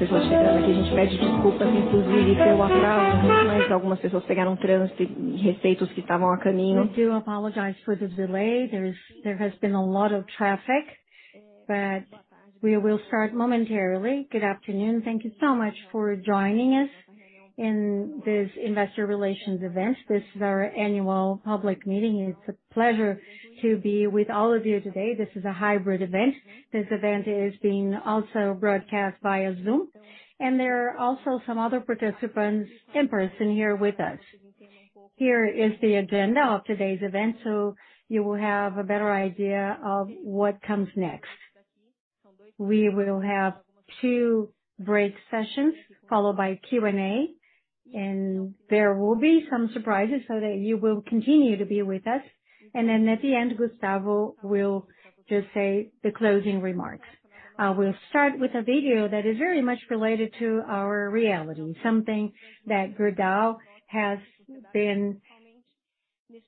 We do apologize for the delay. There has been a lot of traffic, but we will start momentarily. Good afternoon. Thank you so much for joining us in this investor relations event. This is our annual public meeting. It's a pleasure to be with all of you today. This is a hybrid event. This event is being also broadcast via Zoom, and there are also some other participants in person here with us. Here is the agenda of today's event, so you will have a better idea of what comes next. We will have two break sessions followed by Q&A, and there will be some surprises so that you will continue to be with us. At the end, Gustavo will just say the closing remarks. We'll start with a video that is very much related to our reality, something that Gerdau has been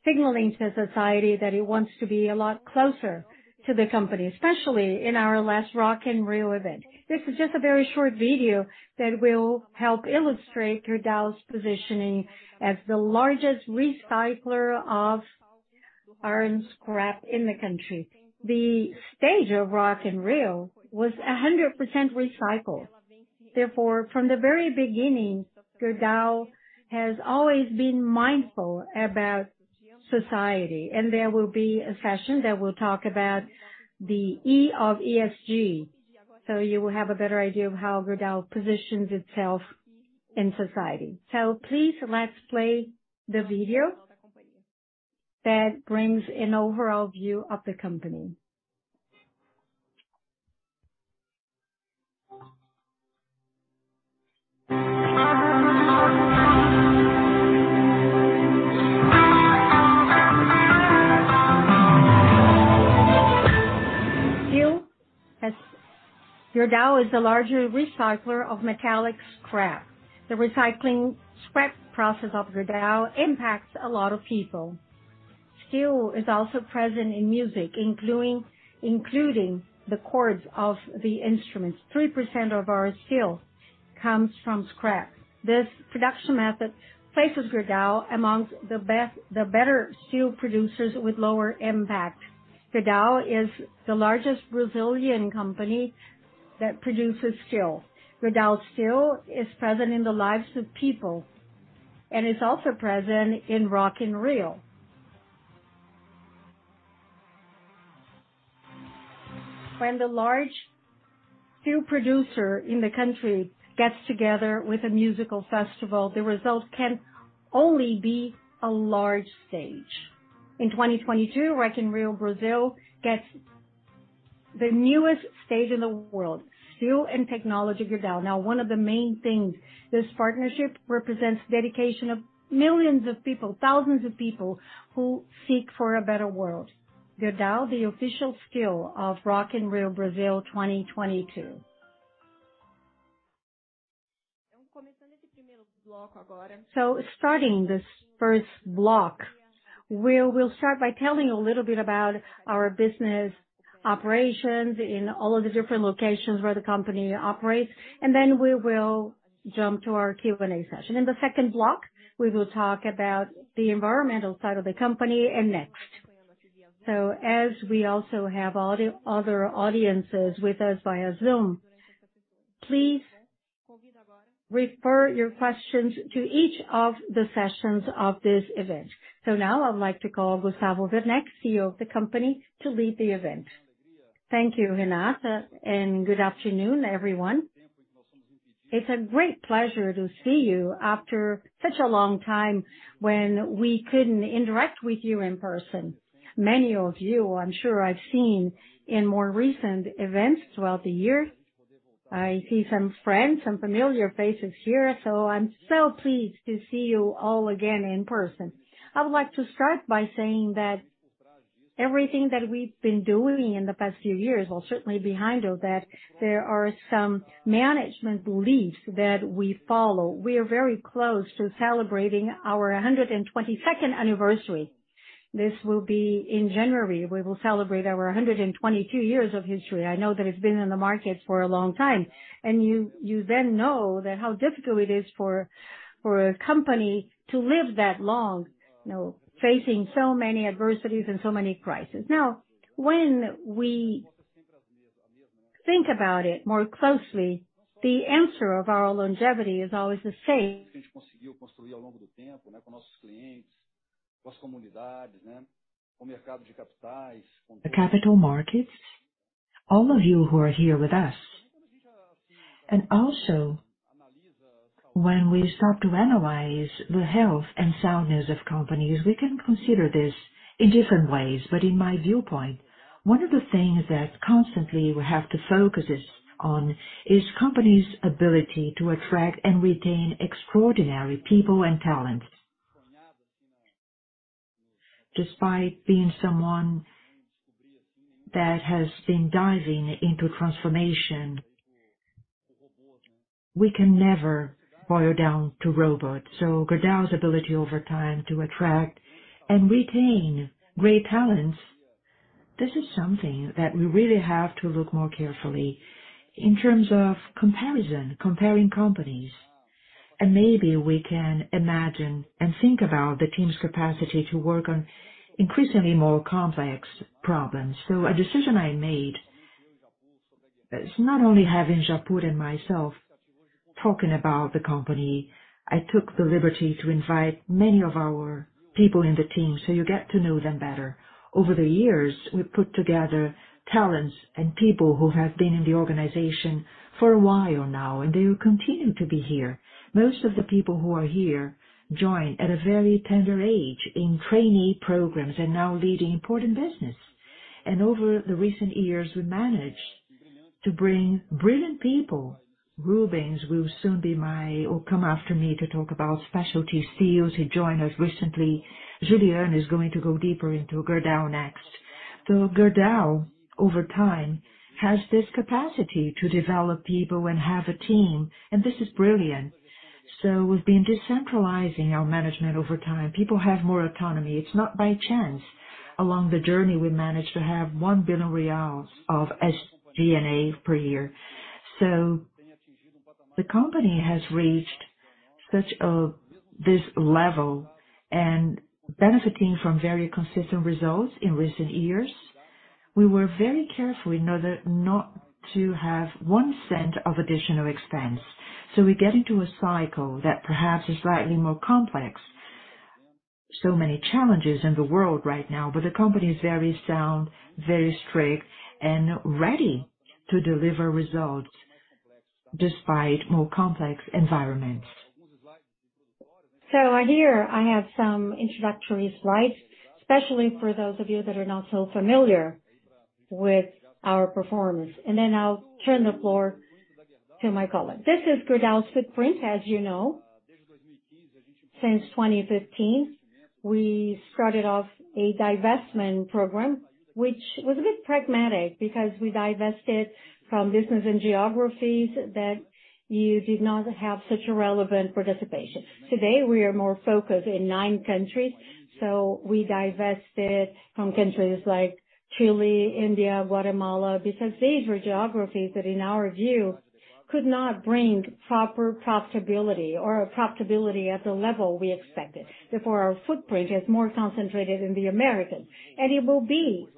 signaling to society that it wants to be a lot closer to the company, especially in our last Rock in Rio event. This is just a very short video that will help illustrate Gerdau's positioning as the largest recycler of iron scrap in the country. The stage of Rock in Rio was 100% recycled. From the very beginning, Gerdau has always been mindful about society, and there will be a session that will talk about the E of ESG, so you will have a better idea of how Gerdau positions itself in society. Please, let's play the video that brings an overall view of the company. Gerdau is the largest recycler of metallic scrap. The recycling scrap process of Gerdau impacts a lot of people. Steel is also present in music, including the chords of the instruments. 3% of our steel comes from scrap. This production method places Gerdau amongst the best, the better steel producers with lower impact. Gerdau is the largest Brazilian company that produces steel. Gerdau steel is present in the lives of people and is also present in Rock in Rio. When the large steel producer in the country gets together with a musical festival, the result can only be a large stage. In 2022, Rock in Rio Brazil gets the newest stage in the world, Steel and Technology Gerdau. Now, one of the main things, this partnership represents dedication of millions of people, thousands of people who seek for a better world. Gerdau, the official steel of Rock in Rio Brazil 2022. Starting this first block, we will start by telling you a little bit about our business operations in all of the different locations where the company operates, and then we will jump to our Q&A session. In the second block, we will talk about the environmental side of the company and Gerdau Next. As we also have other audiences with us via Zoom, please refer your questions to each of the sessions of this event. Now I'd like to call Gustavo Werneck, CEO of the company, to lead the event. Thank you, Renata. Good afternoon, everyone. It's a great pleasure to see you after such a long time when we couldn't interact with you in person. Many of you, I'm sure I've seen in more recent events throughout the year. I see some friends, some familiar faces here, so I'm so pleased to see you all again in person. I would like to start by saying that everything that we've been doing in the past few years, well, certainly behind all that, there are some management beliefs that we follow. We are very close to celebrating our 122nd anniversary. This will be in January. We will celebrate our 122 years of history. I know that it's been in the market for a long time, and you then know that how difficult it is for a company to live that long, you know, facing so many adversities and so many crises. When we think about it more closely, the answer of our longevity is always the same. The capital markets, all of you who are here with us. Also, when we start to analyze the health and soundness of companies, we can consider this in different ways. In my viewpoint, one of the things that constantly we have to focus this on is company's ability to attract and retain extraordinary people and talents. Despite being someone that has been diving into transformation, we can never boil down to robots. Gerdau's ability over time to attract and retain great talents. This is something that we really have to look more carefully in terms of comparison, comparing companies, and maybe we can imagine and think about the team's capacity to work on increasingly more complex problems. A decision I made is not only having Japur and myself talking about the company. I took the liberty to invite many of our people in the team, so you get to know them better. Over the years, we put together talents and people who have been in the organization for a while now, and they will continue to be here. Most of the people who are here join at a very tender age in trainee programs and now leading important business. Over the recent years, we managed to bring brilliant people. Rubens will soon come after me to talk about specialty steels. He joined us recently. Juliano is going to go deeper into Gerdau Next. Gerdau, over time, has this capacity to develop people and have a team, and this is brilliant. We've been decentralizing our management over time. People have more autonomy. It's not by chance. Along the journey, we managed to have 1 billion reais of SG&A per year. The company has reached this level and benefiting from very consistent results in recent years. We were very careful in order not to have 0.01 of additional expense. We get into a cycle that perhaps is slightly more complex. Many challenges in the world right now, but the company is very sound, very strict, and ready to deliver results despite more complex environments. Here I have some introductory slides, especially for those of you that are not so familiar with our performance, and then I'll turn the floor to my colleague. This is Gerdau's footprint, as you know. Since 2015, we started off a divestment program, which was a bit pragmatic because we divested from business and geographies that you did not have such a relevant participation. Today, we are more focused in nine countries, we divested from countries like Chile, India, Guatemala, because these were geographies that, in our view, could not bring proper profitability or a profitability at the level we expected. Therefore, our footprint is more concentrated in the Americas, and it will be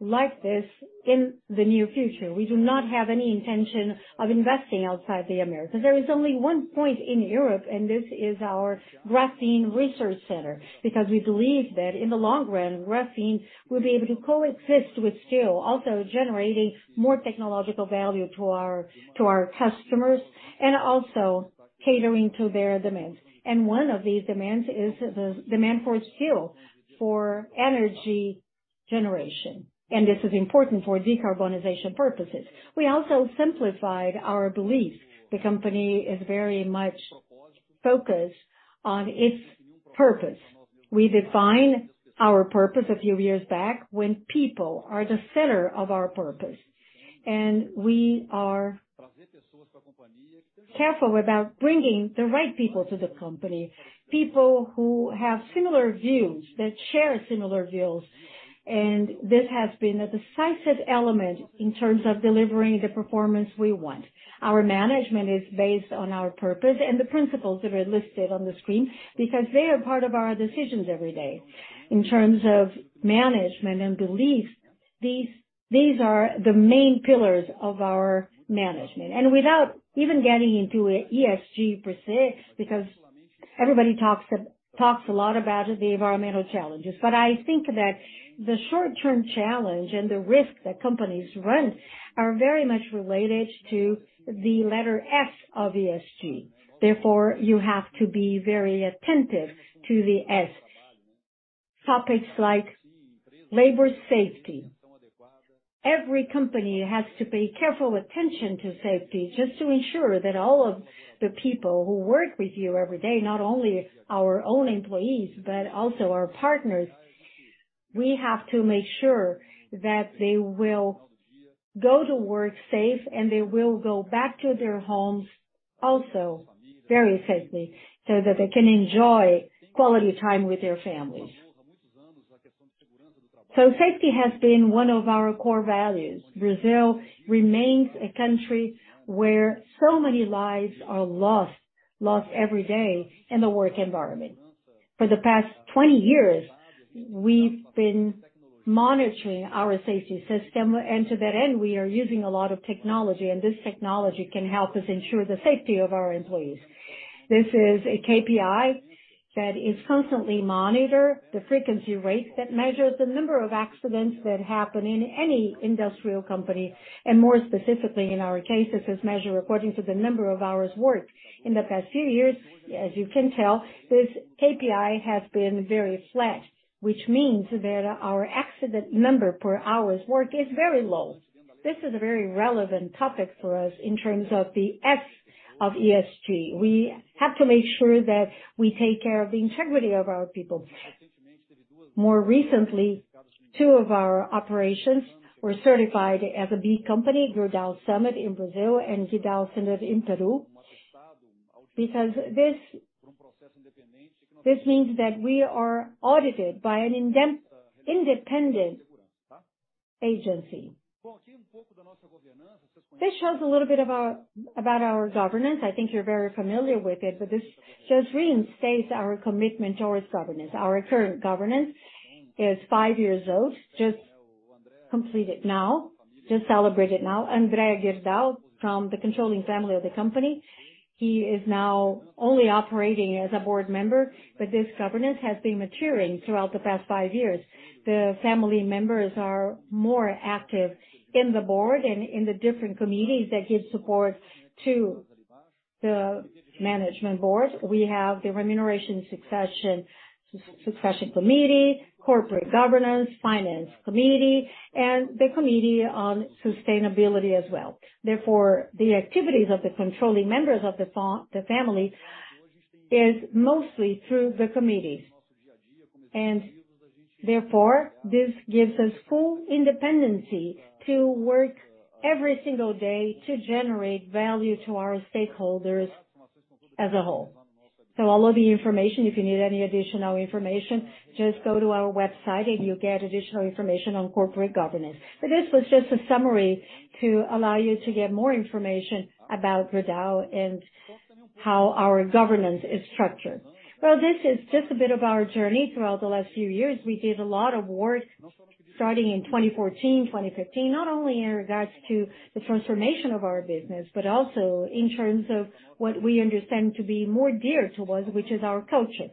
like this in the near future. We do not have any intention of investing outside the Americas. There is only one point in Europe, and this is our graphene research center, because we believe that in the long run, graphene will be able to coexist with steel, also generating more technological value to our customers and also catering to their demands. One of these demands is the demand for steel, for energy generation, and this is important for decarbonization purposes. We also simplified our belief. The company is very much focused on its purpose. We define our purpose a few years back when people are the center of our purpose. We are careful about bringing the right people to the company, people who have similar views, that share similar views. This has been a decisive element in terms of delivering the performance we want. Our management is based on our purpose and the principles that are listed on the screen because they are part of our decisions every day. In terms of management and beliefs, these are the main pillars of our management. Without even getting into ESG per se, because everybody talks a lot about the environmental challenges. I think that the short-term challenge and the risk that companies run are very much related to the letter S of ESG. Therefore, you have to be very attentive to the S. Topics like labor safety. Every company has to pay careful attention to safety just to ensure that all of the people who work with you every day, not only our own employees, but also our partners, we have to make sure that they will go to work safe, and they will go back to their homes also very safely, so that they can enjoy quality time with their families. Safety has been one of our core values. Brazil remains a country where so many lives are lost every day in the work environment. For the past 20 years, we've been monitoring our safety system. To that end, we are using a lot of technology, and this technology can help us ensure the safety of our employees. This is a KPI that is constantly monitor the frequency rate that measures the number of accidents that happen in any industrial company, more specifically in our case, this is measured according to the number of hours worked. In the past few years, as you can tell, this KPI has been very flat, which means that our accident number per hours worked is very low. This is a very relevant topic for us in terms of the S of ESG. We have to make sure that we take care of the integrity of our people. More recently, two of our operations were certified as a B Corp, Gerdau Summit in Brazil and Gerdau Summit in Peru, because This means that we are audited by an independent agency. This shows a little bit about our governance. I think you're very familiar with it, but this just reinstates our commitment towards governance. Our current governance is five years old, just completed now, just celebrated now. André Gerdau from the controlling family of the company. He is now only operating as a board member. This governance has been maturing throughout the past five years. The family members are more active in the Board and in the different committees that give support to the Management Board. We have the Remuneration Succession Committee, Corporate Governance, Finance Committee, and the Committee on Sustainability as well. Therefore, the activities of the controlling members of the family is mostly through the committee. Therefore, this gives us full independency to work every single day to generate value to our stakeholders as a whole. All of the information, if you need any additional information, just go to our website and you'll get additional information on corporate governance. This was just a summary to allow you to get more information about Gerdau and how our governance is structured. This is just a bit of our journey. Throughout the last few years, we did a lot of work, starting in 2014, 2015, not only in regards to the transformation of our business, but also in terms of what we understand to be more dear to us, which is our culture.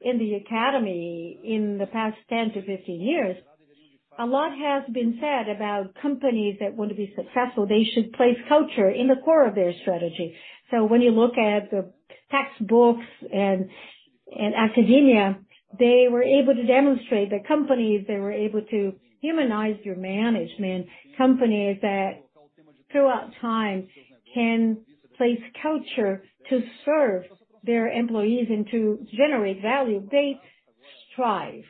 In the academy in the past 10 to 15 years, a lot has been said about companies that want to be successful. They should place culture in the core of their strategy. When you look at the textbooks and academia, they were able to demonstrate that companies that were able to humanize your management, companies that throughout time can place culture to serve their employees and to generate value, they strive.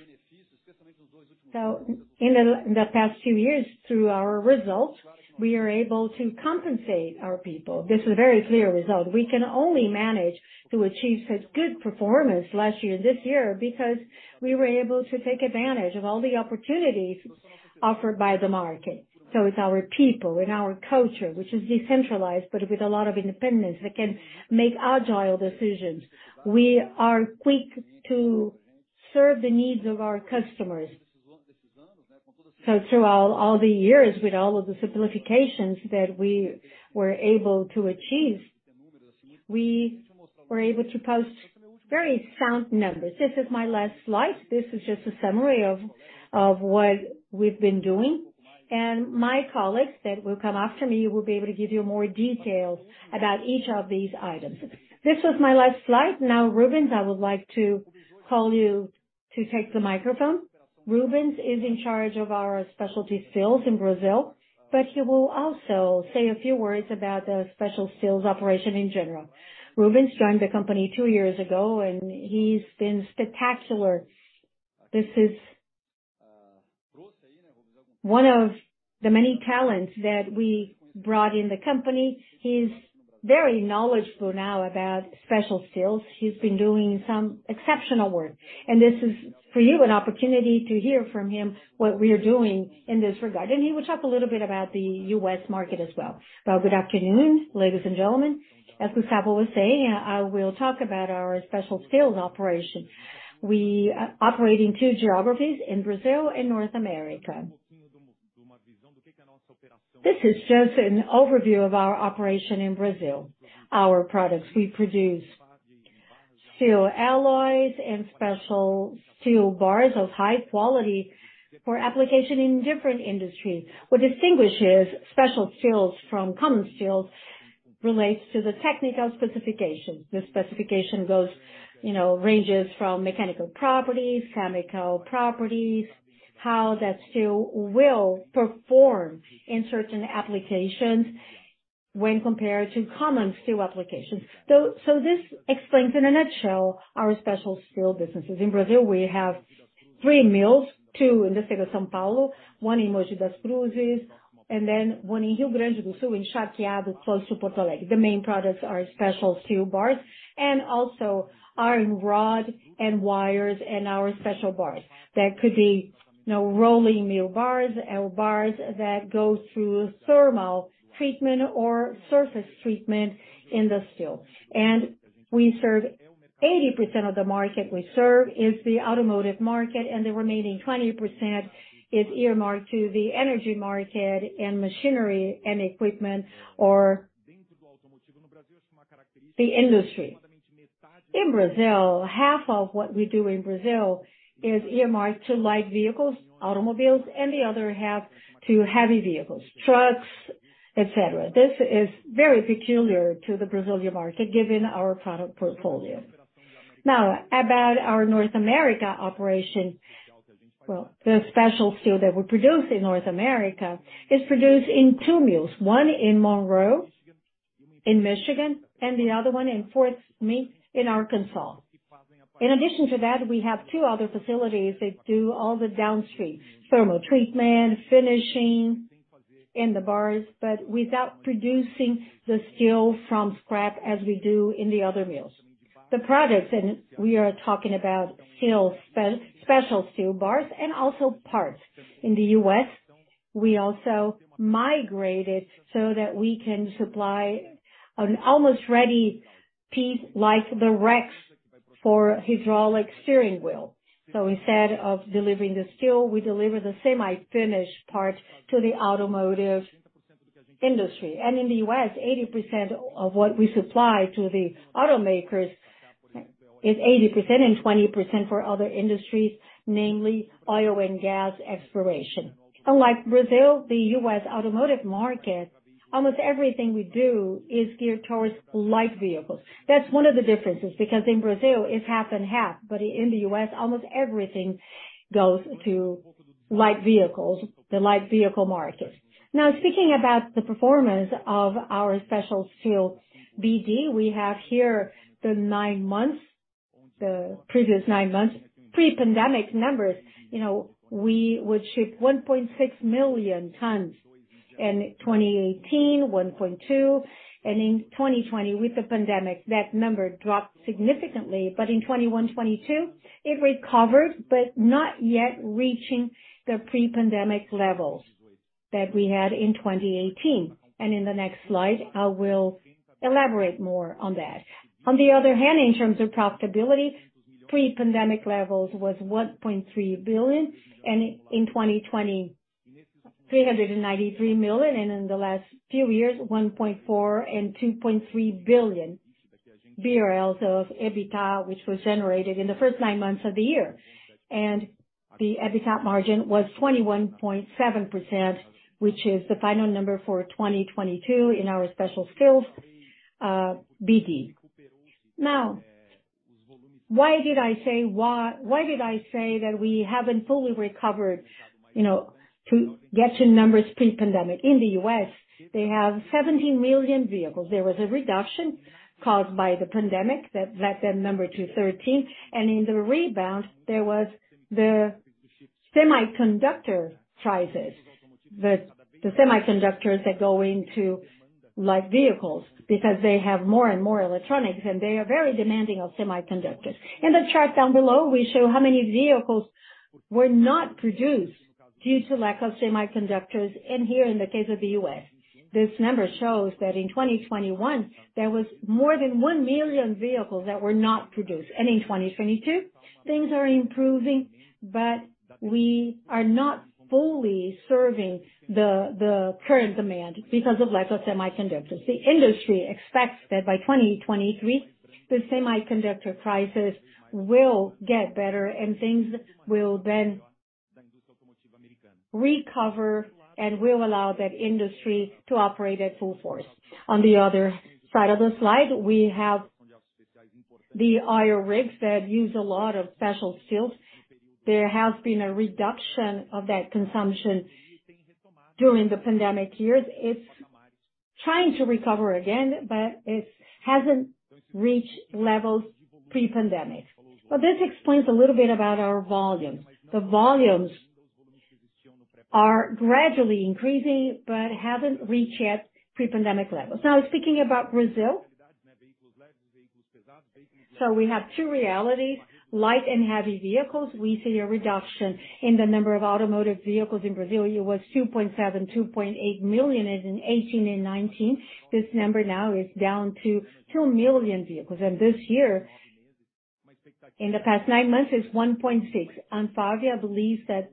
In the past few years, through our results, we are able to compensate our people. This is a very clear result. We can only manage to achieve such good performance last year, this year, because we were able to take advantage of all the opportunities offered by the market. It's our people and our culture, which is decentralized, but with a lot of independence that can make agile decisions. We are quick to serve the needs of our customers. Throughout all the years, with all of the simplifications that we were able to achieve, we were able to post very sound numbers. This is my last slide. This is just a summary of what we've been doing. My colleagues that will come after me will be able to give you more details about each of these items. This was my last slide. Rubens, I would like to call you to take the microphone. Rubens is in charge of our specialty steels in Brazil. He will also say a few words about the special steels operation in general. Rubens joined the company two years ago. He's been spectacular. This is one of the many talents that we brought in the company. He's very knowledgeable now about special steels. He's been doing some exceptional work. This is for you, an opportunity to hear from him what we are doing in this regard. He will talk a little bit about the U.S. market as well. Well, good afternoon, ladies and gentlemen. As Gustavo was saying, I will talk about our special steels operation. We operate in two geographies, in Brazil and North America. This is just an overview of our operation in Brazil. Our products, we produce steel alloys and special steel bars of high quality for application in different industries. What distinguishes special steels from common steels relates to the technical specifications. The specification goes, you know, ranges from mechanical properties, chemical properties, how that steel will perform in certain applications when compared to common steel applications. This explains in a nutshell our special steel businesses. In Brazil, we have three mills, two in the state of São Paulo, one in Mogi das Cruzes, and then one in Rio Grande do Sul in Charqueadas, close to Porto Alegre. The main products are special steel bars and also iron rod and wires in our special bars. That could be, you know, rolling mill bars or bars that go through thermal treatment or surface treatment in the steel. We serve 80% of the market we serve is the automotive market, and the remaining 20% is earmarked to the energy market and machinery and equipment, or the industry. In Brazil, half of what we do in Brazil is earmarked to light vehicles, automobiles, and the other half to heavy vehicles, trucks, et cetera. This is very peculiar to the Brazilian market, given our product portfolio. About our North America operation. Well, the special steel that we produce in North America is produced in two mills, one in Monroe, in Michigan, and the other one in Fort Smith in Arkansas. In addition to that, we have two other facilities that do all the downstream thermal treatment, finishing in the bars, but without producing the steel from scrap as we do in the other mills. The products, and we are talking about special steel bars and also parts. In the U.S., we also migrated so that we can supply an almost ready piece, like the racks for hydraulic steering wheel. Instead of delivering the steel, we deliver the semi-finished part to the automotive industry. In the U.S., 80% of what we supply to the automakers is 80% and 20% for other industries, namely oil and gas exploration. Unlike Brazil, the U.S. automotive market, almost everything we do is geared towards light vehicles. That's one of the differences, because in Brazil it's half and half, but in the U.S., almost everything goes to light vehicles, the light vehicle markets. Now, speaking about the performance of our special steel BD, we have here the nine months, the previous nine months pre-pandemic numbers. You know, we would ship 1.6 million tons. In 2018, 1.2, and in 2020 with the pandemic, that number dropped significantly. In 2021, 2022, it recovered, but not yet reaching the pre-pandemic levels that we had in 2018. In the next slide, I will elaborate more on that. On the other hand, in terms of profitability, pre-pandemic levels was 1.3 billion, and in 2020, 393 million, and in the last few years, 1.4 billion and 2.3 billion BRL of EBITDA, which was generated in the nine months of the year. The EBITDA margin was 21.7%, which is the final number for 2022 in our Special Steel BD. Now, why did I say why did I say that we haven't fully recovered, you know, to get to numbers pre-pandemic? In the U.S., they have 17 million vehicles. There was a reduction caused by the pandemic that led that number to 13, and in the rebound, there was the semiconductor crisis. The semiconductors that go into light vehicles because they have more and more electronics, and they are very demanding of semiconductors. In the chart down below, we show how many vehicles were not produced due to lack of semiconductors in here, in the case of the U.S. This number shows that in 2021, there was more than 1 million vehicles that were not produced. In 2022, things are improving, but we are not fully serving the current demand because of lack of semiconductors. The industry expects that by 2023, the semiconductor crisis will get better and things will then recover and will allow that industry to operate at full force. On the other side of the slide, we have the oil rigs that use a lot of special steels. There has been a reduction of that consumption during the pandemic years. It's trying to recover again, but it hasn't reached levels pre-pandemic. This explains a little bit about our volume. The volumes are gradually increasing but haven't reached yet pre-pandemic levels. Now, speaking about Brazil. We have two realities, light and heavy vehicles. We see a reduction in the number of automotive vehicles in Brazil. It was 2.7, 2.8 million in 2018 and 2019. This number now is down to 2 million vehicles. This year, in the past nine months, is 1.6. Fabio believes that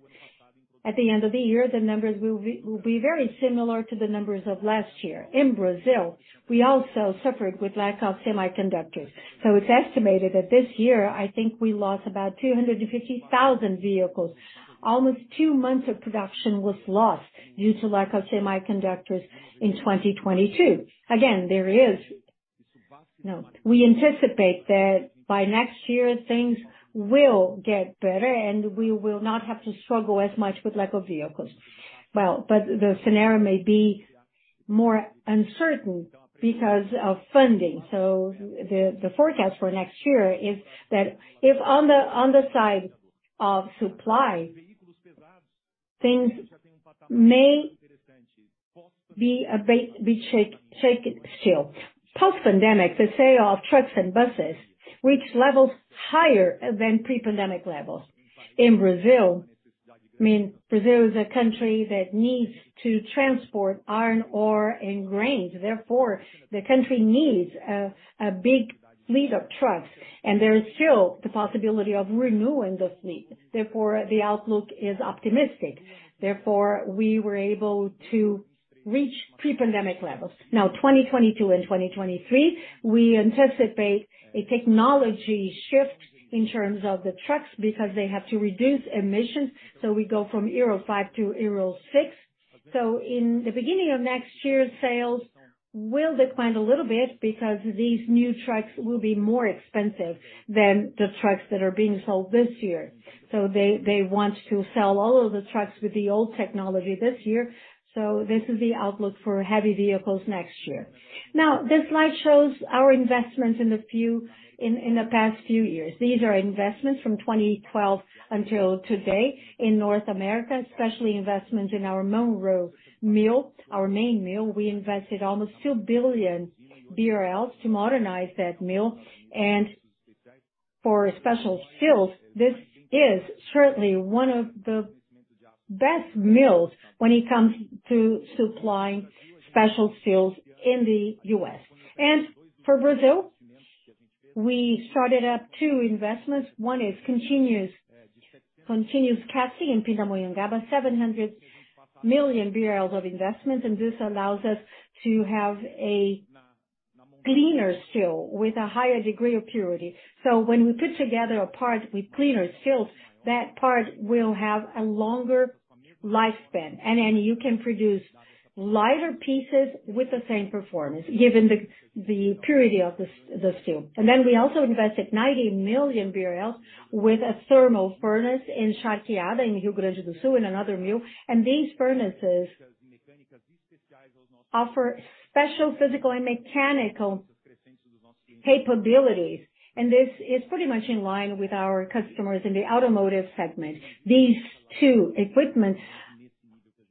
at the end of the year, the numbers will be very similar to the numbers of last year. In Brazil, we also suffered with lack of semiconductors. It's estimated that this year, I think we lost about 250,000 vehicles. Almost two months of production was lost due to lack of semiconductors in 2022. There is, you know, we anticipate that by next year things will get better, and we will not have to struggle as much with lack of vehicles. Well, the scenario may be more uncertain because of funding. The forecast for next year is that if on the side of supply, things may be a bit still. Post-pandemic, the sale of trucks and buses reached levels higher than pre-pandemic levels. In Brazil, I mean, Brazil is a country that needs to transport iron ore and grains. The country needs a big fleet of trucks, and there is still the possibility of renewing this fleet. The outlook is optimistic. We were able to reach pre-pandemic levels. 2022 and 2023, we anticipate a technology shift in terms of the trucks because they have to reduce emissions, we go from Euro 5 to Euro 6. In the beginning of next year, sales will decline a little bit because these new trucks will be more expensive than the trucks that are being sold this year. They want to sell all of the trucks with the old technology this year, this is the outlook for heavy vehicles next year. This slide shows our investments in the past few years. These are investments from 2012 until today in North America, especially investments in our Monroe mill, our main mill. We invested almost 2 billion BRL to modernize that mill. For special steels, this is certainly one of the best mills when it comes to supplying special steels in the U.S. For Brazil, we started up two investments. One is continuous casting in Pindamonhangaba, 700 million of investment. This allows us to have a cleaner steel with a higher degree of purity. So when we put together a part with cleaner steel, that part will have a longer lifespan. Then you can produce lighter pieces with the same performance, given the purity of the steel. Then we also invested 90 million BRL with a thermal furnace in Charqueadas, in Rio Grande do Sul, in another mill. These furnaces offer special physical and mechanical capabilities, and this is pretty much in line with our customers in the automotive segment. These two equipments,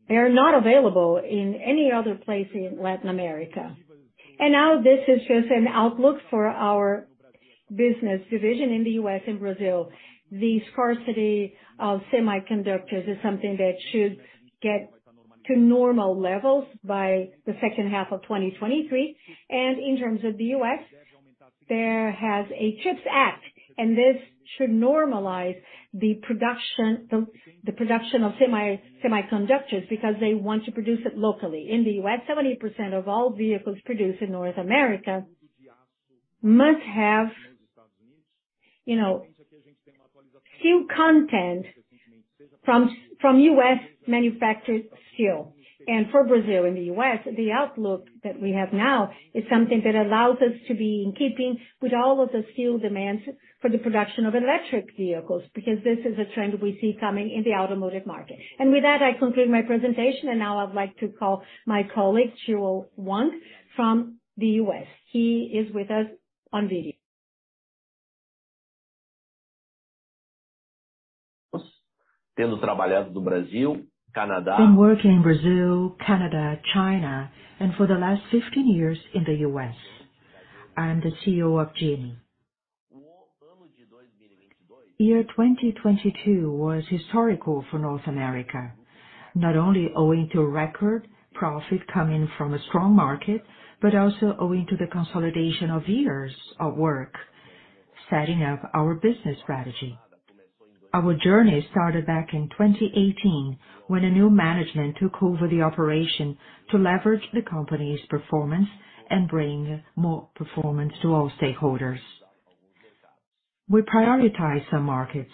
they are not available in any other place in Latin America. Now this is just an outlook for our business division in the U.S. and Brazil. The scarcity of semiconductors is something that should get to normal levels by the second half of 2023. In terms of the U.S., there has a CHIPS Act, and this should normalize the production of semiconductors, because they want to produce it locally. In the U.S., 70% of all vehicles produced in North America must have, you know, steel content from U.S.-manufactured steel. For Brazil and the U.S., the outlook that we have now is something that allows us to be in keeping with all of the steel demands for the production of electric vehicles, because this is a trend we see coming in the automotive market. With that, I conclude my presentation. Now I'd like to call my colleague, Yuan Wang, from the U.S. He is with us on video. Been working in Brazil, Canada, China, and for the last 15 years in the U.S. I am the CEO of Gerdau. Year 2022 was historical for North America, not only owing to a record profit coming from a strong market, but also owing to the consolidation of years of work setting up our business strategy. Our journey started back in 2018, when a new management took over the operation to leverage the company's performance and bring more performance to all stakeholders. We prioritize some markets,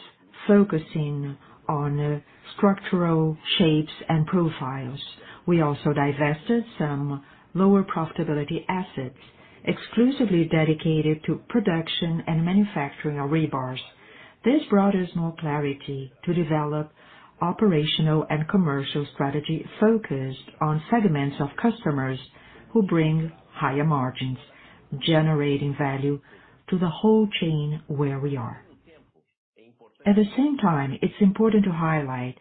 focusing on structural shapes and profiles. We also divested some lower profitability assets, exclusively dedicated to production and manufacturing of rebars. This brought us more clarity to develop operational and commercial strategy focused on segments of customers who bring higher margins, generating value to the whole chain where we are. At the same time, it's important to highlight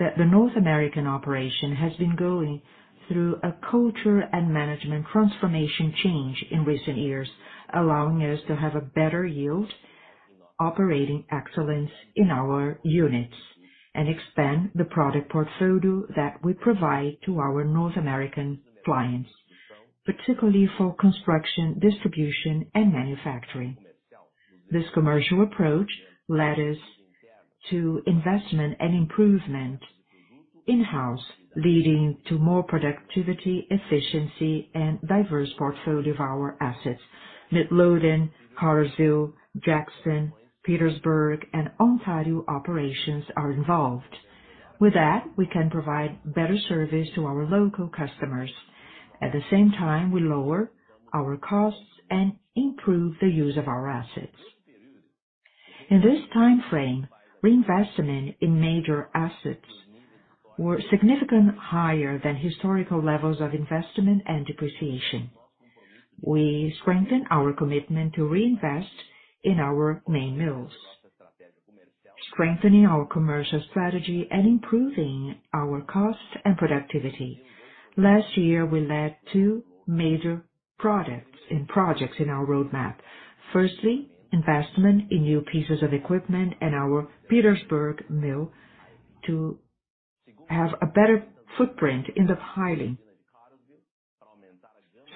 that the North American operation has been going through a culture and management transformation change in recent years, allowing us to have a better yield, operating excellence in our units, and expand the product portfolio that we provide to our North American clients, particularly for construction, distribution, and manufacturing. This commercial approach led us to investment and improvement in-house, leading to more productivity, efficiency, and diverse portfolio of our assets. Midlothian, Cartersville, Jackson, Petersburg, and Ontario operations are involved. With that, we can provide better service to our local customers. At the same time, we lower our costs and improve the use of our assets. In this timeframe, reinvestment in major assets were significant higher than historical levels of investment and depreciation. We strengthen our commitment to reinvest in our main mills, strengthening our commercial strategy and improving our cost and productivity. Last year, we led two major projects in our roadmap. Firstly, investment in new pieces of equipment in our Petersburg mill to have a better footprint in the piling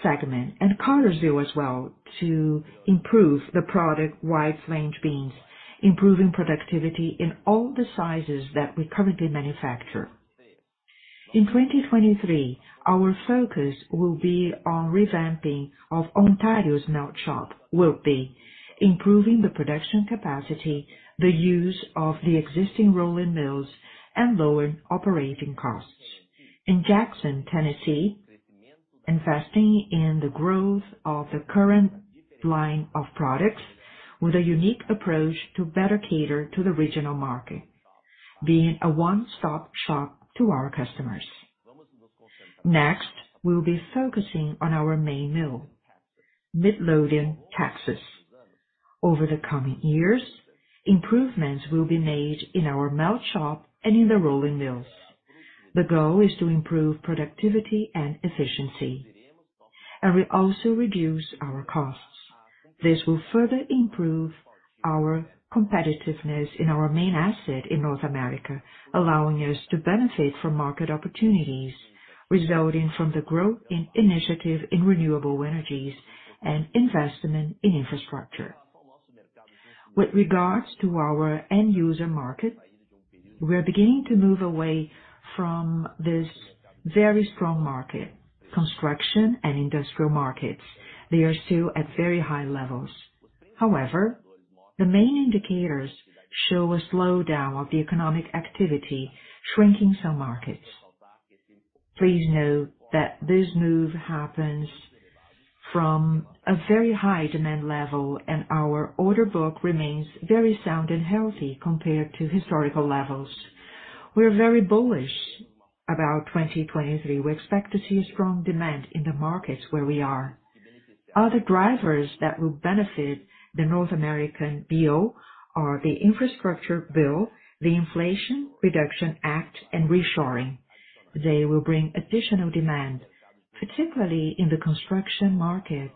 segment. Cartersville as well, to improve the product wide range beams, improving productivity in all the sizes that we currently manufacture. In 2023, our focus will be on revamping of Ontario's melt shop, will be improving the production capacity, the use of the existing rolling mills and lower operating costs. In Jackson, Tennessee, investing in the growth of the current line of products with a unique approach to better cater to the regional market, being a one-stop-shop to our customers. Next, we'll be focusing on our main mill, Midlothian, Texas. Over the coming years, improvements will be made in our melt shop and in the rolling mills. The goal is to improve productivity and efficiency. We also reduce our costs. This will further improve our competitiveness in our main asset in North America, allowing us to benefit from market opportunities resulting from the growth in initiative in renewable energies and investment in infrastructure. With regards to our end user market, we're beginning to move away from this very strong market, construction and industrial markets. They are still at very high levels. However, the main indicators show a slowdown of the economic activity, shrinking some markets. Please note that this move happens from a very high demand level, and our order book remains very sound and healthy compared to historical levels. We're very bullish about 2023. We expect to see a strong demand in the markets where we are. Other drivers that will benefit the North American BO are the infrastructure bill, the Inflation Reduction Act, and reshoring. They will bring additional demand, particularly in the construction market.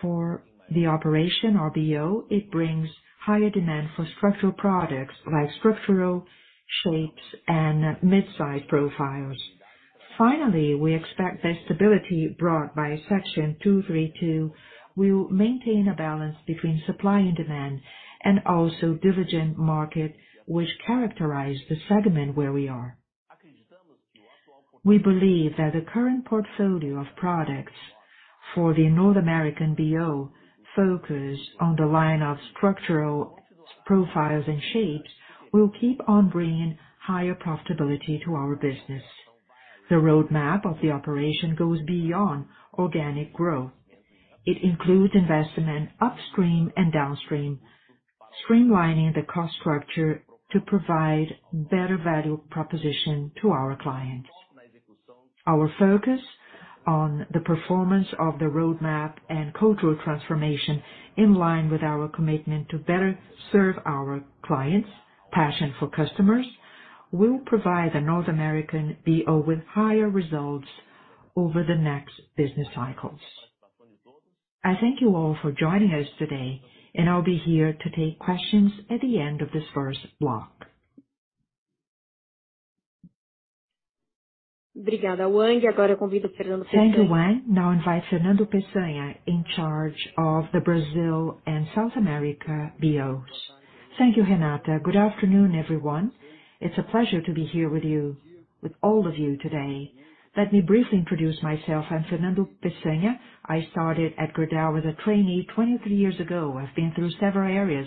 For the operation or BO, it brings higher demand for structural products like structural shapes and mid-size profiles. We expect the stability brought by Section 232 will maintain a balance between supply and demand, and also diligent market, which characterize the segment where we are. We believe that the current portfolio of products for the North American BO focus on the line of structural profiles and shapes will keep on bringing higher profitability to our business. The roadmap of the operation goes beyond organic growth. It includes investment upstream and downstream, streamlining the cost structure to provide better value proposition to our clients. Our focus on the performance of the roadmap and cultural transformation, in line with our commitment to better serve our clients, passion for customers, will provide a North American BO with higher results over the next business cycles. I thank you all for joining us today. I'll be here to take questions at the end of this first block. Thank you, Wang. Now invite Fernando Peçanha, in charge of the Brazil and South America BOs. Thank you, Renata. Good afternoon, everyone. It's a pleasure to be here with you, with all of you today. Let me briefly introduce myself. I'm Fernando Peçanha. I started at Gerdau as a trainee 23 years ago. I've been through several areas.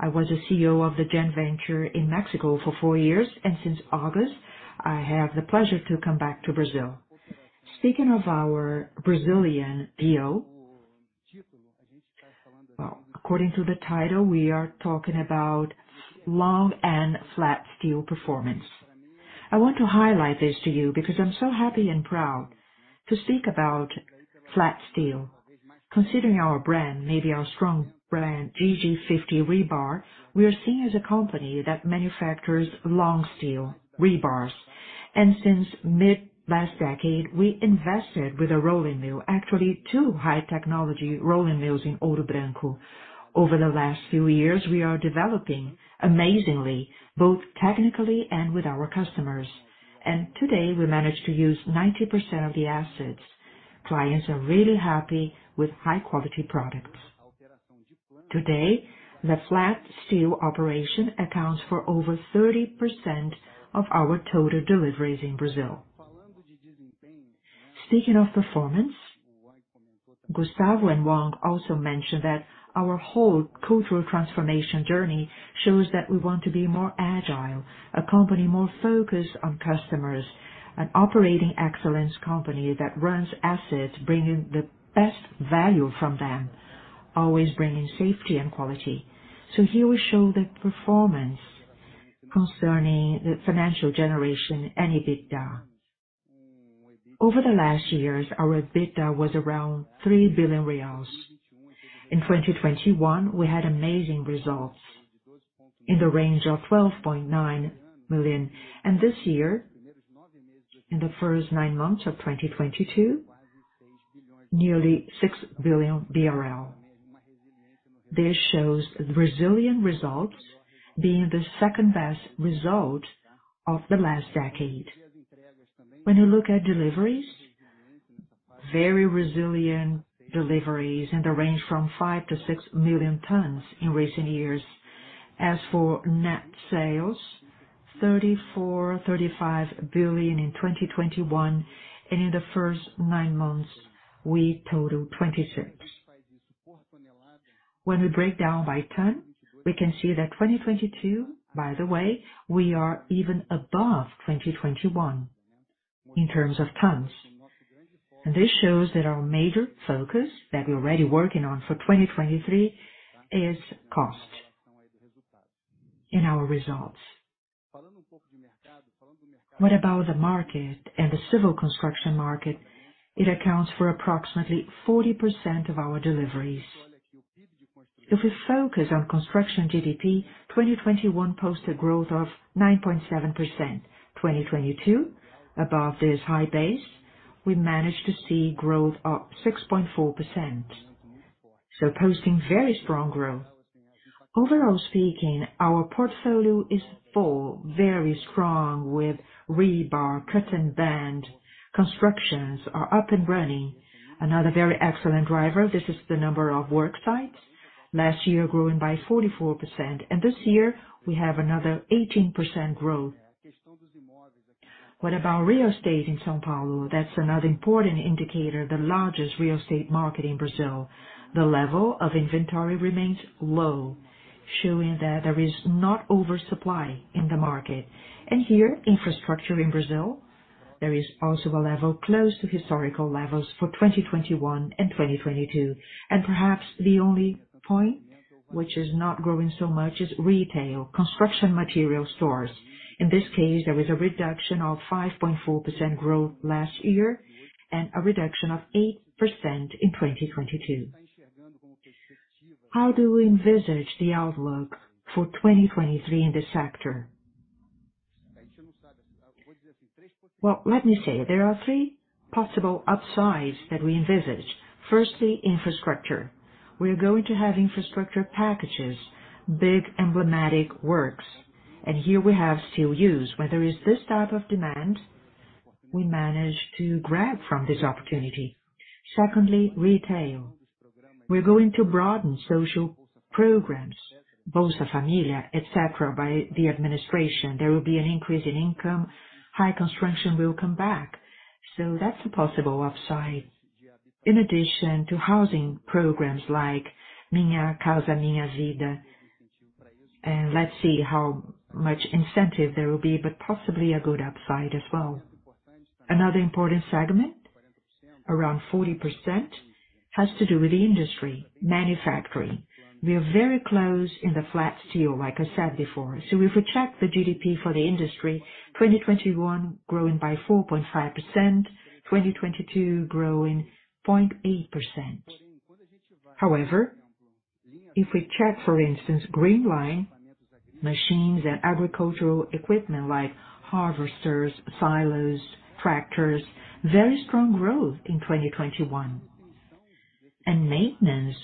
I was a CEO of the joint venture in Mexico for four years, and since August, I have the pleasure to come back to Brazil. Speaking of our Brazilian BO, well, according to the title, we are talking about long and flat steel performance. I want to highlight this to you because I'm so happy and proud to speak about flat steel. Considering our brand, maybe our strong brand, GG50 Rebar, we are seen as a company that manufactures long steel rebars. Since mid last decade, we invested with a rolling mill, actually two high technology rolling mills in Ouro Branco. Over the last few years, we are developing amazingly, both technically and with our customers. Today, we managed to use 90% of the assets. Clients are really happy with high quality products. Today, the flat steel operation accounts for over 30% of our total deliveries in Brazil. Speaking of performance, Gustavo and Wang also mentioned that our whole cultural transformation journey shows that we want to be more agile, a company more focused on customers, an operating excellence company that runs assets, bringing the best value from them, always bringing safety and quality. Here we show the performance concerning the financial generation and EBITDA. Over the last years, our EBITDA was around 3 billion reais. In 2021, we had amazing results in the range of 12.9 million. This year, in the nine months of 2022, nearly 6 billion BRL. This shows the resilient results being the 2nd best result of the last decade. When you look at deliveries, very resilient deliveries in the range from 5 million-6 million tons in recent years. As for net sales, 34 billion-35 billion in 2021. In the first nine months, we totaled 26 billion. When we break down by ton, we can see that 2022, by the way, we are even above 2021 in terms of tons. This shows that our major focus that we're already working on for 2023 is cost in our results. What about the market and the civil construction market? It accounts for approximately 40% of our deliveries. If we focus on construction GDP, 2021 posted growth of 9.7%. 2022, above this high base, we managed to see growth up 6.4%. Posting very strong growth. Overall speaking, our portfolio is full, very strong with rebar, cut and bend. Constructions are up and running. Another very excellent driver, this is the number of work sites. Last year, growing by 44%, and this year we have another 18% growth. What about real estate in São Paulo? That's another important indicator, the largest real estate market in Brazil. The level of inventory remains low, showing that there is not oversupply in the market. Here, infrastructure in Brazil, there is also a level close to historical levels for 2021 and 2022. Perhaps the only point which is not growing so much is retail, construction material stores. In this case, there was a reduction of 5.4% growth last year and a reduction of 8% in 2022. How do we envisage the outlook for 2023 in this sector? Well, let me say, there are three possible upsides that we envisage. Firstly, infrastructure. We're going to have infrastructure packages, big emblematic works. Here we have steel use. When there is this type of demand, we manage to grab from this opportunity. Secondly, retail. We're going to broaden social programs, Bolsa Família, et cetera, by the administration. There will be an increase in income, high construction will come back. That's a possible upside. In addition to housing programs like Minha Casa, Minha Vida. Let's see how much incentive there will be, but possibly a good upside as well. Another important segment, around 40%, has to do with the industry, manufacturing. We are very close in the flat steel, like I said before. If we check the GDP for the industry, 2021 growing by 4.5%, 2022 growing 0.8%. However, if we check, for instance, green line, machines and agricultural equipment like harvesters, silos, tractors, very strong growth in 2021. Maintenance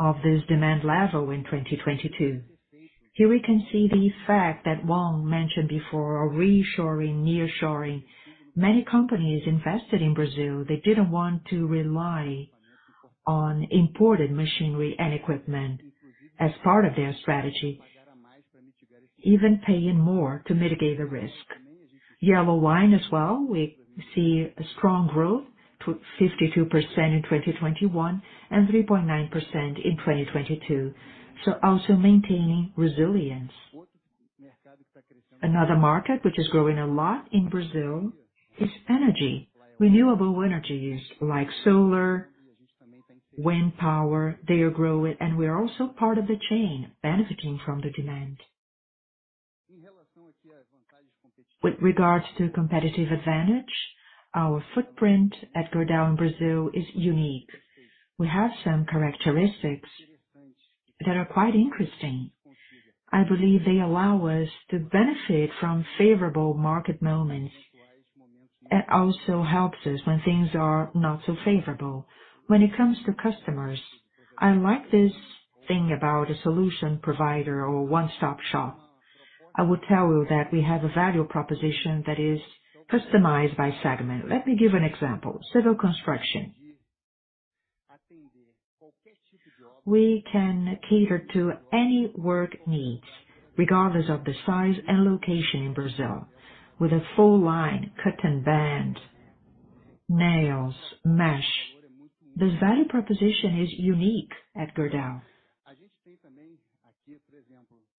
of this demand level in 2022. Here we can see the fact that Wang mentioned before, reshoring, nearshoring. Many companies invested in Brazil. They didn't want to rely on imported machinery and equipment as part of their strategy, even paying more to mitigate the risk. Yellow line as well, we see a strong growth to 52% in 2021 and 3.9% in 2022. Also maintaining resilience. Another market which is growing a lot in Brazil is energy. Renewable energies like solar, wind power, they are growing, and we are also part of the chain benefiting from the demand. With regards to competitive advantage, our footprint at Gerdau in Brazil is unique. We have some characteristics that are quite interesting. I believe they allow us to benefit from favorable market moments. It also helps us when things are not so favorable. When it comes to customers, I like this thing about a solution provider or one-stop shop. I would tell you that we have a value proposition that is customized by segment. Let me give an example. Civil construction. We can cater to any work needs, regardless of the size and location in Brazil, with a full line, cut and bend, nails, mesh. This value proposition is unique at Gerdau.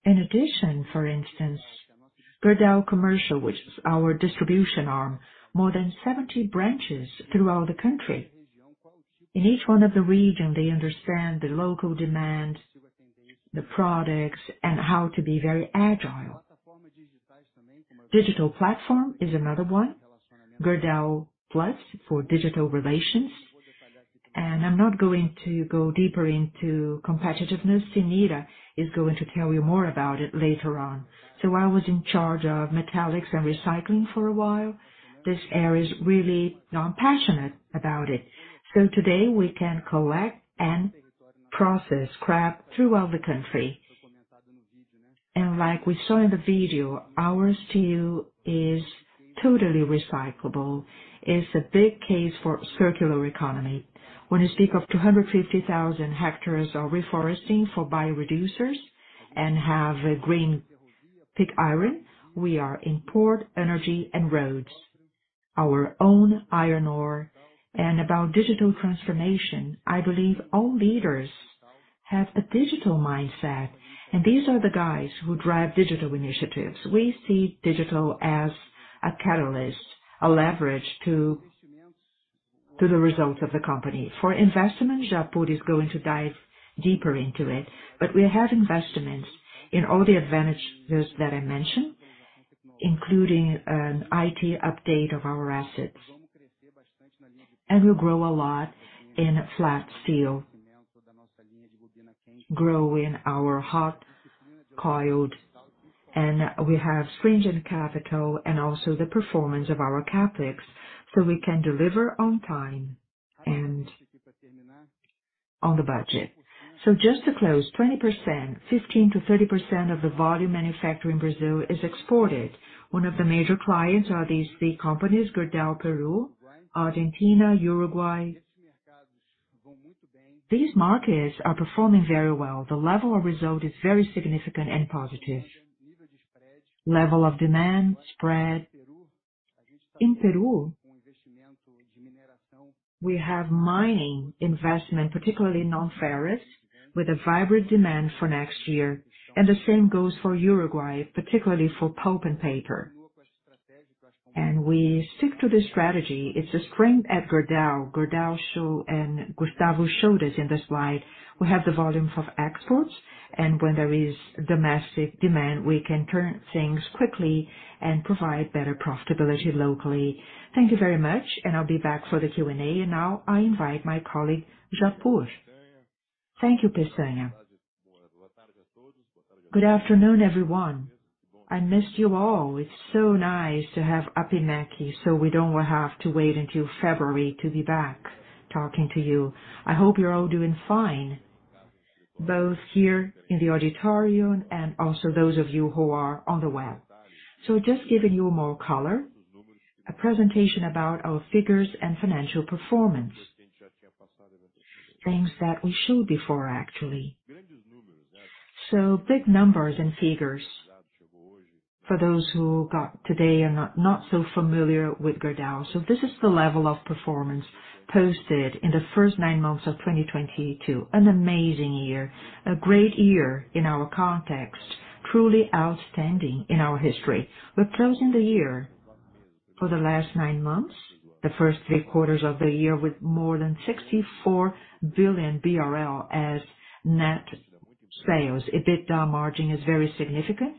In addition, for instance, Comercial Gerdau, which is our distribution arm, more than 70 branches throughout the country. In each one of the region, they understand the local demand, the products, and how to be very agile. Digital platform is another one, Gerdau Mais for digital relations. I'm not going to go deeper into competitiveness. Cenira is going to tell you more about it later on. I was in charge of metallics and recycling for a while. This area is really now I'm passionate about it. Today, we can collect and process scrap throughout the country. Like we saw in the video, our steel is totally recyclable. It's a big case for circular economy. When you speak of 250,000 hectares of reforesting for bioreducers and have a green pig iron, we are in port, energy, and roads. Our own iron ore. About digital transformation, I believe all leaders have a digital mindset, and these are the guys who drive digital initiatives. We see digital as a catalyst, a leverage to the results of the company. For investment, Japur is going to dive deeper into it, but we have investments in all the advantages that I mentioned, including an IT update of our assets. We grow a lot in flat steel, grow in our hot coiled, and we have stringent capital and also the performance of our CapEx, so we can deliver on time and on the budget. Just to close, 20%, 15%-30% of the volume manufactured in Brazil is exported. One of the major clients are these three companies, Gerdau Peru, Argentina, Uruguay. These markets are performing very well. The level of result is very significant and positive. Level of demand, spread. In Peru, we have mining investment, particularly non-ferrous, with a vibrant demand for next year. The same goes for Uruguay, particularly for pulp and paper. We stick to this strategy. It's a strength at Gerdau. Gustavo showed us in the slide, we have the volume of exports, and when there is domestic demand, we can turn things quickly and provide better profitability locally. Thank you very much, and I'll be back for the Q&A. Now I invite my colleague, Japur. Thank you, Peçanha. Good afternoon, everyone. I missed you all. It's so nice to have APIMEC, so we don't have to wait until February to be back talking to you. I hope you're all doing fine, both here in the auditorium and also those of you who are on the web. Just giving you more color, a presentation about our figures and financial performance. Things that we showed before, actually. Big numbers and figures for those who got today and are not so familiar with Gerdau. This is the level of performance posted in the first nine months of 2022. An amazing year, a great year in our context, truly outstanding in our history. We're closing the year for the last nine months, the first three quarters of the year, with more than 64 billion BRL as net sales. EBITDA margin is very significant.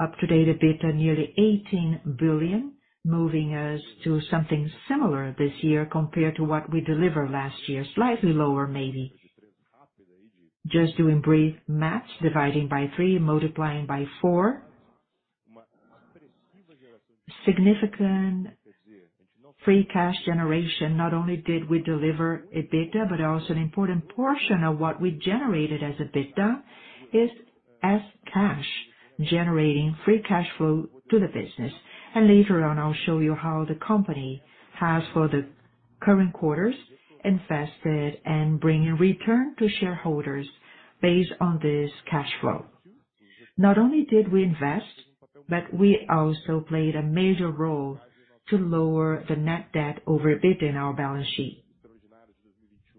Up-to-date EBITDA, nearly 18 billion, moving us to something similar this year compared to what we delivered last year. Slightly lower, maybe. Just doing brief math, dividing by 3, multiplying by 4. Significant free cash generation. Not only did we deliver EBITDA, but also an important portion of what we generated as EBITDA is as cash, generating free cash flow to the business. Later on, I'll show you how the company has, for the current quarters, invested and bring a return to shareholders based on this cash flow. Not only did we invest, but we also played a major role to lower the net debt over EBITDA in our balance sheet.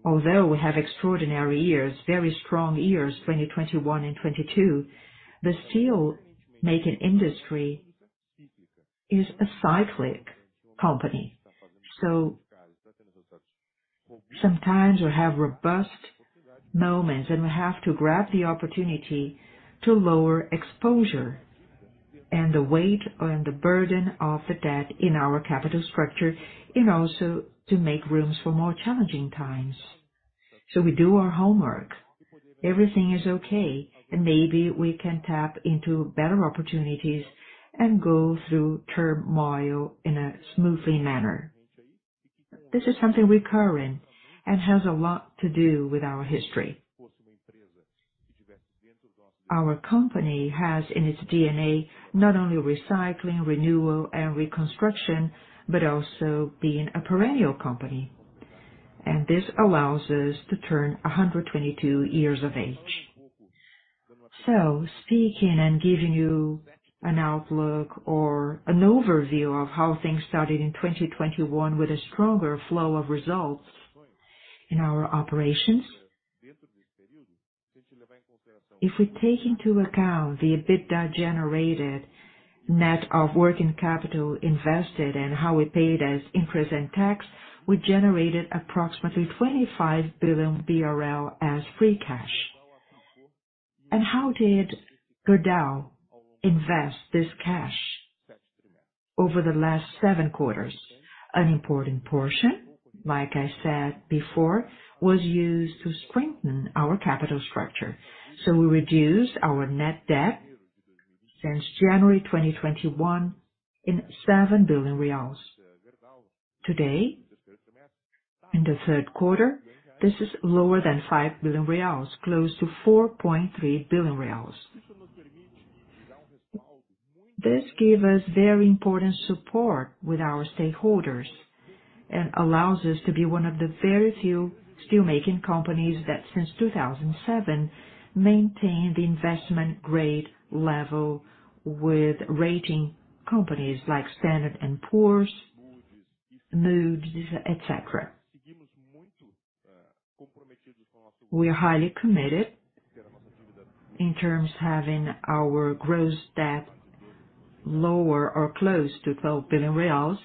Although we have extraordinary years, very strong years, 2021 and 22, the steelmaking industry is a cyclic company. Sometimes we have robust moments, and we have to grab the opportunity to lower exposure and the weight and the burden of the debt in our capital structure, and also to make rooms for more challenging times. We do our homework. Everything is okay. Maybe we can tap into better opportunities and go through turmoil in a smoothly manner. This is something recurring and has a lot to do with our history. Our company has in its DNA not only recycling, renewal and reconstruction, but also being a perennial company. This allows us to turn 122 years of age. Speaking and giving you an outlook or an overview of how things started in 2021 with a stronger flow of results in our operations. If we take into account the EBITDA generated net of working capital invested and how we paid as interest and tax, we generated approximately 25 billion BRL as free cash. How did Gerdau invest this cash over the last seven quarters? An important portion, like I said before, was used to strengthen our capital structure. We reduced our net debt since January 2021 in BRL 7 billion. Today, in the third quarter, this is lower than 5 billion reais, close to 4.3 billion reais. This give us very important support with our stakeholders and allows us to be one of the very few steelmaking companies that since 2007, maintain the investment grade level with rating companies like Standard and Poor's, Moody's, et cetera. We are highly committed in terms having our gross debt lower or close to 12 billion reais.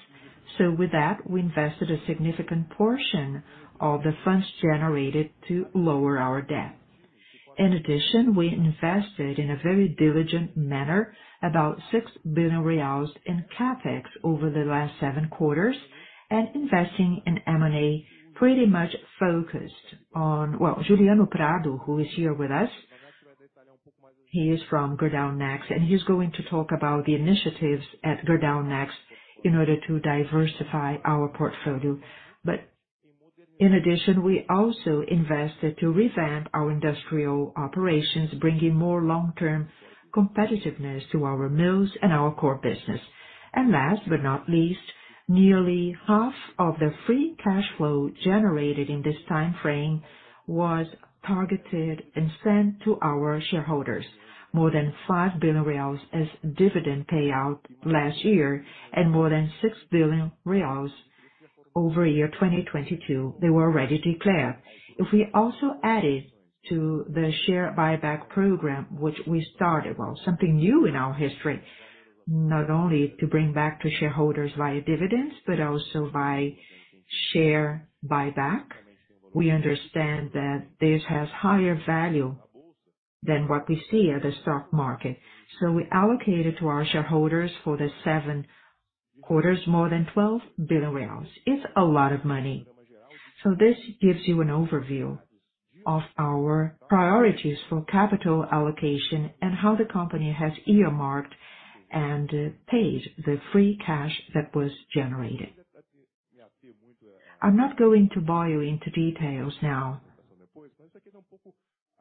With that, we invested a significant portion of the funds generated to lower our debt. In addition, we invested in a very diligent manner, about 6 billion reais in CapEx over the last seven quarters, and investing in M&A pretty much focused on... Well, Juliano Prado, who is here with us, he is from Gerdau Next, and he's going to talk about the initiatives at Gerdau Next in order to diversify our portfolio. In addition, we also invested to revamp our industrial operations, bringing more long-term competitiveness to our mills and our core business. Last but not least, nearly half of the free cash flow generated in this time frame was targeted and sent to our shareholders. More than 5 billion reais as dividend payout last year and more than 6 billion reais over 2022. They were already declared. If we also added to the share buyback program, which we started, well, something new in our history, not only to bring back to shareholders via dividends, but also by share buyback. We understand that this has higher value than what we see at the stock market. We allocated to our shareholders for the seven quarters, more than 12 billion reais. It's a lot of money. This gives you an overview of our priorities for capital allocation and how the company has earmarked and paid the free cash that was generated. I'm not going to bore you into details now,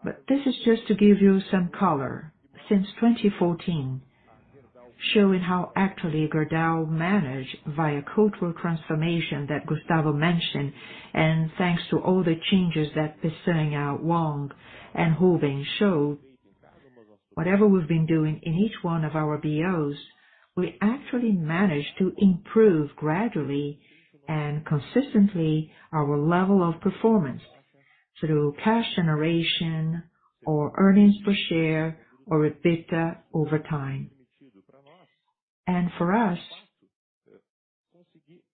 but this is just to give you some color. Since 2014, showing how actually Gerdau managed via cultural transformation that Gustavo mentioned, and thanks to all the changes that Peçanha, Wang and Rubens show, whatever we've been doing in each one of our BOs, we actually managed to improve gradually and consistently our level of performance through cash generation or earnings per share or EBITDA over time. For us,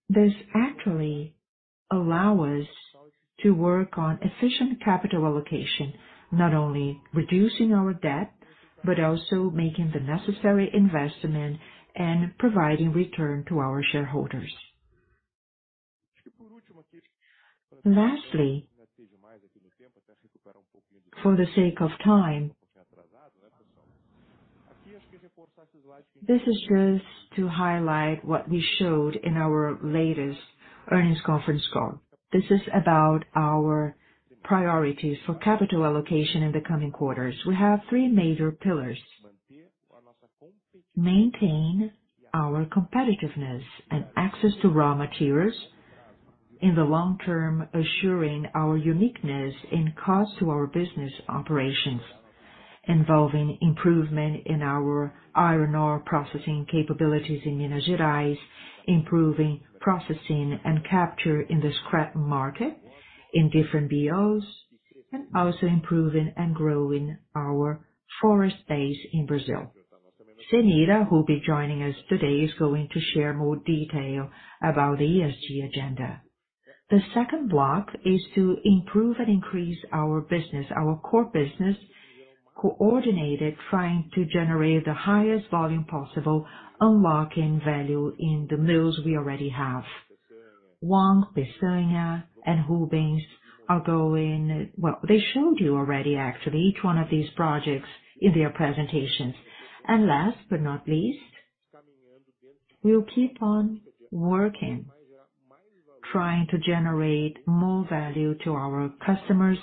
this actually allow us to work on efficient capital allocation, not only reducing our debt, but also making the necessary investment and providing return to our shareholders. Lastly, for the sake of time, this is just to highlight what we showed in our latest earnings conference call. This is about our priorities for capital allocation in the coming quarters. We have three major pillars: maintain our competitiveness and access to raw materials in the long term, assuring our uniqueness in cost to our business operations, involving improvement in our iron ore processing capabilities in Minas Gerais, improving processing and capture in the scrap market in different BOs, and also improving and growing our forest base in Brazil. Cenira, who will be joining us today, is going to share more detail about the ESG agenda. The second block is to improve and increase our business, our core business, coordinated, trying to generate the highest volume possible, unlocking value in the mills we already have. Wang, Peçanha, and Rubens. Well, they showed you already, actually, each one of these projects in their presentations. Last but not least, we'll keep on working, trying to generate more value to our customers,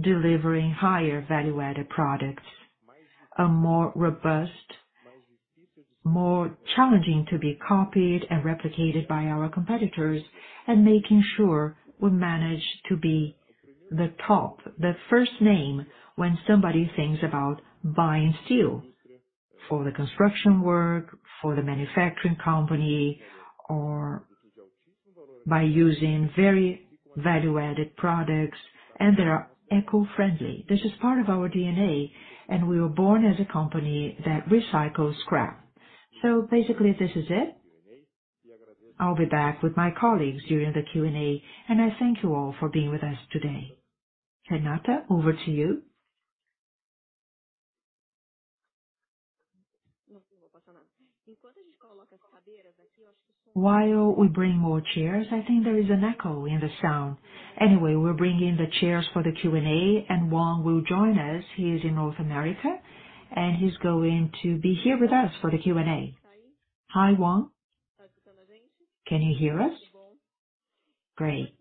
delivering higher value-added products, a more robust, more challenging to be copied and replicated by our competitors, and making sure we manage to be the top, the first name when somebody thinks about buying steel for the construction work, for the manufacturing company, or by using very value-added products, and they are eco-friendly. This is part of our DNA, and we were born as a company that recycles scrap. Basically, this is it. I'll be back with my colleagues during the Q&A, and I thank you all for being with us today. Renata, over to you. While we bring more chairs, I think there is an echo in the sound. We're bringing the chairs for the Q&A, and Wang will join us. He is in North America, and he's going to be here with us for the Q&A. Hi, Wang. Can you hear us? Great.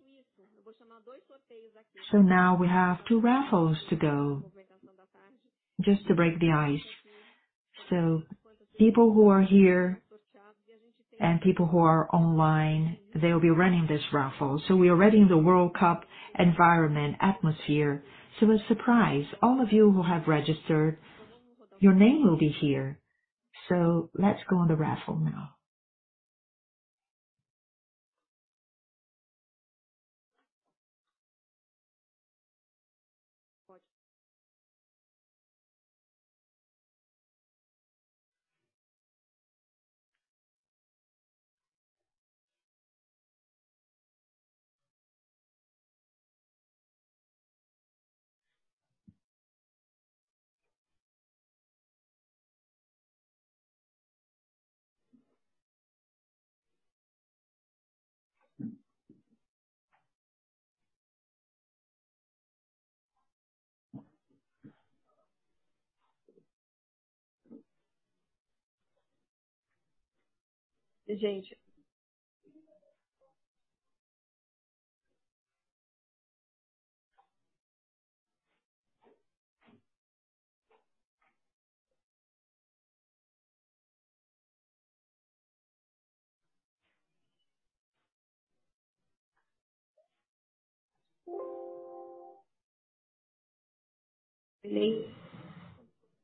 Now we have two raffles to go, just to break the ice. People who are here and people who are online, they'll be running this raffle. We are already in the World Cup environment atmosphere. A surprise. All of you who have registered, your name will be here. Let's go on the raffle now. Gente.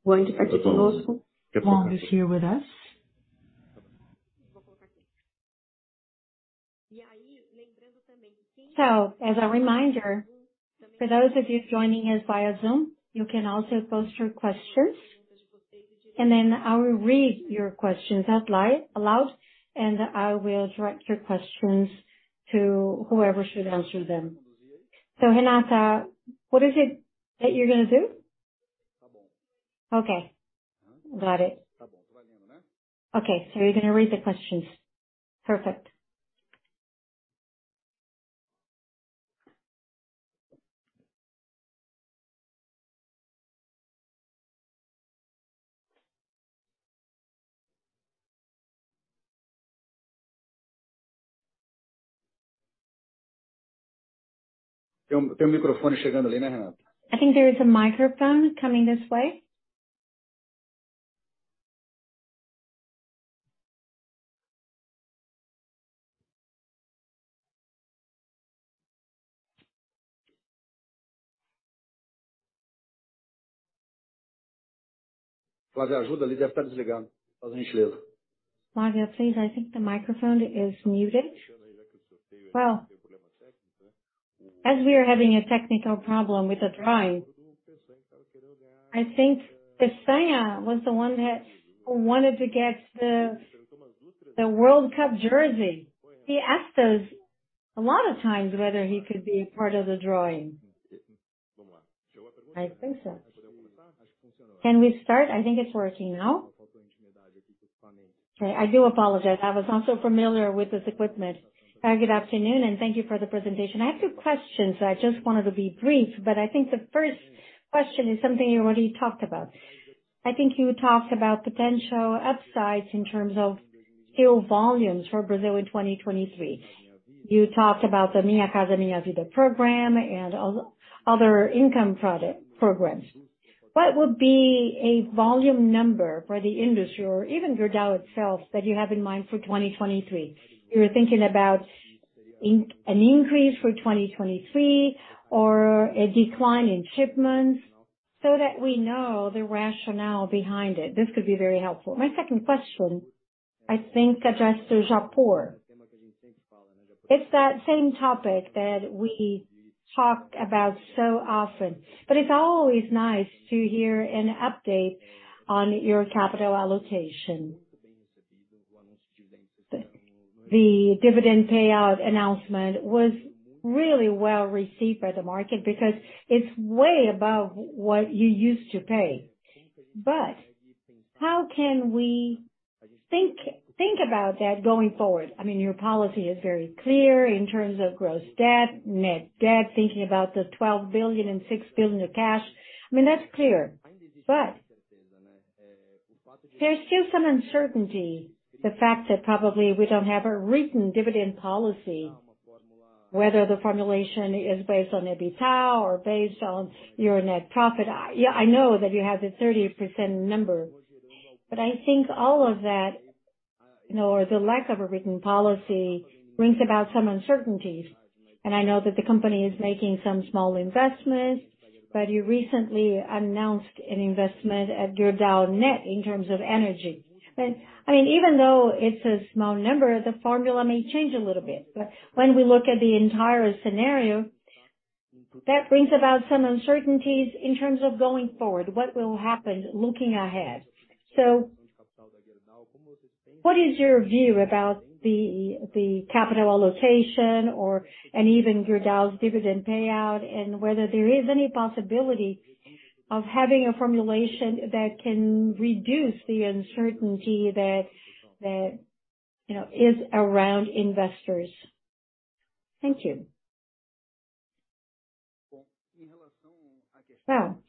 Wang is here with us. As a reminder, for those of you joining us via Zoom, you can also post your questions, and then I will read your questions aloud, and I will direct your questions to whoever should answer them. Renata, what is it that you're gonna do? Okay. Got it. Okay, you're gonna read the questions. Perfect. I think there is a microphone coming this way. Flavia, please. I think the microphone is muted. Well, as we are having a technical problem with the drive, I think Tassia was the one who wanted to get the World Cup jersey. He asked us a lot of times whether he could be part of the drawing. I think so. Can we start? I think it's working now. Okay. I do apologize. I was not so familiar with this equipment. Good afternoon. Thank you for the presentation. I have two questions. I just wanted to be brief, but I think the first question is something you already talked about. I think you talked about potential upsides in terms of steel volumes for Brazil in 2023. You talked about the Minha Casa, Minha Vida program and other income programs. What would be a volume number for the industry or even Gerdau itself that you have in mind for 2023? You're thinking about an increase for 2023 or a decline in shipments so that we know the rationale behind it. This could be very helpful. My second question, I think, addresses Japur. It's that same topic that we talk about so often, but it's always nice to hear an update on your capital allocation. The dividend payout announcement was really well received by the market because it's way above what you used to pay. How can we think about that going forward? I mean, your policy is very clear in terms of gross debt, net debt, thinking about 12 billion and 6 billion of cash. I mean, that's clear. There's still some uncertainty, the fact that probably we don't have a written dividend policy, whether the formulation is based on EBITDA or based on your net profit. Yeah, I know that you have the 30% number. I think all of that, you know, or the lack of a written policy brings about some uncertainties. I know that the company is making some small investments, but you recently announced an investment at Gerdau Next in terms of energy. I mean, even though it's a small number, the formula may change a little bit. When we look at the entire scenario, that brings about some uncertainties in terms of going forward. What will happen looking ahead? What is your view about the capital allocation and even Gerdau's dividend payout, and whether there is any possibility of having a formulation that can reduce the uncertainty that, you know, is around investors. Thank you. Well,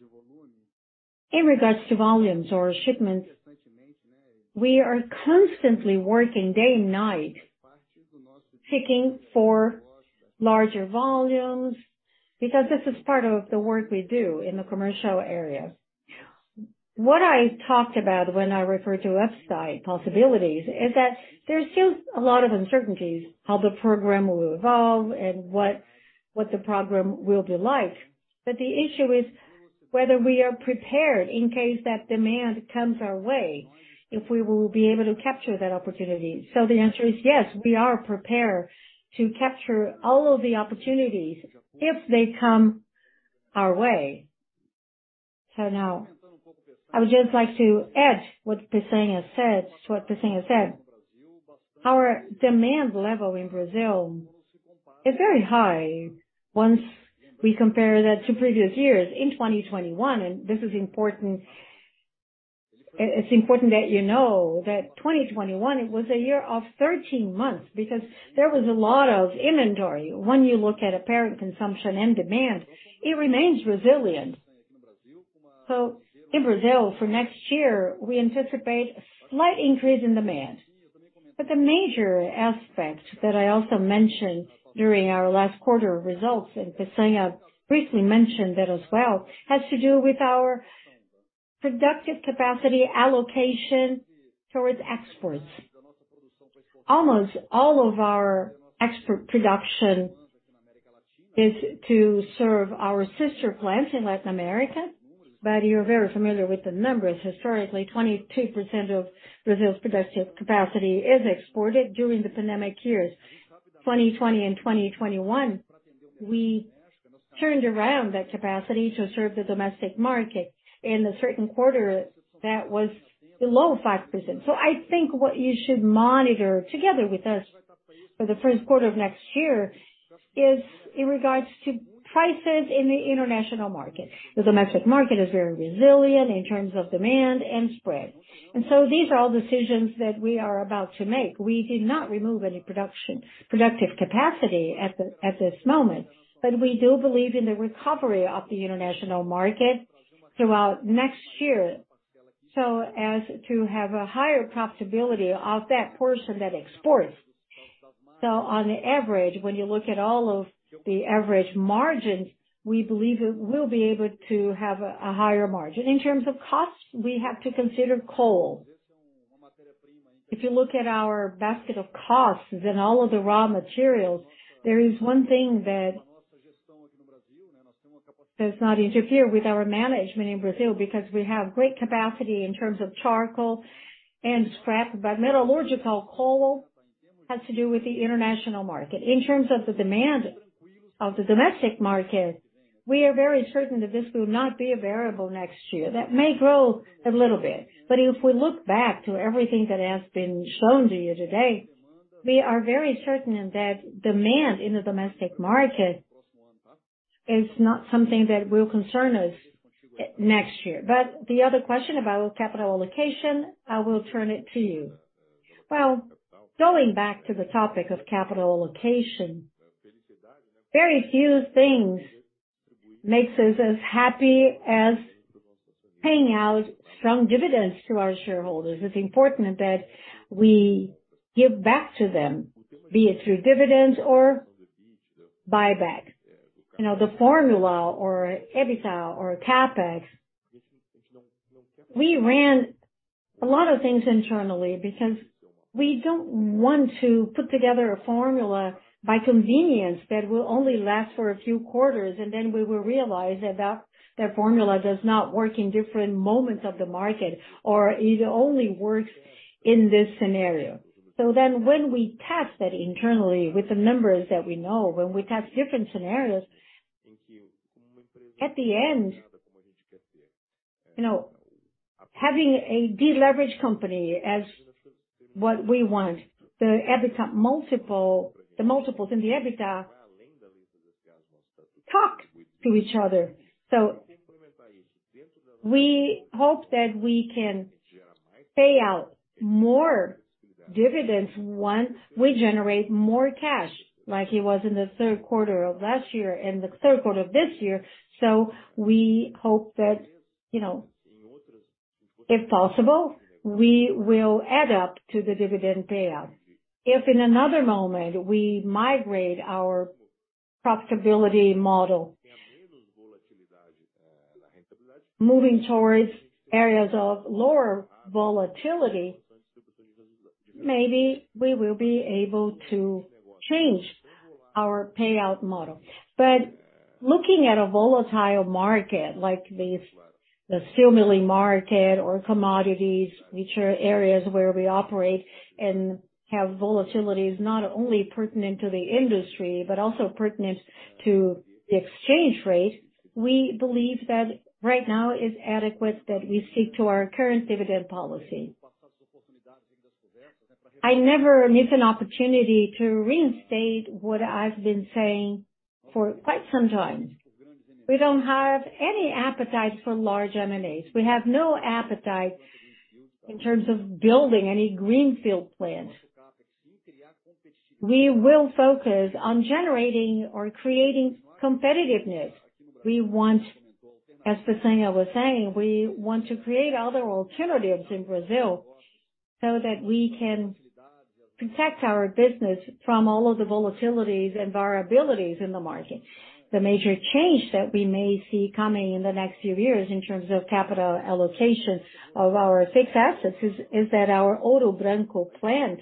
in regards to volumes or shipments, we are constantly working day and night, picking for larger volumes because this is part of the work we do in the commercial area. What I talked about when I referred to upside possibilities is that there's still a lot of uncertainties how the program will evolve and what the program will be like. The issue is, whether we are prepared in case that demand comes our way, if we will be able to capture that opportunity. The answer is yes, we are prepared to capture all of the opportunities if they come our way. Now I would just like to add what Peçanha said. Our demand level in Brazil is very high once we compare that to previous years. In 2021, it's important that you know that 2021 was a year of 13 months because there was a lot of inventory. When you look at apparent consumption and demand, it remains resilient. In Brazil, for next year, we anticipate a slight increase in demand. The major aspect that I also mentioned during our last quarter results, and Peçanha briefly mentioned that as well, has to do with our productive capacity allocation towards exports. Almost all of our export production is to serve our sister plants in Latin America, but you're very familiar with the numbers. Historically, 22% of Brazil's productive capacity is exported during the pandemic years. 2020 and 2021, we turned around that capacity to serve the domestic market. In a certain quarter, that was below 5%. I think what you should monitor together with us for the first quarter of next year is in regards to prices in the international market. The domestic market is very resilient in terms of demand and spread. These are all decisions that we are about to make. We did not remove any production, productive capacity at this moment, but we do believe in the recovery of the international market throughout next year, so as to have a higher profitability of that portion that exports. On average, when you look at all of the average margins, we believe we will be able to have a higher margin. In terms of costs, we have to consider coal. If you look at our basket of costs and all of the raw materials, there is one thing that does not interfere with our management in Brazil, because we have great capacity in terms of charcoal and scrap, but metallurgical coal has to do with the international market. In terms of the demand of the domestic market, we are very certain that this will not be a variable next year. That may grow a little bit. If we look back to everything that has been shown to you today, we are very certain that demand in the domestic market is not something that will concern us next year. The other question about capital allocation, I will turn it to you. Well, going back to the topic of capital allocation, very few things makes us as happy as paying out some dividends to our shareholders. It's important that we give back to them, be it through dividends or buybacks. You know, the formula or EBITDA or CapEx, we ran a lot of things internally because we don't want to put together a formula by convenience that will only last for a few quarters, and then we will realize that formula does not work in different moments of the market, or it only works in this scenario. When we test that internally with the numbers that we know, when we test different scenarios, at the end, you know, having a de-leveraged company as what we want, the EBITDA multiple, the multiples in the EBITDA talk to each other. We hope that we can pay out more dividends once we generate more cash, like it was in the third quarter of last year and the third quarter of this year. We hope that, you know, if possible, we will add up to the dividend payout. If in another moment we migrate our profitability model, moving towards areas of lower volatility, maybe we will be able to change our payout model. Looking at a volatile market like the steel milling market or commodities, which are areas where we operate and have volatilities not only pertinent to the industry, but also pertinent to the exchange rate, we believe that right now it's adequate that we stick to our current dividend policy. I never miss an opportunity to reinstate what I've been saying for quite some time. We don't have any appetite for large M&As. We have no appetite in terms of building any greenfield plant. We will focus on generating or creating competitiveness. We want, as Peçanha was saying, we want to create other alternatives in Brazil so that we can protect our business from all of the volatilities and variabilities in the market. The major change that we may see coming in the next few years in terms of capital allocation of our fixed assets is that our Ouro Branco plant.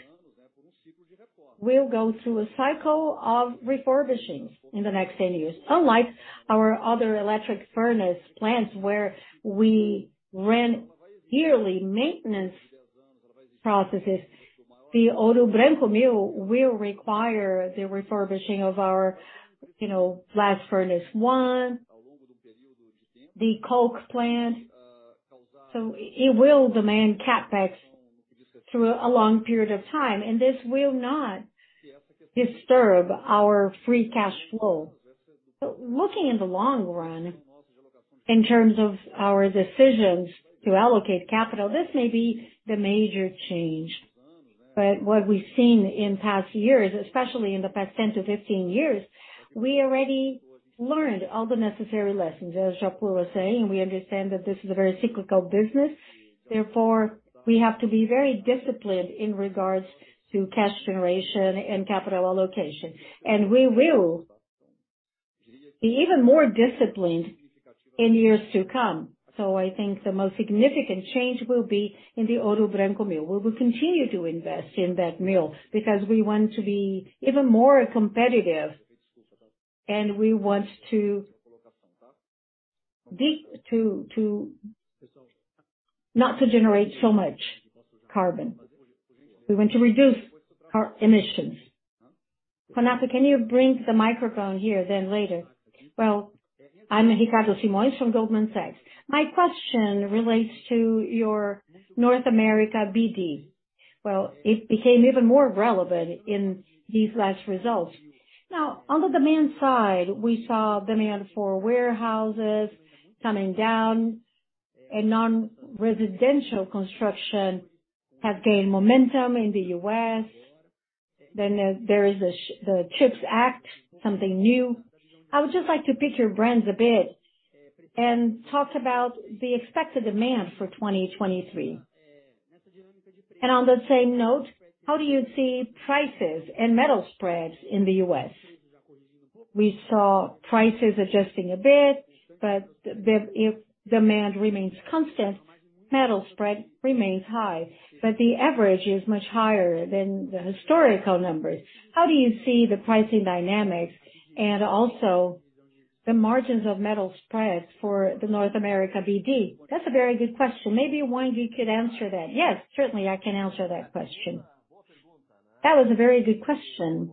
We'll go through a cycle of refurbishing in the next 10 years. Unlike our other electric furnace plants where we ran yearly maintenance processes, the Ouro Branco mill will require the refurbishing of our, you know, blast furnace 1, the coke plant. It will demand CapEx through a long period of time, and this will not disturb our free cash flow. Looking in the long run, in terms of our decisions to allocate capital, this may be the major change. What we've seen in past years, especially in the past 10 to 15 years, we already learned all the necessary lessons, as Japur was saying. We understand that this is a very cyclical business, therefore, we have to be very disciplined in regards to cash generation and capital allocation. We will be even more disciplined in years to come. I think the most significant change will be in the Ouro Branco mill, where we continue to invest in that mill because we want to be even more competitive and we want to not to generate so much carbon. We want to reduce our emissions. Renata, can you bring the microphone here, then later? Well. I'm Ricardo Simões from Goldman Sachs. My question relates to your North America BD. Well, it became even more relevant in these last results. Now, on the demand side, we saw demand for warehouses coming down and non-residential construction have gained momentum in the U.S. There is the CHIPS Act, something new. I would just like to pick your brains a bit and talk about the expected demand for 2023. On the same note, how do you see prices and metal spreads in the U.S.? We saw prices adjusting a bit, but if demand remains constant, metal spread remains high, but the average is much higher than the historical numbers. How do you see the pricing dynamics and also the margins of metal spreads for the North America BD? That's a very good question. Maybe Wang could answer that. Yes, certainly, I can answer that question. That was a very good question.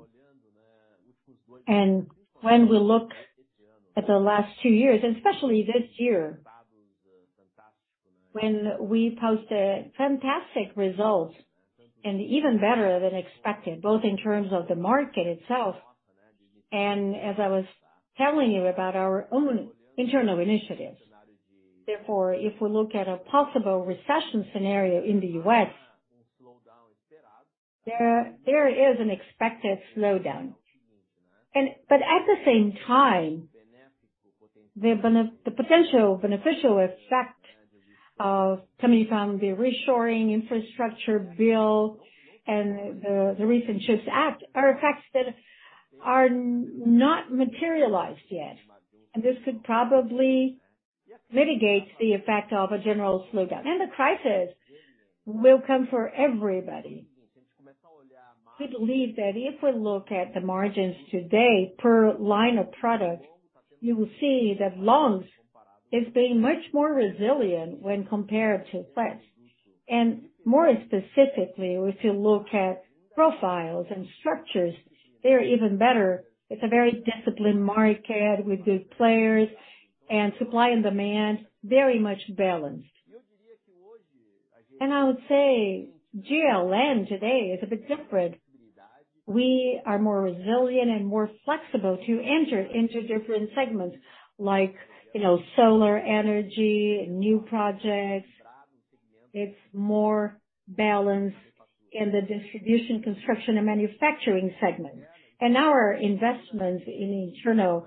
When we look at the last two years, and especially this year, when we posted fantastic results and even better than expected, both in terms of the market itself and as I was telling you about our own internal initiatives. If we look at a possible recession scenario in the U.S., there is an expected slowdown. But at the same time, the potential beneficial effect of, coming from the reshoring infrastructure bill and the recent CHIPS Act are effects that are not materialized yet. This could probably mitigate the effect of a general slowdown. The crisis will come for everybody. We believe that if we look at the margins today per line of products, you will see that longs is being much more resilient when compared to flats. More specifically, if you look at profiles and structures, they're even better. It's a very disciplined market with good players and supply and demand, very much balanced. I would say GLN today is a bit different. We are more resilient and more flexible to enter into different segments like, you know, solar energy, new projects. It's more balanced in the distribution, construction and manufacturing segment. Our investment in internal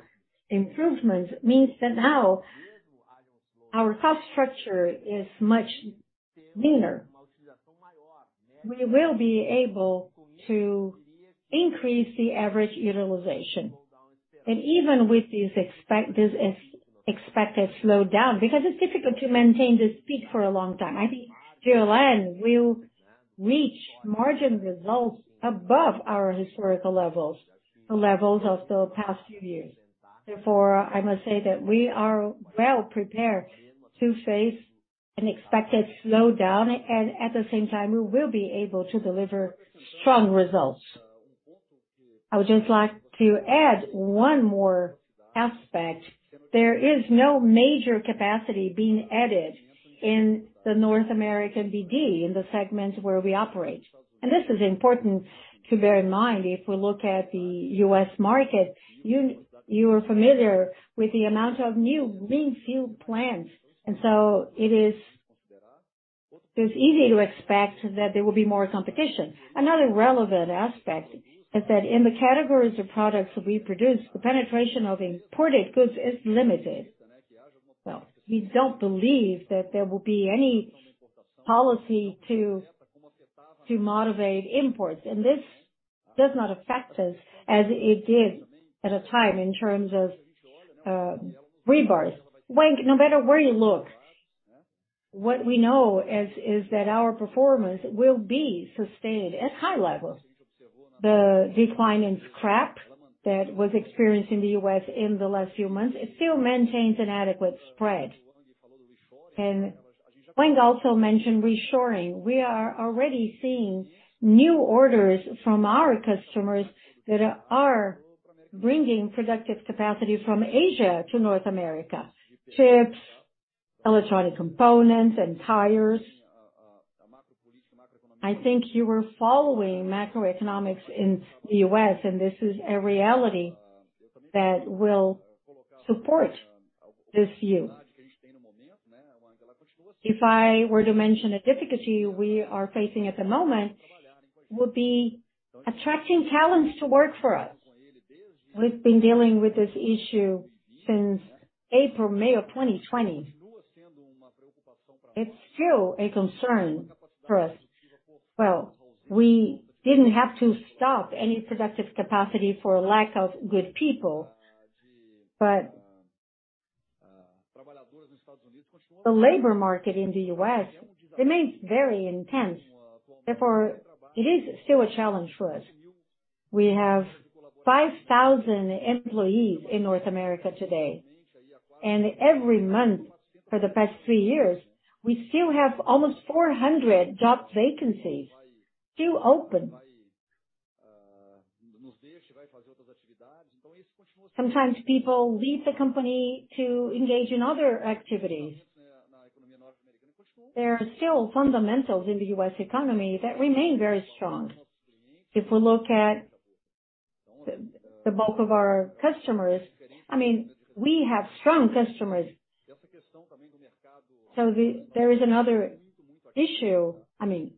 improvements means that now our cost structure is much leaner. We will be able to increase the average utilization. Even with this expected slowdown, because it's difficult to maintain this peak for a long time, I think GLN will reach margin results above our historical levels, the levels of the past few years. I must say that we are well prepared to face an expected slowdown, and at the same time, we will be able to deliver strong results. I would just like to add one more aspect. There is no major capacity being added in the North American BD, in the segments where we operate. This is important to bear in mind if we look at the U.S. market. You are familiar with the amount of new green field plants. It is, it's easy to expect that there will be more competition. Another relevant aspect is that in the categories of products that we produce, the penetration of imported goods is limited. Well, we don't believe that there will be any policy to motivate imports, and this does not affect us as it did at a time in terms of rebars. Wang, no matter where you look. What we know is that our performance will be sustained at high level. The decline in scrap that was experienced in the U.S. in the last few months, it still maintains an adequate spread. Wang also mentioned reshoring. We are already seeing new orders from our customers that are bringing productive capacity from Asia to North America. Chips, electronic components, and tires. I think you were following macroeconomics in the U.S., and this is a reality that will support this view. If I were to mention a difficulty we are facing at the moment, would be attracting talents to work for us. We've been dealing with this issue since April, May of 2020. It's still a concern for us. Well, we didn't have to stop any productive capacity for lack of good people, but the labor market in the U.S. remains very intense. Therefore, it is still a challenge for us. We have 5,000 employees in North America today. Every month for the past three years, we still have almost 400 job vacancies still open. Sometimes people leave the company to engage in other activities. There are still fundamentals in the U.S. economy that remain very strong. If we look at the bulk of our customers, I mean, we have strong customers. There is another issue. I mean,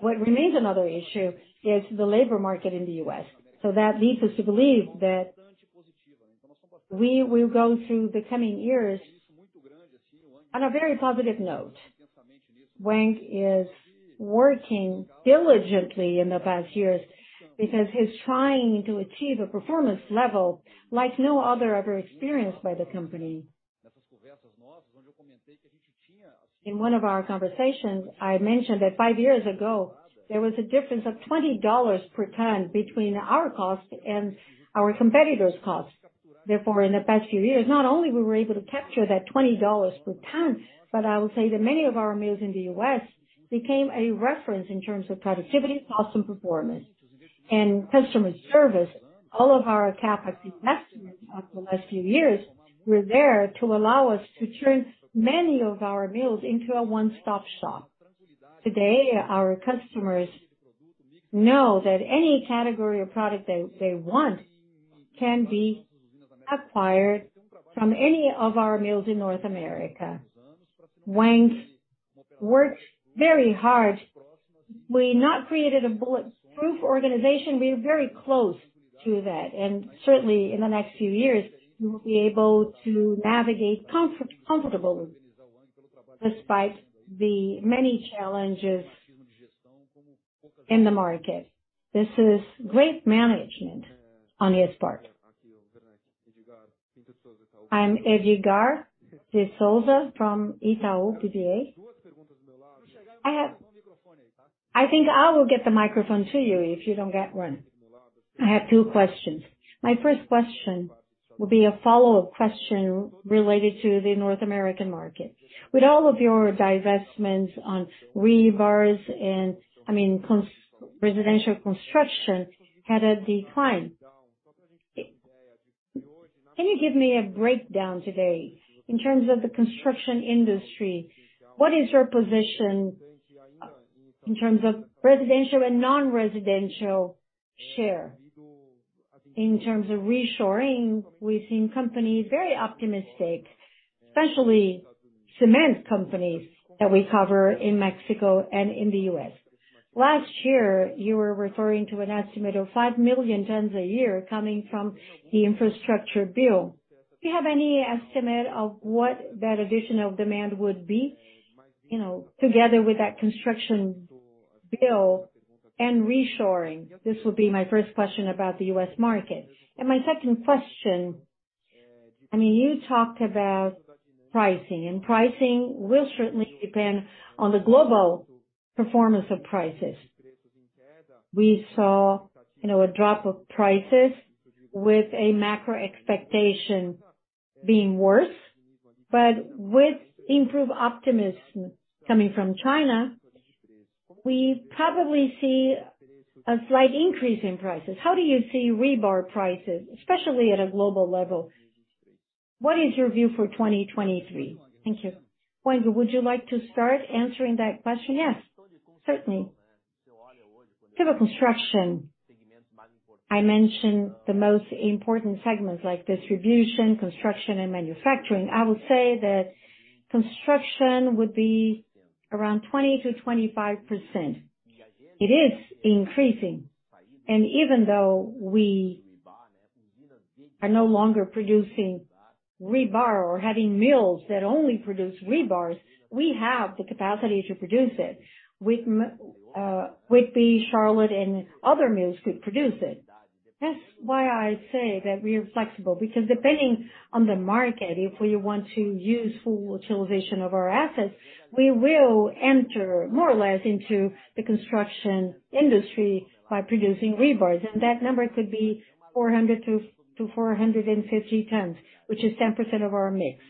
what remains another issue is the labor market in the U.S. That leads us to believe that we will go through the coming years on a very positive note. Wang is working diligently in the past years because he's trying to achieve a performance level like no other ever experienced by the company. In one of our conversations, I mentioned that five years ago, there was a difference of $20 per ton between our cost and our competitors' cost. In the past few years, not only we were able to capture that $20 per ton, but I will say that many of our mills in the U.S. became a reference in terms of productivity, cost, and performance. In customer service, all of our capacity investments of the last few years were there to allow us to turn many of our mills into a one-stop shop. Today, our customers know that any category or product they want can be acquired from any of our mills in North America. Wang works very hard. We've not created a bulletproof organization, we're very close to that. In the next few years, we will be able to navigate comfortable despite the many challenges in the market. This is great management on his part. I'm Edgard de Souza from Itaú BBA. I think I will get the microphone to you if you don't get one. I have two questions. My first question will be a follow-up question related to the North American market. With all of your divestments on rebars and, I mean, residential construction had a decline. Can you give me a breakdown today in terms of the construction industry? What is your position in terms of residential and non-residential share? In terms of reshoring, we've seen companies very optimistic, especially cement companies that we cover in Mexico and in the U.S. Last year, you were referring to an estimate of 5 million tons a year coming from the infrastructure bill. Do you have any estimate of what that additional demand would be, you know, together with that construction bill and reshoring? This will be my first question about the U.S. market. My second question, I mean, you talked about pricing, and pricing will certainly depend on the global performance of prices. We saw, you know, a drop of prices with a macro expectation being worse. With improved optimism coming from China, we probably see a slight increase in prices. How do you see rebar prices, especially at a global level? What is your view for 2023? Thank you. Wang, would you like to start answering that question? Yes, certainly. Civil construction. I mentioned the most important segments like distribution, construction, and manufacturing. I would say that construction would be around 20%-25%. It is increasing. Even though we are no longer producing rebar or having mills that only produce rebars, we have the capacity to produce it. Whitby, Charlotte, and other mills could produce it. That's why I say that we are flexible, because depending on the market, if we want to use full utilization of our assets, we will enter more or less into the construction industry by producing rebars. That number could be 400-450 tons, which is 10% of our mix.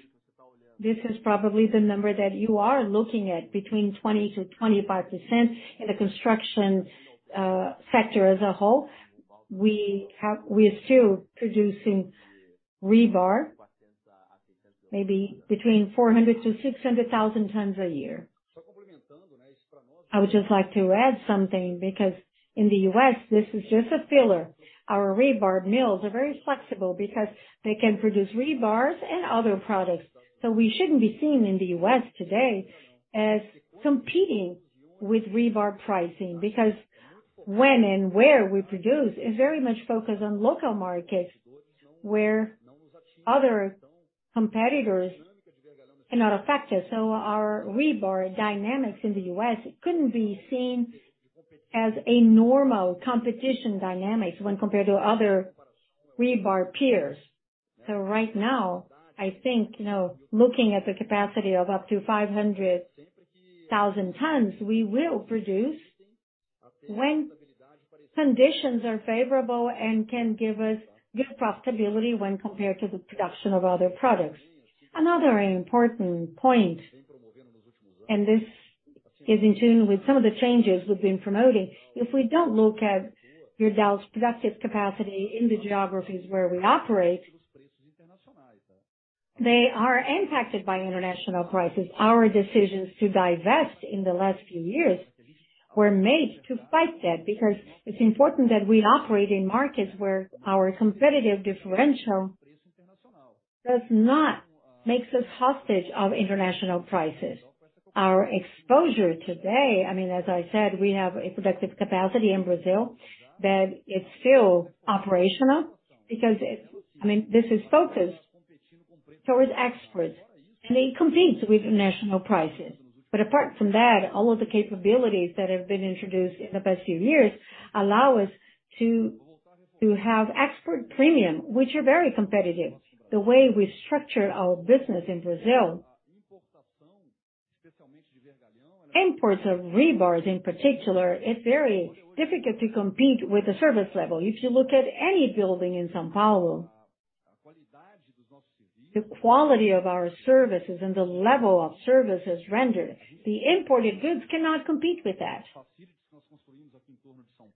This is probably the number that you are looking at between 20%-25% in the construction sector as a whole. We are still producing rebar, maybe between 400,000-600,000 tons a year. I would just like to add something, because in the U.S., this is just a filler. Our rebar mills are very flexible because they can produce rebars and other products. We shouldn't be seen in the U.S. today as competing with rebar pricing, because when and where we produce is very much focused on local markets where other competitors cannot affect us. Our rebar dynamics in the U.S. couldn't be seen as a normal competition dynamics when compared to other rebar peers. Right now, I think, you know, looking at the capacity of up to 500,000 tons, we will produce when conditions are favorable and can give us good profitability when compared to the production of other products. Another important point, and this is in tune with some of the changes we've been promoting. If we don't look at Gerdau's productive capacity in the geographies where we operate, they are impacted by international prices. Our decisions to divest in the last few years were made to fight that, because it's important that we operate in markets where our competitive differential does not make us hostage of international prices. Our exposure today, I mean, as I said, we have a productive capacity in Brazil, that it's still operational because I mean, this is focused towards exports, and it competes with national prices. Apart from that, all of the capabilities that have been introduced in the past few years allow us to have export premium, which are very competitive. The way we structure our business in Brazil. Imports of rebars in particular, it's very difficult to compete with the service level. If you look at any building in São Paulo, the quality of our services and the level of services rendered, the imported goods cannot compete with that.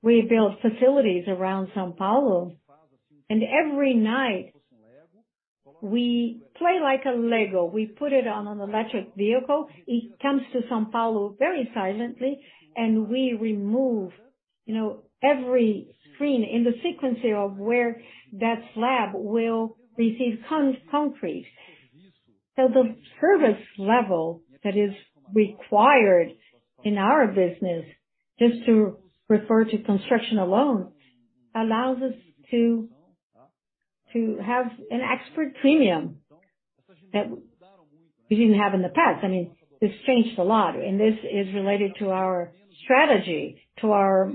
We built facilities around São Paulo. Every night we play like a Lego. We put it on an electric vehicle, it comes to São Paulo very silently. We remove, you know, every screen in the sequence of where that slab will receive concrete. The service level that is required in our business, just to refer to construction alone, allows us to have an export premium that we didn't have in the past. I mean, this changed a lot. This is related to our strategy that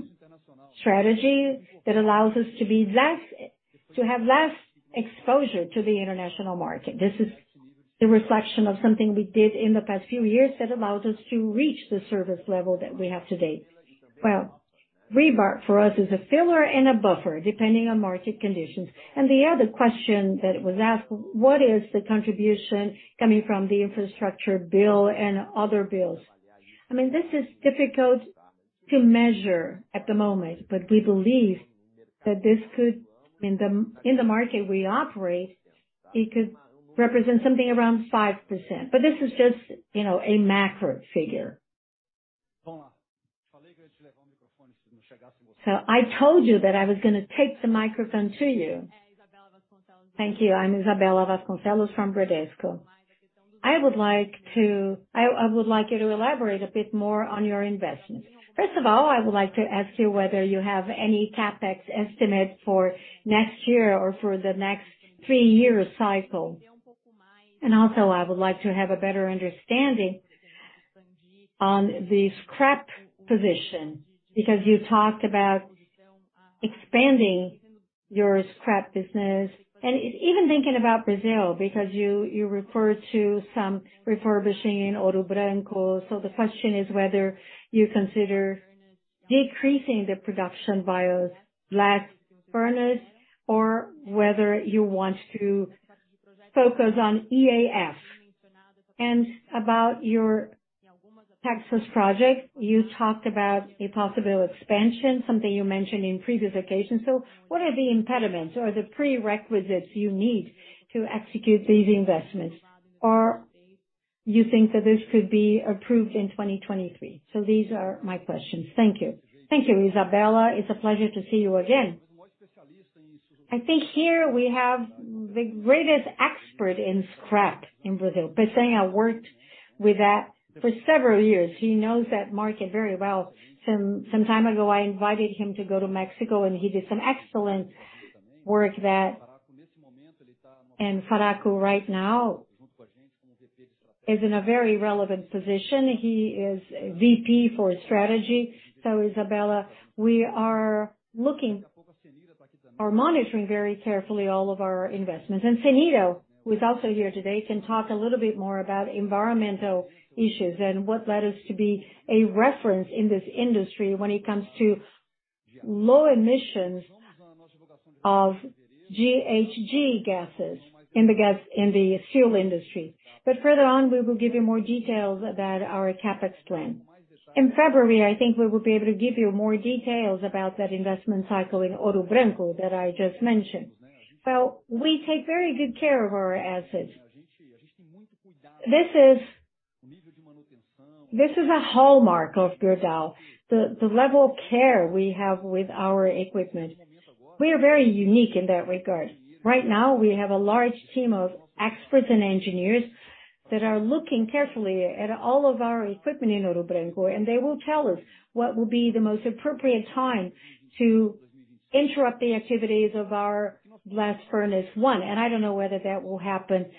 allows us to have less exposure to the international market. This is the reflection of something we did in the past few years that allowed us to reach the service level that we have today. Rebar for us is a filler and a buffer, depending on market conditions. The other question that was asked, what is the contribution coming from the infrastructure bill and other bills? I mean, this is difficult to measure at the moment, but we believe that this could, in the market we operate, it could represent something around 5%. This is just, you know, a macro figure. I told you that I was gonna take the microphone to you. Thank you. I'm Isabella Vasconcelos from Bradesco. I would like you to elaborate a bit more on your investments. First of all, I would like to ask you whether you have any CapEx estimate for next year or for the next three-year cycle. Also I would like to have a better understanding on the scrap position, because you talked about expanding your scrap business and even thinking about Brazil, because you referred to some refurbishing in Ouro Branco. The question is whether you consider decreasing the production by a blast furnace or whether you want to focus on EAF. About your Texas project, you talked about a possible expansion, something you mentioned in previous occasions. What are the impediments or the prerequisites you need to execute these investments? You think that this could be approved in 2023? These are my questions. Thank you. Thank you, Isabella. It's a pleasure to see you again. I think here we have the greatest expert in scrap in Brazil. Peçanha had worked with that for several years. He knows that market very well. Some time ago, I invited him to go to Mexico, and he did some excellent work that. Faraco right now is in a very relevant position. He is VP for strategy. Isabella, we are looking or monitoring very carefully all of our investments. Cenira, who is also here today, can talk a little bit more about environmental issues and what led us to be a reference in this industry when it comes to low emissions of GHG gases in the steel industry. Further on, we will give you more details about our CapEx plan. In February, I think we will be able to give you more details about that investment cycle in Ouro Branco that I just mentioned. We take very good care of our assets. This is a hallmark of Gerdau, the level of care we have with our equipment. We are very unique in that regard. Right now, we have a large team of experts and engineers that are looking carefully at all of our equipment in Ouro Branco, and they will tell us what will be the most appropriate time to interrupt the activities of our blast furnace one. I don't know whether that will happen, you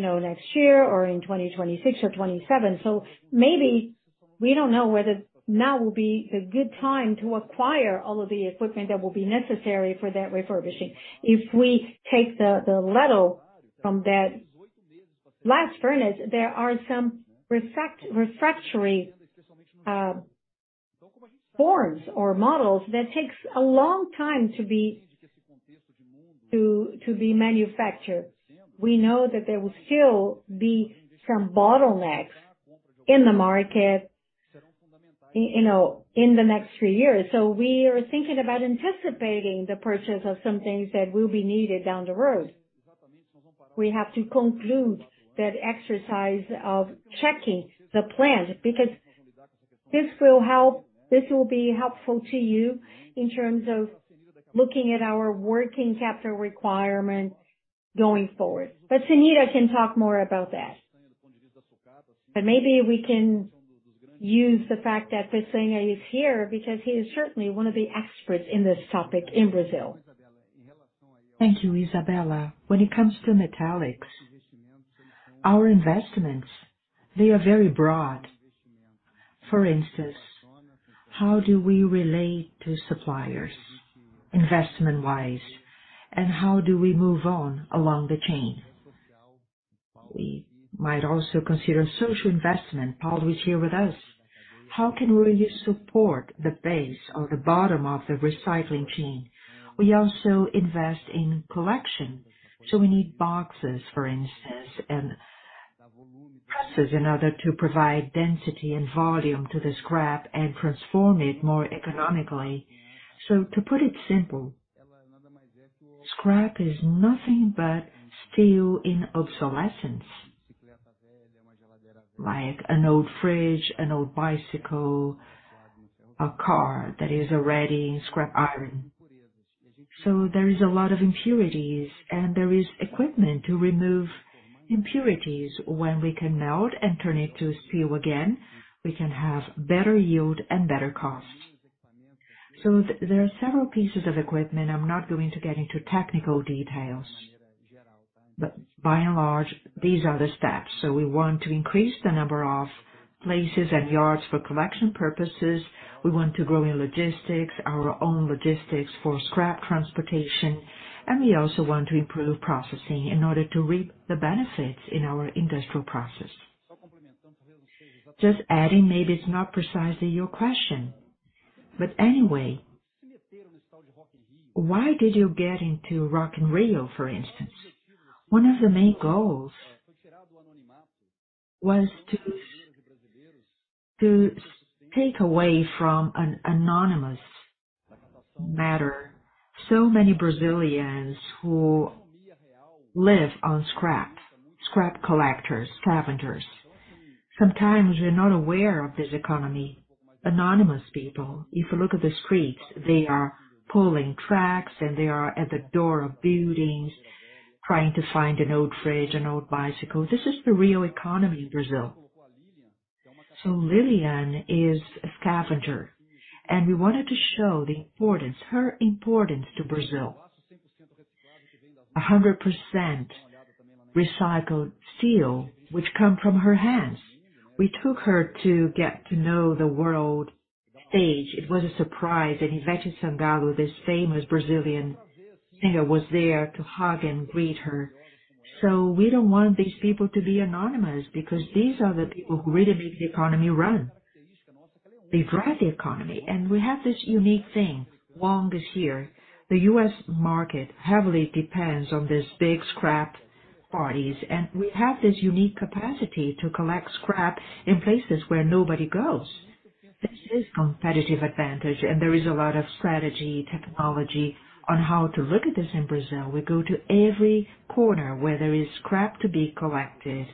know, next year or in 2026 or 2027. Maybe we don't know whether now will be the good time to acquire all of the equipment that will be necessary for that refurbishing. If we take the level from that blast furnace, there are some refractory forms or models that takes a long time to be manufactured. We know that there will still be some bottlenecks in the market, you know, in the next three years. We are thinking about anticipating the purchase of some things that will be needed down the road. We have to conclude that exercise of checking the plant, because this will be helpful to you in terms of looking at our working capital requirement going forward. Cenira can talk more about that. Maybe we can use tact that Peçanha is here because he is certainly one of the experts in this topic in Brazil. Thank you, Isabella. When it comes to metallics, our investments, they are very broad. For instance, how do we relate to suppliers investment-wise, and how do we move on along the chain? We might also consider social investment. Paul, who is here with us, how can we support the base or the bottom of the recycling chain? We also invest in collection, so we need boxes, for instance, and presses in order to provide density and volume to the scrap and transform it more economically. To put it simple, scrap is nothing but steel in obsolescence. Like an old fridge, an old bicycle, a car that is already scrap iron. There is a lot of impurities, and there is equipment to remove impurities when we can melt and turn it to steel again, we can have better yield and better cost. There are several pieces of equipment. I'm not going to get into technical details. By and large, these are the steps. We want to increase the number of places and yards for collection purposes. We want to grow in logistics, our own logistics for scrap transportation, and we also want to improve processing in order to reap the benefits in our industrial process. Just adding, maybe it's not precisely your question, but anyway, why did you get into Rock in Rio, for instance? One of the main goals was to take away from an anonymous matter so many Brazilians who live on scrap collectors, scavengers. Sometimes they're not aware of this economy. Anonymous people, if you look at the streets, they are pulling tracks and they are at the door of buildings trying to find an old fridge, an old bicycle. This is the real economy in Brazil. Lilian is a scavenger, and we wanted to show her importance to Brazil. 100% recycled steel, which come from her hands. We took her to get to know the world stage. It was a surprise that Ivete Sangalo, this famous Brazilian singer, was there to hug and greet her. We don't want these people to be anonymous, because these are the people who really make the economy run. They drive the economy. We have this unique thing. Wang is here. The U.S. market heavily depends on these big scrap parties, and we have this unique capacity to collect scrap in places where nobody goes. This is competitive advantage, and there is a lot of strategy, technology on how to look at this in Brazil. We go to every corner where there is scrap to be collected.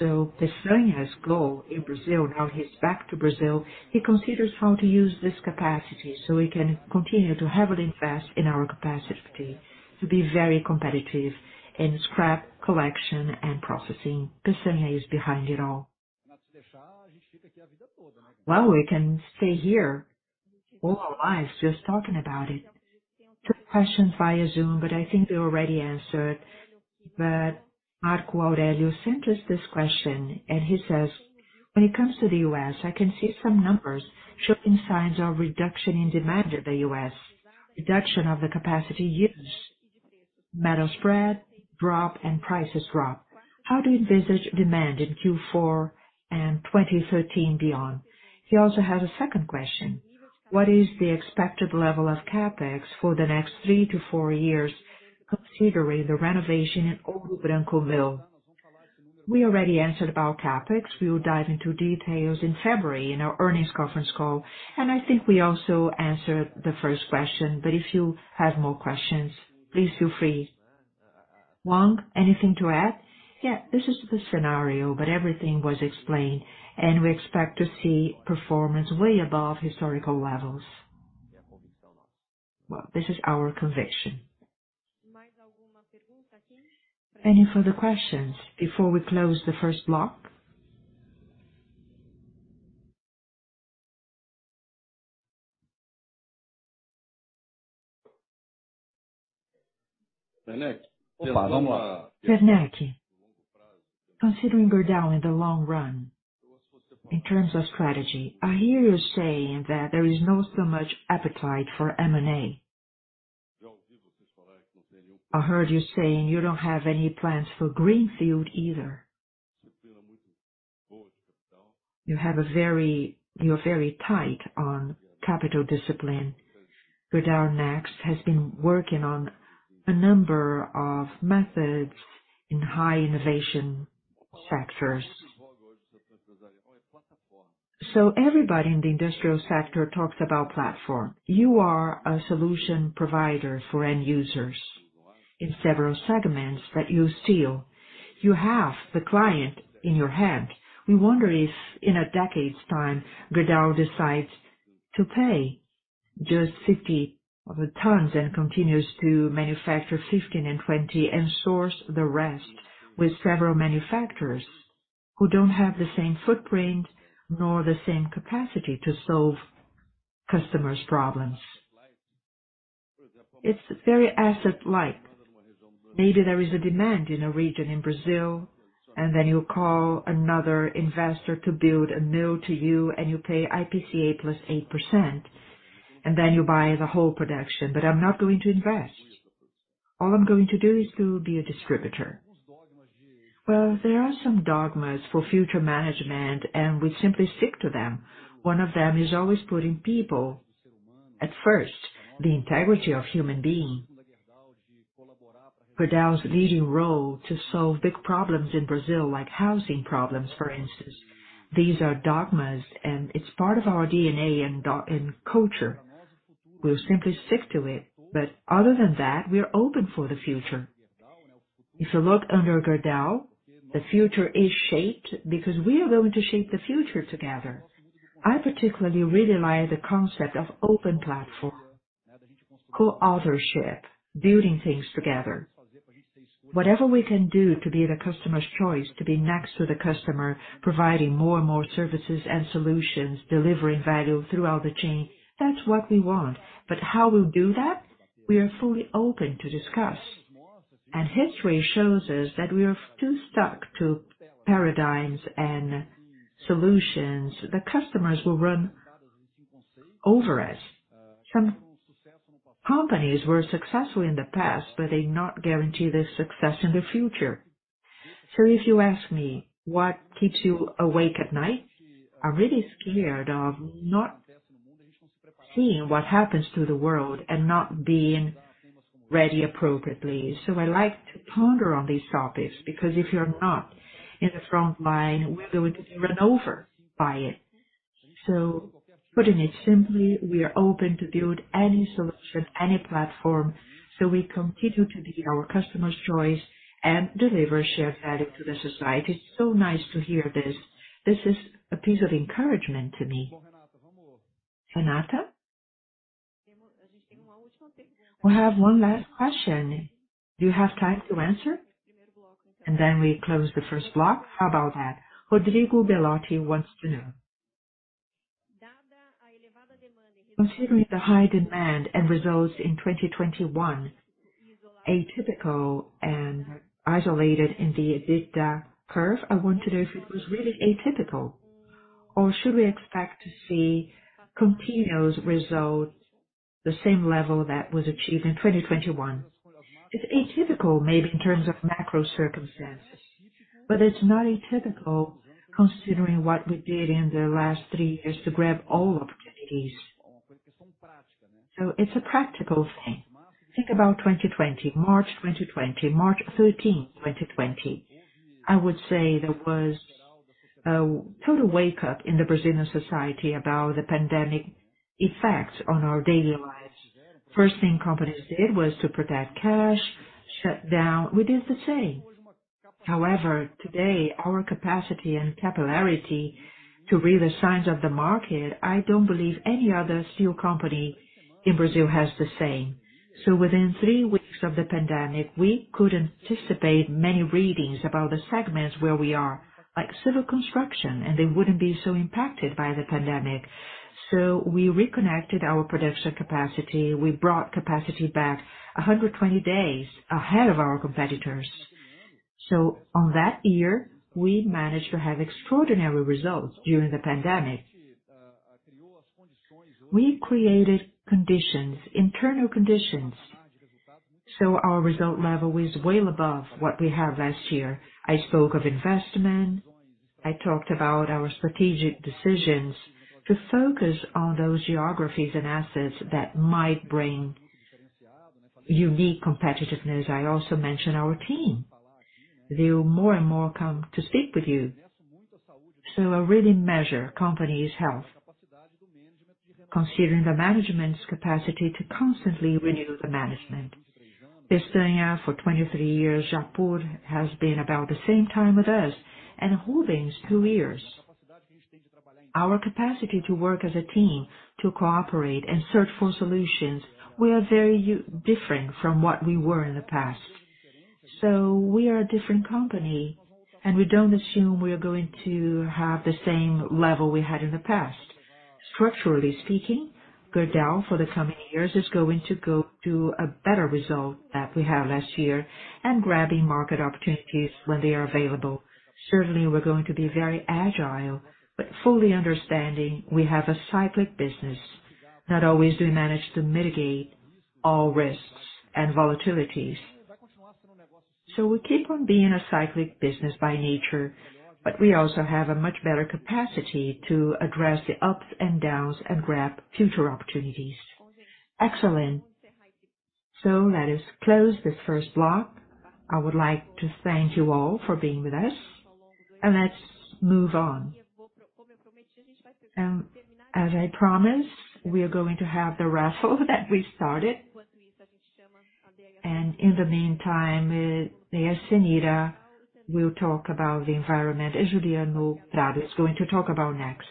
Peçanha's goal in Brazil, now he's back to Brazil, he considers how to use this capacity, so we can continue to heavily invest in our capacity to be very competitive in scrap collection and processing. Peçanha is behind it all. We can stay here all our lives just talking about it. Two questions via Zoom, but I think we already answered. Marco Aurelio sent us this question, and he says: When it comes to the U.S., I can see some numbers showing signs of reduction in demand in the U.S., reduction of the capacity used, metal spread drop and prices drop. How do you envisage demand in Q4 and 2013 beyond? He also has a second question: What is the expected level of CapEx for the next three to four years, considering the renovation in Ouro Branco mill? We already answered about CapEx. We will dive into details in February in our earnings conference call, I think we also answered the first question. If you have more questions, please feel free. Wang, anything to add? This is the scenario, everything was explained, and we expect to see performance way above historical levels. This is our conviction. Any further questions before we close the first block? Werneck, considering Gerdau in the long run, in terms of strategy, I hear you saying that there is no so much appetite for M&A. I heard you saying you don't have any plans for greenfield either. You're very tight on capital discipline. Gerdau Next has been working on a number of methods in high innovation sectors. Everybody in the industrial sector talks about platform. You are a solution provider for end users in several segments that you steal. You have the client in your hand. We wonder if in a decade's time, Gerdau decides to pay just 50 of the tons and continues to manufacture 15 and 20 and source the rest with several manufacturers who don't have the same footprint nor the same capacity to solve customers' problems. It's very asset-like. Maybe there is a demand in a region in Brazil, and then you call another investor to build a mill to you, and you pay IPCA plus 8%, and then you buy the whole production. I'm not going to invest. All I'm going to do is to be a distributor. There are some dogmas for future management, and we simply stick to them. One of them is always putting people at first, the integrity of human being. Gerdau's leading role to solve big problems in Brazil, like housing problems, for instance. These are dogmas. It's part of our DNA and culture. We'll simply stick to it. Other than that, we are open for the future. If you look under Gerdau, the future is shaped because we are going to shape the future together. I particularly really like the concept of open platform, co-authorship, building things together. Whatever we can do to be the customer's choice, to be next to the customer, providing more and more services and solutions, delivering value throughout the chain, that's what we want. How we'll do that, we are fully open to discuss. History shows us that we are too stuck to paradigms and solutions. The customers will run over us. Some companies were successful in the past, but they not guarantee their success in the future. If you ask me what keeps you awake at night, I'm really scared of not seeing what happens to the world and not being ready appropriately. I like to ponder on these topics because if you're not in the front line, we're going to be run over by it. Putting it simply, we are open to build any solution, any platform, so we continue to be our customers' choice and deliver shared value to the society. It's so nice to hear this. This is a piece of encouragement to me. Renata? We have one last question. Do you have time to answer? Then we close the first block. How about that? Rodrigo Belotti wants to know. Considering the high demand and results in 2021, atypical and isolated in the EBITDA curve, I want to know if it was really atypical or should we expect to see continuous results, the same level that was achieved in 2021. It's atypical maybe in terms of macro circumstances, but it's not atypical considering what we did in the last three years to grab all opportunities. It's a practical thing. Think about 2020, March 2020, March 13th, 2020. I would say there was a total wake up in the Brazilian society about the pandemic effects on our daily lives. First thing companies did was to protect cash, shut down. We did the same. Today, our capacity and capillarity to read the signs of the market, I don't believe any other steel company in Brazil has the same. Within three weeks of the pandemic, we could anticipate many readings about the segments where we are, like civil construction, and they wouldn't be so impacted by the pandemic. We reconnected our production capacity. We brought capacity back 120 days ahead of our competitors. On that year, we managed to have extraordinary results during the pandemic. We created conditions, internal conditions, so our result level is well above what we had last year. I spoke of investment. I talked about our strategic decisions to focus on those geographies and assets that might bring unique competitiveness. I also mentioned our team. They will more and more come to speak with you. I really measure company's health, considering the management's capacity to constantly renew the management. Peçanha for 23 years, Japur has been about the same time with us, and Holdings, two years. Our capacity to work as a team, to cooperate and search for solutions, we are very different from what we were in the past. We are a different company, and we don't assume we are going to have the same level we had in the past. Structurally speaking, Gerdau, for the coming years, is going to go to a better result that we had last year and grabbing market opportunities when they are available. Certainly, we're going to be very agile, but fully understanding we have a cyclic business. Not always do we manage to mitigate all risks and volatilities. We keep on being a cyclic business by nature, but we also have a much better capacity to address the ups and downs and grab future opportunities. Excellent. Let us close this first block. I would like to thank you all for being with us. Let's move on. As I promised, we are going to have the raffle that we started. In the meantime, dear Cenira will talk about the environment as Juliano Prado is going to talk about next.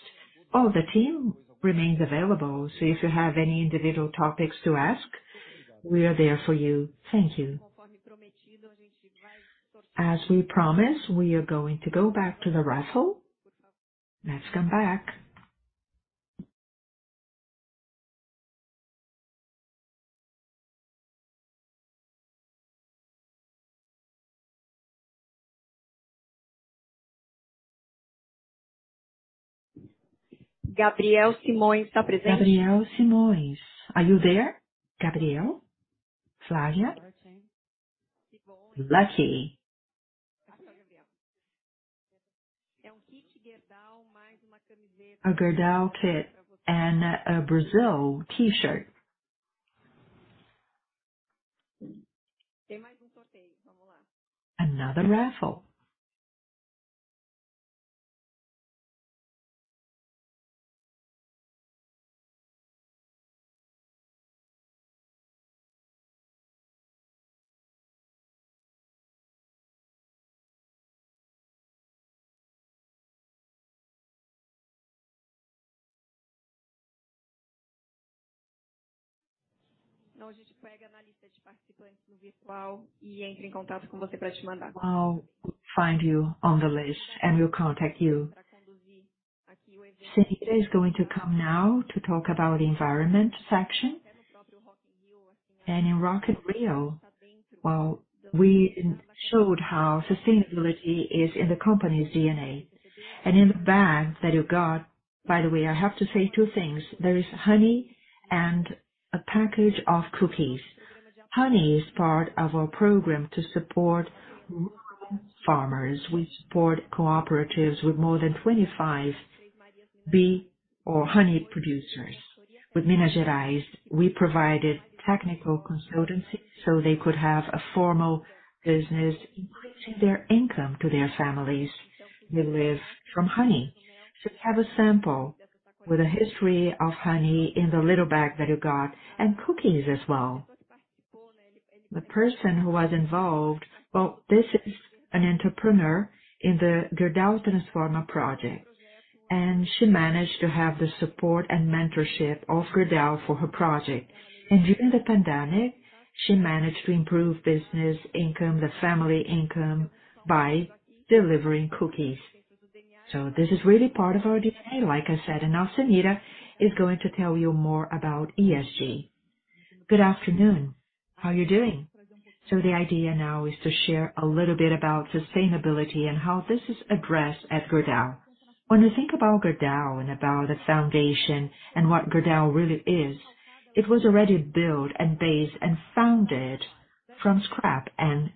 The team remains available. If you have any individual topics to ask, we are there for you. Thank you. As we promised, we are going to go back to the raffle. Let's come back. Gabriel Simões. Are you there, Gabriel? Flavia? Lucky. A Gerdau kit and a Brazil T-shirt. Another raffle. I'll find you on the list, and we'll contact you. Cenira is going to come now to talk about environment section. In Rock in Rio, well, we showed how sustainability is in the company's DNA. In the bag that you got, by the way, I have to say two things. There is honey and a package of cookies. Honey is part of our program to support farmers. We support cooperatives with more than 25 bee or honey producers. With Minas Gerais, we provided technical consultancy so they could have a formal business, increasing their income to their families who live from honey. We have a sample with a history of honey in the little bag that you got, and cookies as well. The person who was involved, well, this is an entrepreneur in the Gerdau Transformer Project, and she managed to have the support and mentorship of Gerdau for her project. During the pandemic, she managed to improve business income, the family income, by delivering cookies. This is really part of our DNA, like I said. Now Cenira is going to tell you more about ESG. Good afternoon. How are you doing? The idea now is to share a little bit about sustainability and how this is addressed at Gerdau. When you think about Gerdau and about the foundation and what Gerdau really is, it was already built and based and founded from scrap and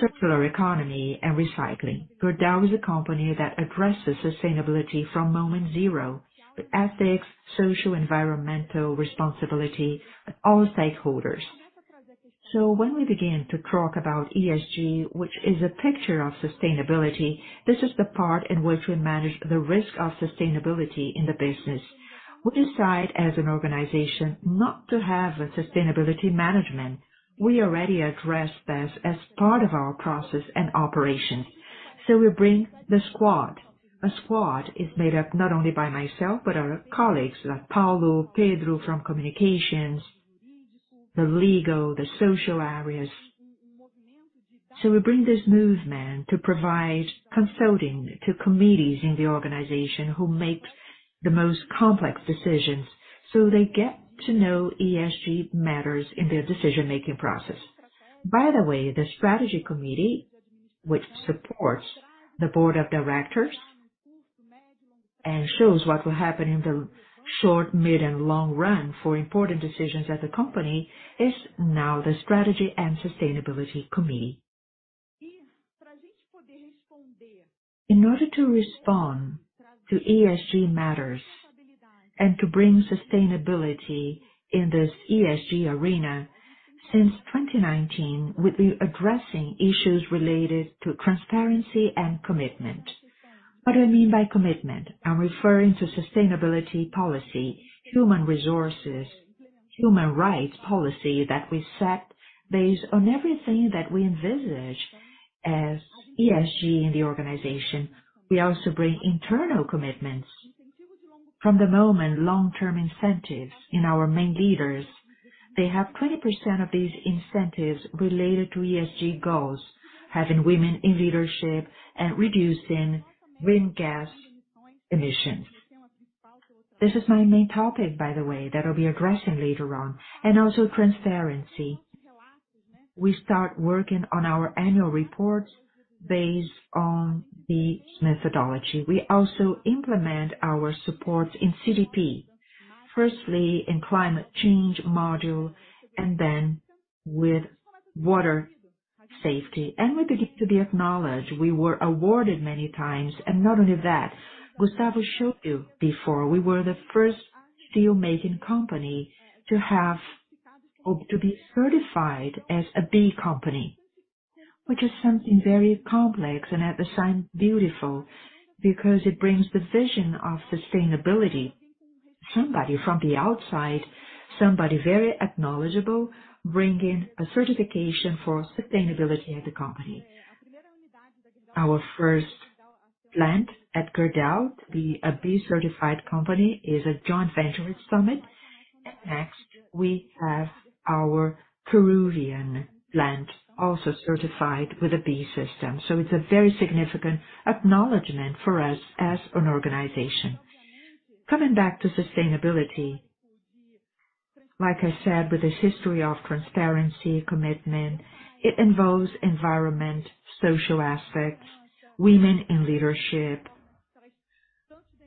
circular economy and recycling. Gerdau is a company that addresses sustainability from moment zero, with ethics, social, environmental responsibility of all stakeholders. When we begin to talk about ESG, which is a picture of sustainability, this is the part in which we manage the risk of sustainability in the business. We decide as an organization not to have a sustainability management. We already address this as part of our process and operations. We bring the squad. A squad is made up not only by myself, but our colleagues, like Paulo, Pedro from communications, the legal, the social areas. We bring this movement to provide consulting to committees in the organization who make the most complex decisions, so they get to know ESG matters in their decision-making process. By the way, the strategy committee, which supports the board of directors and shows what will happen in the short, mid, and long run for important decisions at the company, is now the strategy and sustainability committee. In order to respond to ESG matters and to bring sustainability in this ESG arena, since 2019, we've been addressing issues related to transparency and commitment. What do I mean by commitment? I'm referring to sustainability policy, human resources, human rights policy that we set based on everything that we envisage as ESG in the organization. We also bring internal commitments. From the moment long-term incentives in our main leaders, they have 20% of these incentives related to ESG goals, having women in leadership and reducing green gas emissions. This is my main topic, by the way, that I'll be addressing later on. Also transparency. We start working on our annual report based on the methodology. We also implement our supports in CDP. Firstly, in Climate Change module, and then with Water Safety. We begin to be acknowledged. We were awarded many times, and not only that. Gustavo showed you before, we were the first steel-making company to have or to be certified as a B company, which is something very complex and at the same beautiful because it brings the vision of sustainability. Somebody from the outside, somebody very knowledgeable, bringing a certification for sustainability at the company. Our first plant at Gerdau, the B certified company, is a joint venture with Summit. Next, we have our Peruvian plant also certified with a B system. It's a very significant acknowledgment for us as an organization. Coming back to sustainability, like I said, with this history of transparency, commitment, it involves environment, social aspects, women in leadership,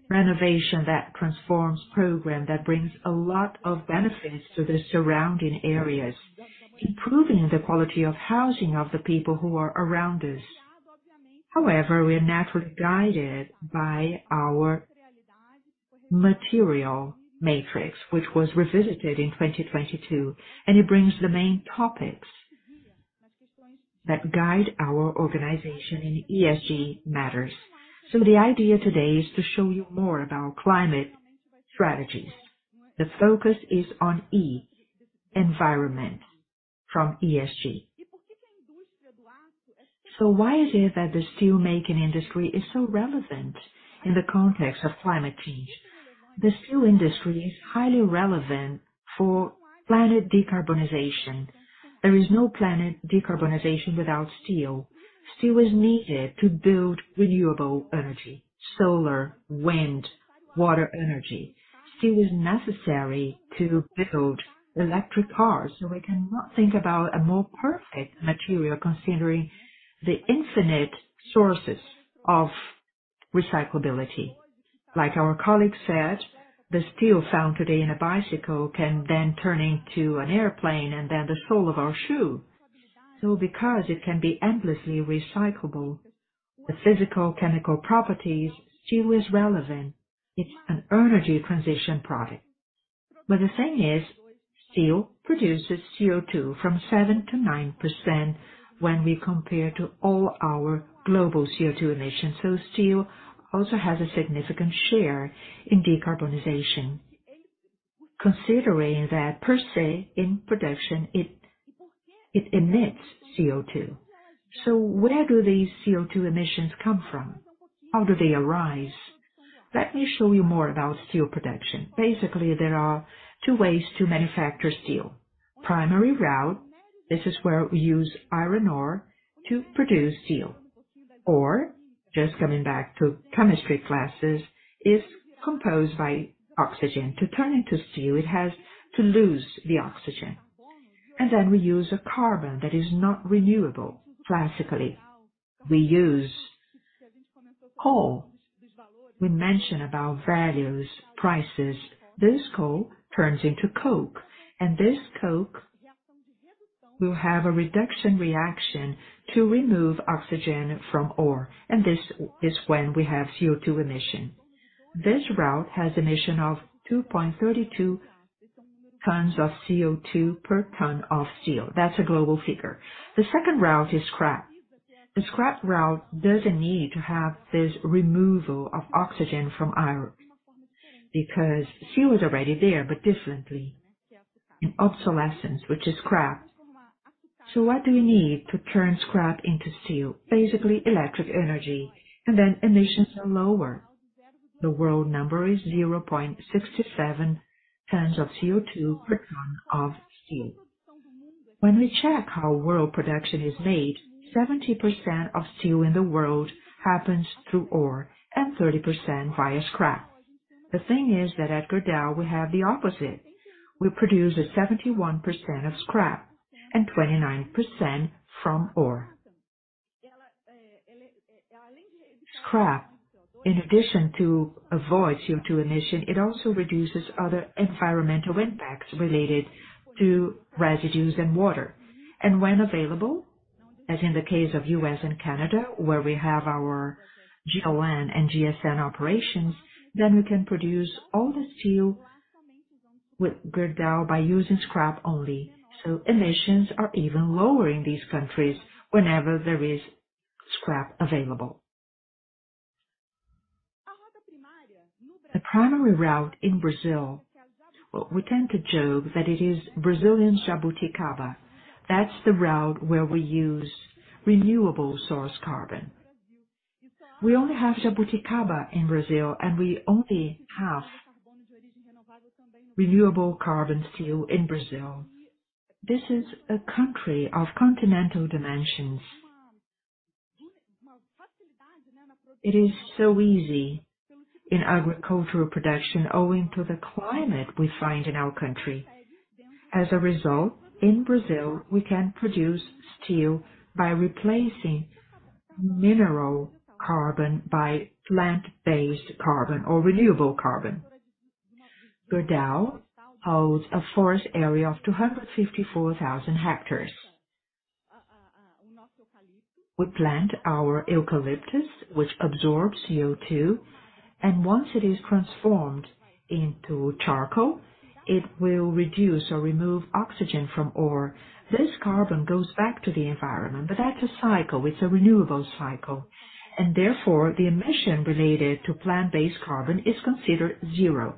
Renovation That Transforms Program that brings a lot of benefits to the surrounding areas, improving the quality of housing of the people who are around us. However, we are naturally guided by our material matrix, which was revisited in 2022, and it brings the main topics that guide our organization in ESG matters. The idea today is to show you more about climate strategies. The focus is on E, environment from ESG. Why is it that the steelmaking industry is so relevant in the context of climate change? The steel industry is highly relevant for planet decarbonization. There is no planet decarbonization without steel. Steel is needed to build renewable energy, solar, wind, water energy. Steel is necessary to build electric cars, we cannot think about a more perfect material considering the infinite sources of recyclability. Like our colleague said, the steel found today in a bicycle can then turn into an airplane and then the sole of our shoe. Because it can be endlessly recyclable, the physical chemical properties, steel is relevant. It's an energy transition product. The thing is, steel produces CO₂ from 7%-9% when we compare to all our global CO₂ emissions. Steel also has a significant share in decarbonization, considering that per se in production, it emits CO₂. Where do these CO₂ emissions come from? How do they arise? Let me show you more about steel production. Basically, there are two ways to manufacture steel. Primary route, this is where we use iron ore to produce steel. Ore, just coming back to chemistry classes, is composed by oxygen. To turn into steel, it has to lose the oxygen. We use a carbon that is not renewable. Classically, we use coal. We mentioned about values, prices. This coal turns into coke, and this coke will have a reduction reaction to remove oxygen from ore, and this is when we have CO₂ emission. This route has emission of 2.32 tons of CO₂ per ton of steel. That's a global figure. The second route is scrap. The scrap route doesn't need to have this removal of oxygen from iron, because steel is already there, but differently, in obsolescence, which is scrap. What do we need to turn scrap into steel? Basically, electric energy, and then emissions are lower. The world number is 0.67 tons of CO₂ per ton of steel. When we check how world production is made, 70% of steel in the world happens through ore, and 30% via scrap. The thing is that at Gerdau, we have the opposite. We produce 71% of scrap and 29% from ore. Scrap, in addition to avoid CO₂ emission, it also reduces other environmental impacts related to residues and water. When available, as in the case of U.S. and Canada, where we have our GLN and GSN operations, we can produce all the steel with Gerdau by using scrap only. Emissions are even lower in these countries whenever there is scrap available. The primary route in Brazil, well, we tend to joke that it is Brazilian jabuticaba. That's the route where we use renewable source carbon. We only have jabuticaba in Brazil, we only have renewable carbon steel in Brazil. This is a country of continental dimensions. It is so easy in agricultural production owing to the climate we find in our country. A result, in Brazil, we can produce steel by replacing mineral carbon, by plant-based carbon or renewable carbon. Gerdau holds a forest area of 254,000 hectares. We plant our eucalyptus, which absorbs CO₂. Once it is transformed into charcoal, it will reduce or remove oxygen from ore. This carbon goes back to the environment. That's a cycle. It's a renewable cycle. Therefore, the emission related to plant-based carbon is considered zero.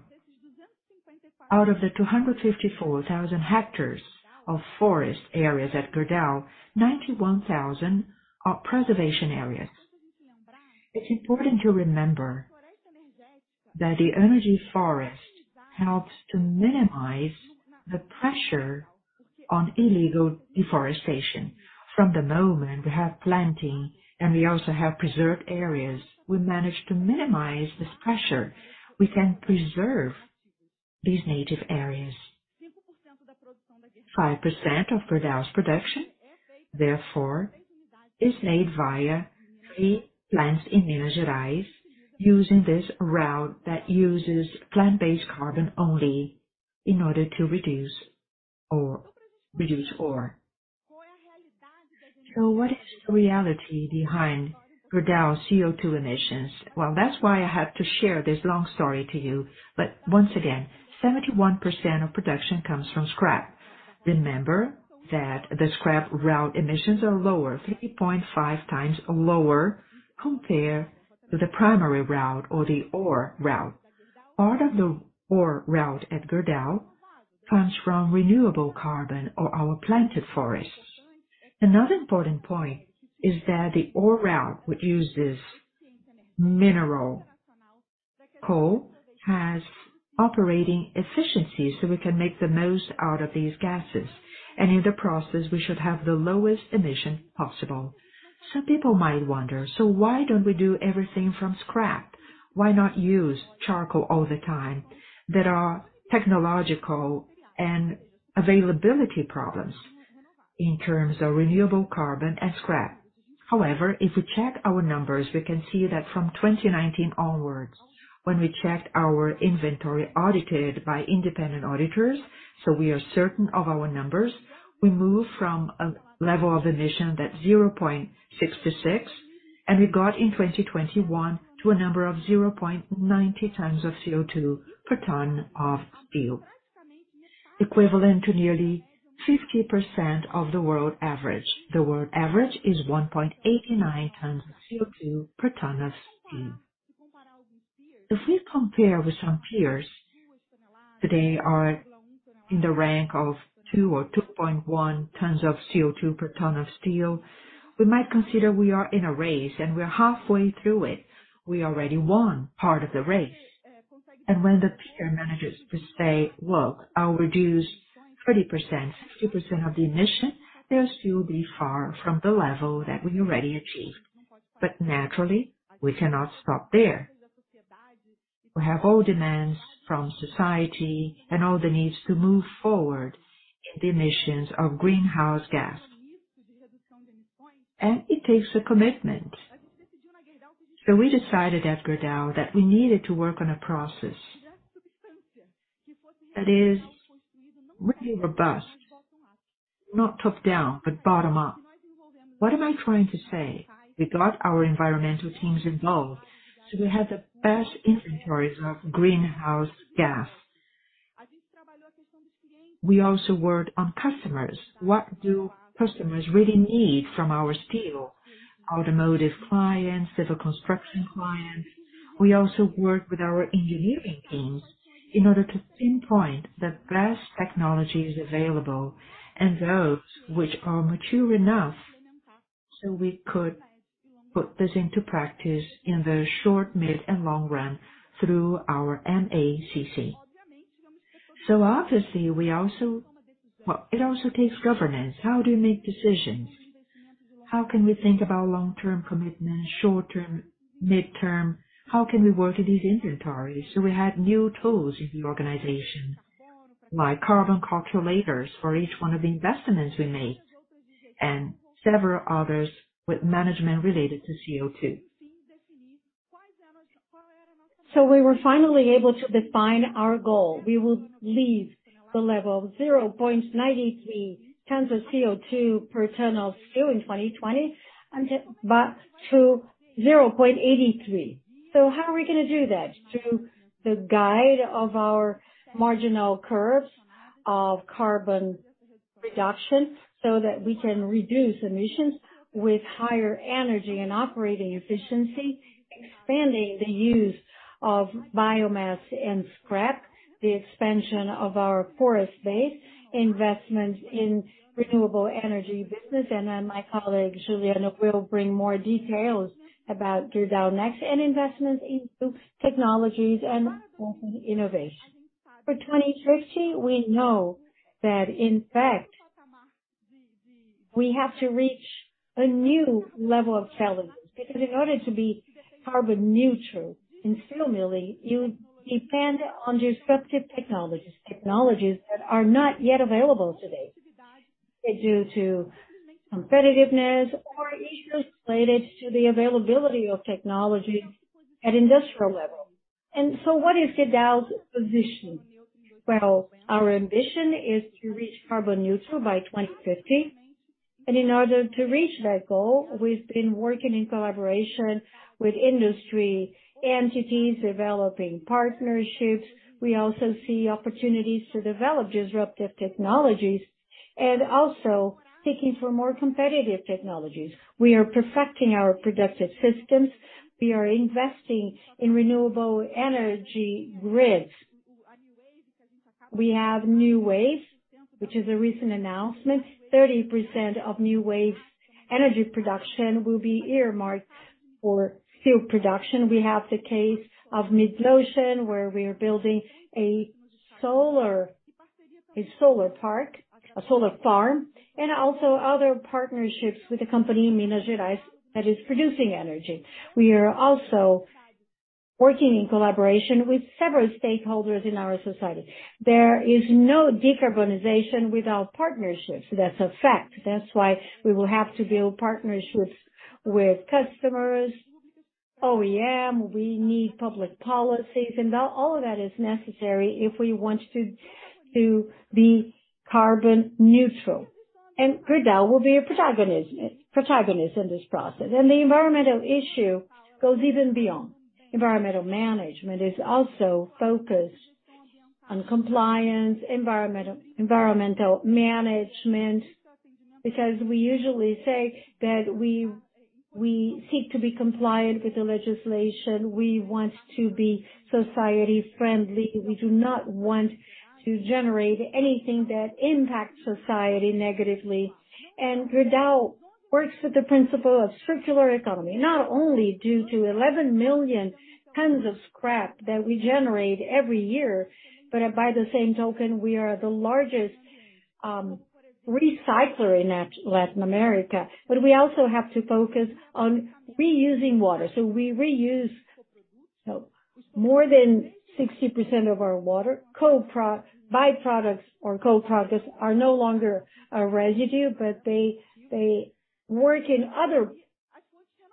Out of the 254,000 hectares of forest areas at Gerdau, 91,000 are preservation areas. It's important to remember that the energy forest helps to minimize the pressure on illegal deforestation. From the moment we have planting, and we also have preserved areas, we manage to minimize this pressure. We can preserve these native areas. 5% of Gerdau's production, therefore, is made via three plants in Minas Gerais using this route that uses plant-based carbon only in order to reduce ore. What is the reality behind Gerdau's CO₂ emissions? Well, that's why I have to share this long story to you. Once again, 71% of production comes from scrap. Remember that the scrap route emissions are lower, 50.5x lower compared to the primary route or the ore route. Part of the ore route at Gerdau comes from renewable carbon or our planted forests. Another important point is that the ore route, which uses mineral coal, has operating efficiencies, so we can make the most out of these gases. In the process, we should have the lowest emission possible. Some people might wonder, "Why don't we do everything from scrap? Why not use charcoal all the time?" There are technological and availability problems in terms of renewable carbon and scrap. If we check our numbers, we can see that from 2019 onwards, when we checked our inventory audited by independent auditors, so we are certain of our numbers, we move from a level of emission that's 0.66. We got in 2021 to a number of 0.90 tons of CO₂ per ton of steel, equivalent to nearly 50% of the world average. The world average is 1.89 tons of CO₂ per ton of steel. We compare with some peers, they are in the rank of 2 or 2.1 tons of CO₂ per ton of steel. We might consider we are in a race. We're halfway through it. We already won part of the race. When the peer manages to say, "Well, I'll reduce 30%, 60% of the emission," they'll still be far from the level that we already achieved. Naturally, we cannot stop there. We have all demands from society and all the needs to move forward the emissions of greenhouse gas. It takes a commitment. We decided at Gerdau that we needed to work on a process that is really robust Not top down, but bottom up. What am I trying to say? We got our environmental teams involved. We have the best inventories of greenhouse gas. We also worked on customers. What do customers really need from our steel, automotive clients, civil construction clients? We also work with our engineering teams in order to pinpoint the best technologies available and those which are mature enough. We could put this into practice in the short, mid and long run through our MACC. Obviously, we also. Well, it also takes governance. How do you make decisions? How can we think about long-term commitment, short-term, midterm? How can we work with these inventories? We had new tools in the organization, like carbon calculators for each one of the investments we make, and several others with management related to CO₂. We were finally able to define our goal. We will leave the level of 0.93 tons of CO₂ per ton of steel in 2020, but to 0.83. How are we gonna do that? Through the guide of our marginal curves of carbon reduction, so that we can reduce emissions with higher energy and operating efficiency, expanding the use of biomass and scrap, the expansion of our forest base, investment in renewable energy business. Then my colleague Juliano will bring more details about Gerdau Next and investments into technologies and innovation. For 2050, we know that in fact, we have to reach a new level of challenges. Because in order to be carbon neutral in steel milling, you depend on disruptive technologies that are not yet available today, due to competitiveness or issues related to the availability of technology at industrial level. So what is Gerdau's position? Well, our ambition is to reach carbon neutral by 2050. In order to reach that goal, we've been working in collaboration with industry entities, developing partnerships. We also see opportunities to develop disruptive technologies and also seeking for more competitive technologies. We are perfecting our productive systems. We are investing in renewable energy grids. We have Newave, which is a recent announcement. 30% of Newave's energy production will be earmarked for steel production. We have the case of Midlothian, where we are building a solar, a solar park, a solar farm, and also other partnerships with the company in Minas Gerais that is producing energy. We are also working in collaboration with several stakeholders in our society. There is no decarbonization without partnerships. That's a fact. That's why we will have to build partnerships with customers, OEM. We need public policies. All of that is necessary if we want to be carbon neutral. Gerdau will be a protagonist in this process. The environmental issue goes even beyond. Environmental management is also focused on compliance, environmental management, because we usually say that we seek to be compliant with the legislation. We want to be society-friendly. We do not want to generate anything that impacts society negatively. Gerdau works with the principle of circular economy, not only due to 11 million tons of scrap that we generate every year, but by the same token, we are the largest recycler in Latin America. We also have to focus on reusing water. We reuse more than 60% of our water. By-products or co-products are no longer a residue, but they work in other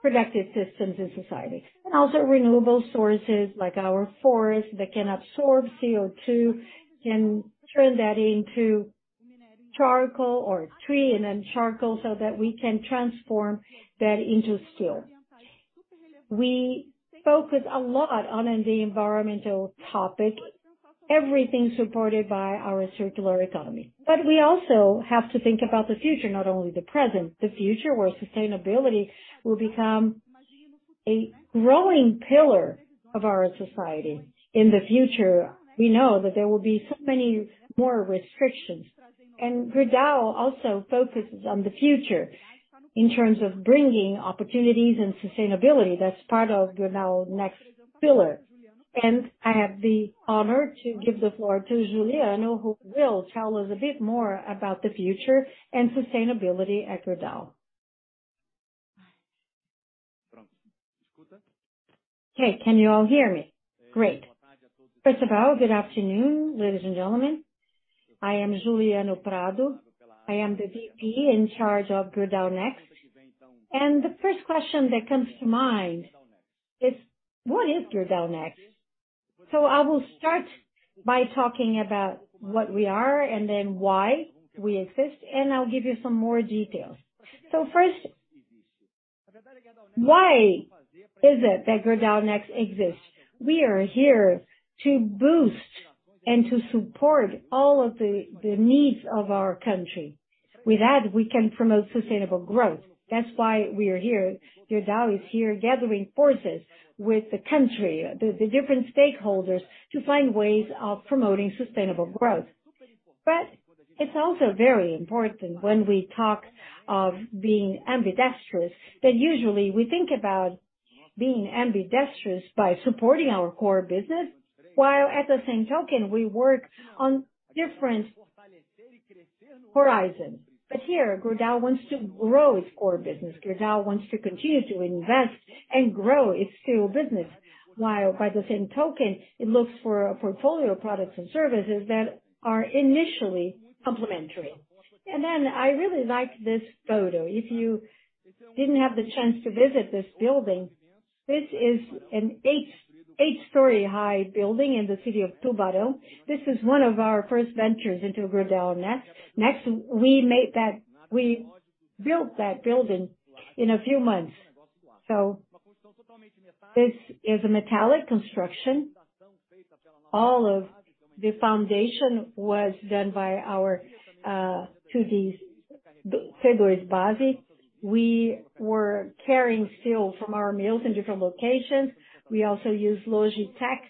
productive systems in society. Also renewable sources like our forest that can absorb CO₂, can turn that into charcoal, or tree and then charcoal, so that we can transform that into steel. We focus a lot on the environmental topic, everything supported by our circular economy. We also have to think about the future, not only the present. The future where sustainability will become a growing pillar of our society. In the future, we know that there will be so many more restrictions. Gerdau also focuses on the future in terms of bringing opportunities and sustainability. That's part of Gerdau Next pillar. I have the honor to give the floor to Juliano, who will tell us a bit more about the future and sustainability at Gerdau. Hey, can you all hear me? Great. First of all, good afternoon, ladies and gentlemen. I am Juliano Prado. I am the VP in charge of Gerdau Next. The first question that comes to mind is what is Gerdau Next? I will start by talking about what we are and then why we exist, and I'll give you some more details. First, why is it that Gerdau Next exists? We are here to boost and to support all of the needs of our country. With that, we can promote sustainable growth. That's why we are here. Gerdau is here gathering forces with the country, the different stakeholders, to find ways of promoting sustainable growth. It's also very important when we talk of being ambidextrous, that usually we think about being ambidextrous by supporting our core business, while at the same token, we work on different horizons. Here, Gerdau wants to grow its core business. Gerdau wants to continue to invest and grow its steel business, while by the same token, it looks for a portfolio of products and services that are initially complementary. I really like this photo. If you didn't have the chance to visit this building, this is an eight-storey high building in the city of Tubarão. This is one of our first ventures into Gerdau Next. Next, we built that building in a few months. This is a metallic construction. All of the foundation was done by our through the [Segurite base]. We were carrying steel from our mills in different locations. We also use Logistec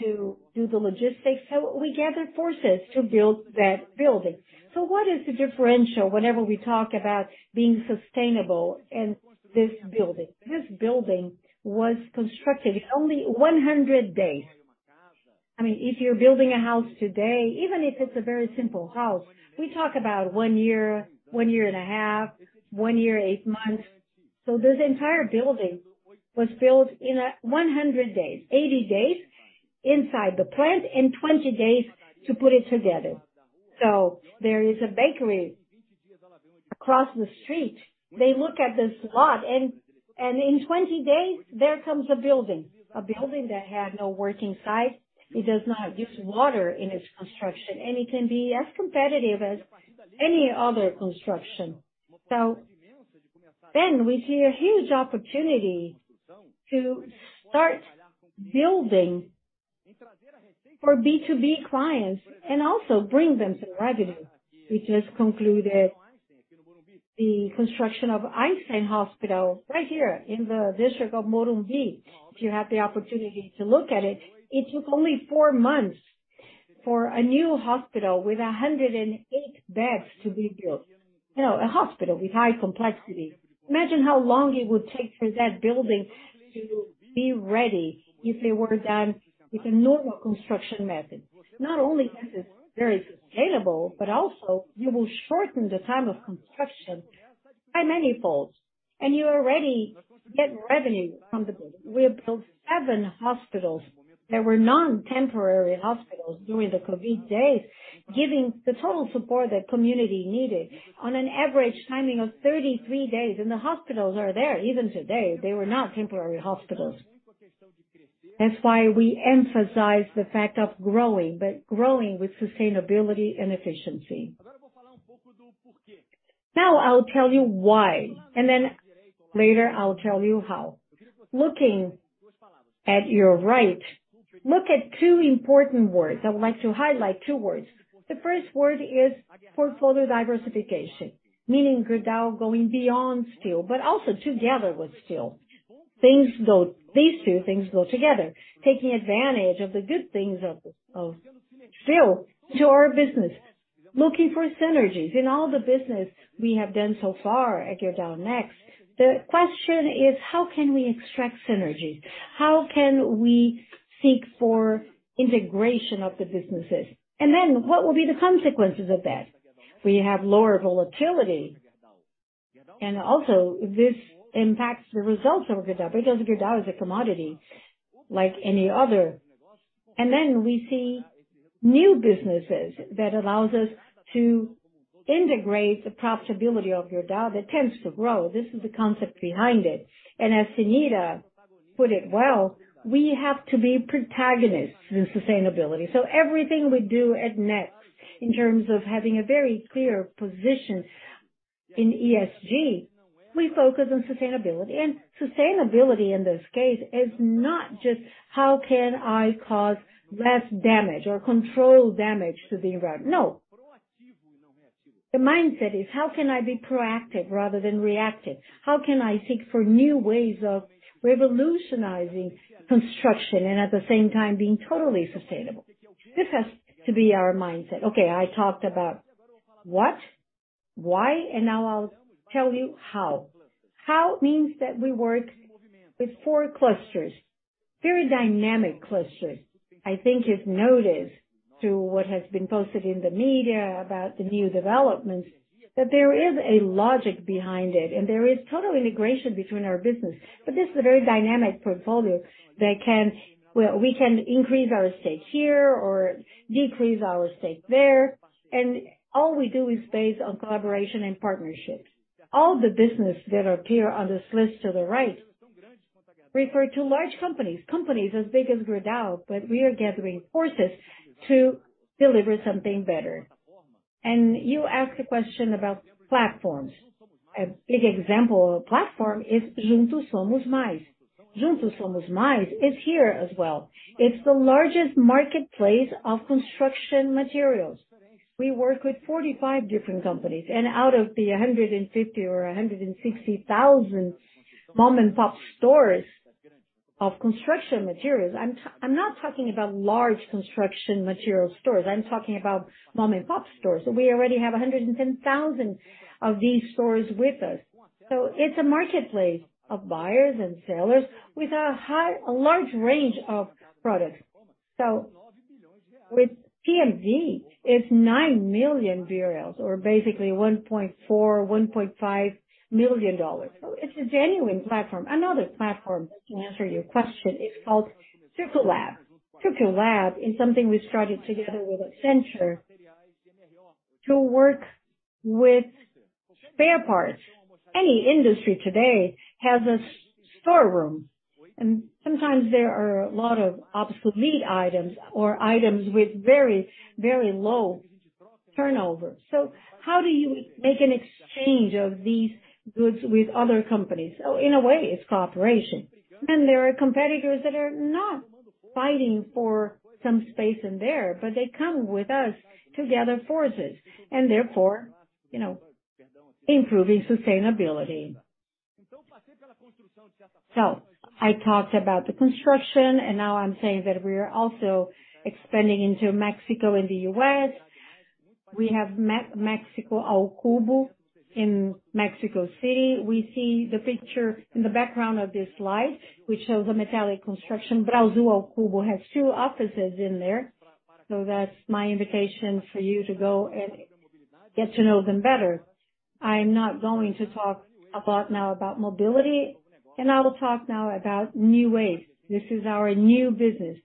to do the logistics. We gathered forces to build that building. What is the differential whenever we talk about being sustainable in this building? This building was constructed in only 100 days. I mean, if you're building a house today, even if it's a very simple house, we talk about one year, one year and a half, one year, eight months. This entire building was built in a 100 days. 80 days inside the plant and 20 days to put it together. There is a bakery across the street. They look at this lot and in 20 days, there comes a building. A building that had no working site. It does not use water in its construction, and it can be as competitive as any other construction. We see a huge opportunity to start building for B2B clients and also bring them some revenue, which has concluded the construction of Einstein Hospital right here in the district of Morumbi. If you have the opportunity to look at it took only four months for a new hospital with 108 beds to be built. You know, a hospital with high complexity. Imagine how long it would take for that building to be ready if it were done with a normal construction method. Not only is this very sustainable, but also you will shorten the time of construction by many folds. You already get revenue from the building. We have built seven hospitals that were non-temporary hospitals during the COVID days, giving the total support that community needed on an average timing of 33 days. The hospitals are there, even today. They were not temporary hospitals. That's why we emphasize the fact of growing, but growing with sustainability and efficiency. Now I'll tell you why, and then later I'll tell you how. Looking at your right, look at two important words. I would like to highlight two words. The first word is portfolio diversification, meaning Gerdau going beyond steel, but also together with steel. These two things go together. Taking advantage of the good things of steel to our business. Looking for synergies. In all the business we have done so far at Gerdau Next, the question is: How can we extract synergies? How can we seek for integration of the businesses? What will be the consequences of that? We have lower volatility, and also this impacts the results of Gerdau. Because Gerdau is a commodity like any other. We see new businesses that allows us to integrate the profitability of Gerdau that tends to grow. This is the concept behind it. As Cenira put it well, we have to be protagonists in sustainability. Everything we do at Next, in terms of having a very clear position in ESG, we focus on sustainability. Sustainability, in this case, is not just how can I cause less damage or control damage to the environment. No. The mindset is, how can I be proactive rather than reactive? How can I seek for Newaves of revolutionizing construction and at the same time being totally sustainable? This has to be our mindset. Okay, I talked about what, why, and now I'll tell you how. How means that we work with four clusters, very dynamic clusters. I think it's noticed through what has been posted in the media about the new developments, that there is a logic behind it and there is total integration between our business. This is a very dynamic portfolio that can. We can increase our stake here or decrease our stake there. All we do is based on collaboration and partnerships. All the business that appear on this list to the right, refer to large companies as big as Gerdau, but we are gathering forces to deliver something better. You asked a question about platforms. A big example of a platform is Juntos Somos Mais. Juntos Somos Mais is here as well. It's the largest marketplace of construction materials. We work with 45 different companies, and out of the 150,000 or 160,000 mom-and-pop stores of construction materials. I'm not talking about large construction material stores, I'm talking about mom-and-pop stores. We already have 110,000 of these stores with us. It's a marketplace of buyers and sellers with a large range of products. With PLG, it's BRL 9 million, or basically $1.4 million-$1.5 million. It's a genuine platform. Another platform, to answer your question, is called Circle Lab. Circle Lab is something we started together with Accenture to work with spare parts. Any industry today has a storeroom, and sometimes there are a lot of obsolete items or items with very, very low turnover. How do you make an exchange of these goods with other companies? In a way, it's cooperation. There are competitors that are not fighting for some space in there, but they come with us to gather forces and therefore, you know, improving sustainability. I talked about the construction, and now I'm saying that we are also expanding into Mexico and the U.S. We have México ao Cubo in Mexico City. We see the picture in the background of this slide, which shows a metallic construction. Brasil ao Cubo has two offices in there. That's my invitation for you to go and get to know them better. I'm not going to talk about now about mobility. I will talk now about Newaves. This is our new business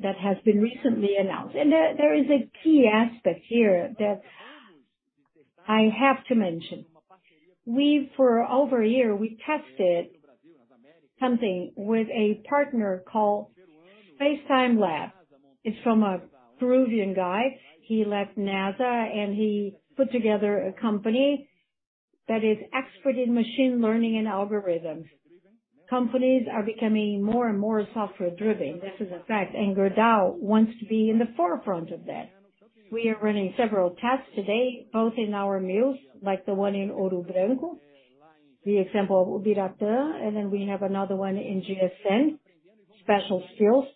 that has been recently announced. There is a key aspect here that I have to mention. For over a year, we tested something with a partner called SpaceTime Labs. It's from a Peruvian guy. He left NASA. He put together a company that is expert in machine learning and algorithms. Companies are becoming more and more software-driven. This is a fact. Gerdau wants to be in the forefront of that. We are running several tests today, both in our mills, like the one in Ouro Branco, the example of Ubiratã. We have another one in GSN, special steels.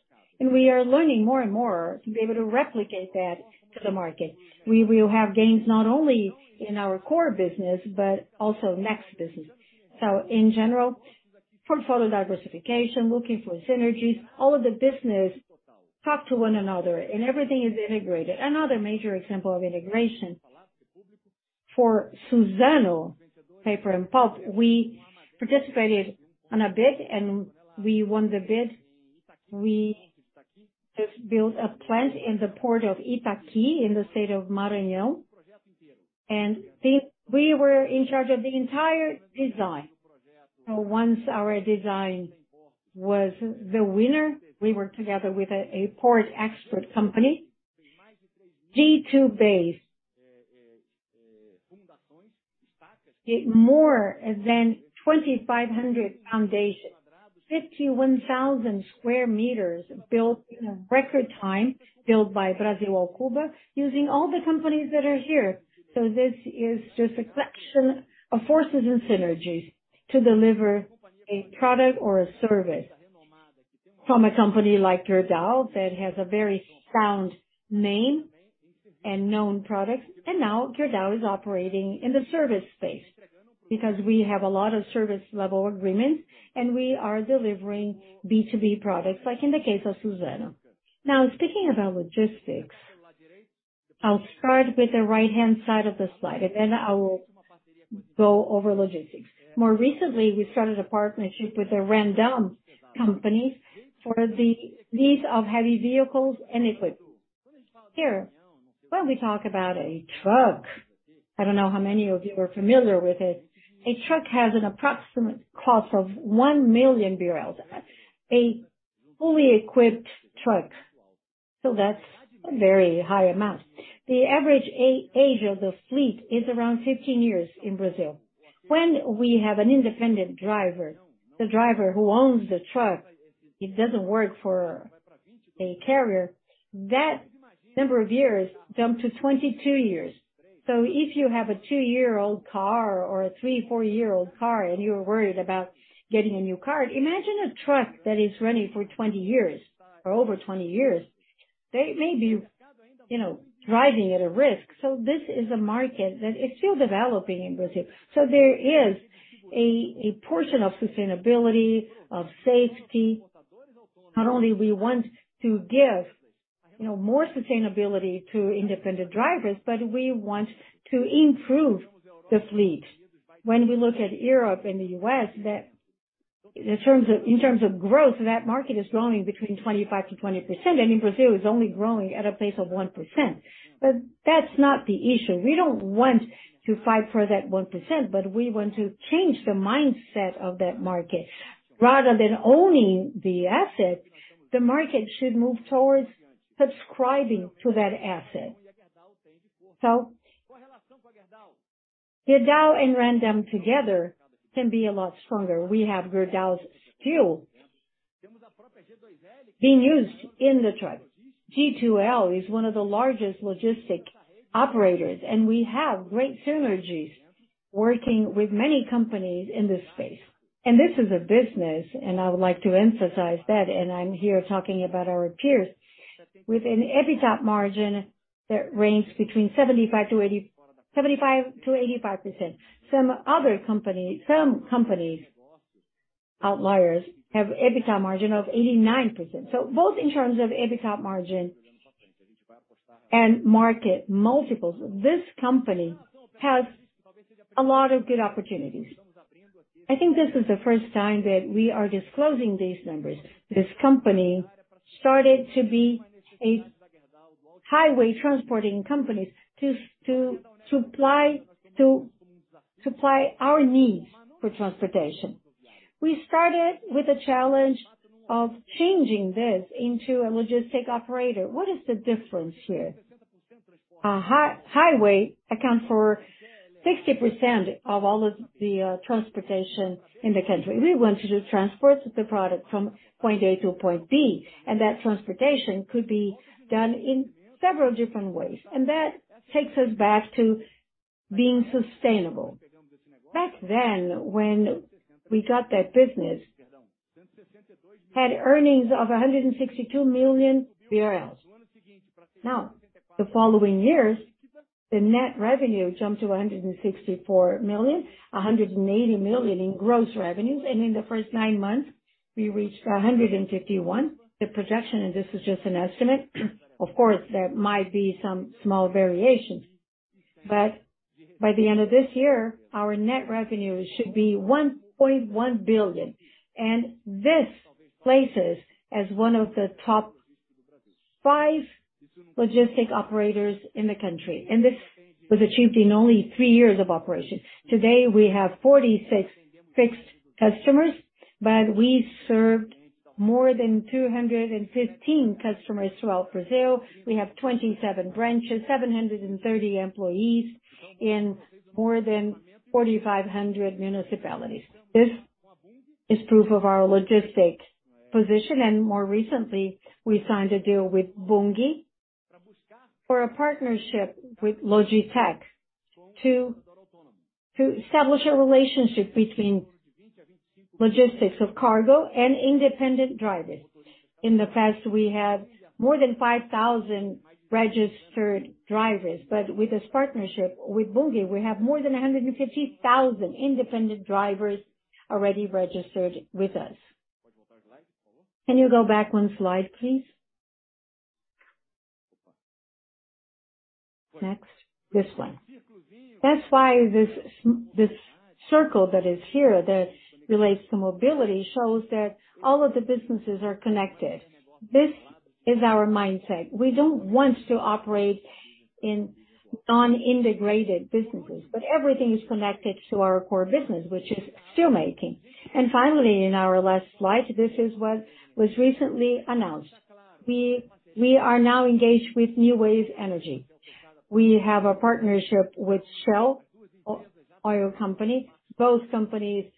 We are learning more and more to be able to replicate that to the market. We will have gains not only in our core business, but also next business. In general, portfolio diversification, looking for synergies, all of the business talk to one another, and everything is integrated. Another major example of integration for Suzano S.A., we participated on a bid. We won the bid. We just built a plant in the port of Itaqui, in the state of Maranhão. We were in charge of the entire design. Once our design was the winner, we worked together with a port expert company. G2Base did more than 2,500 foundations. 51,000 sq m built in a record time, built by Brasil ao Cubo, using all the companies that are here. This is just a collection of forces and synergies to deliver a product or a service from a company like Gerdau that has a very sound name and known products. Gerdau is operating in the service space because we have a lot of service level agreements, and we are delivering B2B products, like in the case of Suzano. Now, speaking about logistics, I'll start with the right-hand side of the slide, and then I will go over logistics. More recently, we started a partnership with the Randon company for the lease of heavy vehicles and equipment. Here, when we talk about a truck, I don't know how many of you are familiar with it. A truck has an approximate cost of 1 million BRL. That's a very high amount. The average age of the fleet is around 15 years in Brazil. When we have an independent driver, the driver who owns the truck, it doesn't work for a carrier. That number of years jumped to 22 years. If you have a two-year-old car or a three, four-year-old car and you're worried about getting a new car, imagine a truck that is running for 20 years or over 20 years. They may be, you know, driving at a risk. This is a market that is still developing in Brazil. There is a portion of sustainability, of safety. Not only we want to give, you know, more sustainability to independent drivers, but we want to improve the fleet. When we look at Europe and the U.S., in terms of growth, that market is growing between 25%-20%. In Brazil, it's only growing at a pace of 1%. That's not the issue. We don't want to fight for that 1%, we want to change the mindset of that market. Rather than owning the asset, the market should move towards subscribing to that asset. Gerdau and Randon together can be a lot stronger. We have Gerdau steel being used in the truck. G2L is one of the largest logistics operators, we have great synergies working with many companies in this space. This is a business, I would like to emphasize that, I'm here talking about our peers. With an EBITDA margin that ranks between 75%-85%. Some companies, outliers, have EBITDA margin of 89%. Both in terms of EBITDA margin and market multiples, this company has a lot of good opportunities. I think this is the first time that we are disclosing these numbers. This company started to be a highway transporting company to supply our needs for transportation. We started with the challenge of changing this into a logistic operator. What is the difference here? Highway account for 60% of all of the transportation in the country. We want to just transport the product from point A to point B, and that transportation could be done in several different ways. That takes us back to being sustainable. Back then, when we got that business, had earnings of BRL 162 million. The following years, the net revenue jumped to 164 million, 180 million in gross revenue. In the first nine months, we reached 151 million. The projection, this is just an estimate, of course, there might be some small variations. By the end of this year, our net revenue should be 1.1 billion. This places as one of the top five logistic operators in the country. This was achieved in only three years of operation. Today, we have 46 fixed customers. We served more than 215 customers throughout Brazil. We have 27 branches, 730 employees in more than 4,500 municipalities. This is proof of our logistic position. More recently, we signed a deal with Bunge for a partnership with Logitek to establish a relationship between logistics of cargo and independent drivers. In the past, we had more than 5,000 registered drivers. With this partnership with Bunge, we have more than 150,000 independent drivers already registered with us. Can you go back one slide, please? Next. This one. That's why this circle that is here, that relates to mobility, shows that all of the businesses are connected. This is our mindset. We don't want to operate in non-integrated businesses. Everything is connected to our core business, which is steel making. Finally, in our last slide, this is what was recently announced. We are now engaged with Newave Energia. We have a partnership with Shell Oil Company. Both companies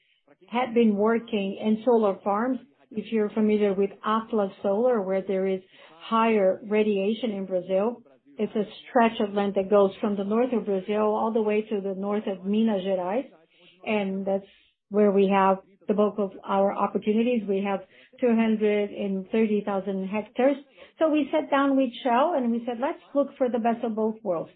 have been working in solar farms. If you're familiar with Atlas Solar, where there is higher radiation in Brazil, it's a stretch of land that goes from the north of Brazil all the way to the north of Minas Gerais. That's where we have the bulk of our opportunities. We have 230,000 hectares. We sat down with Shell, and we said, "Let's look for the best of both worlds.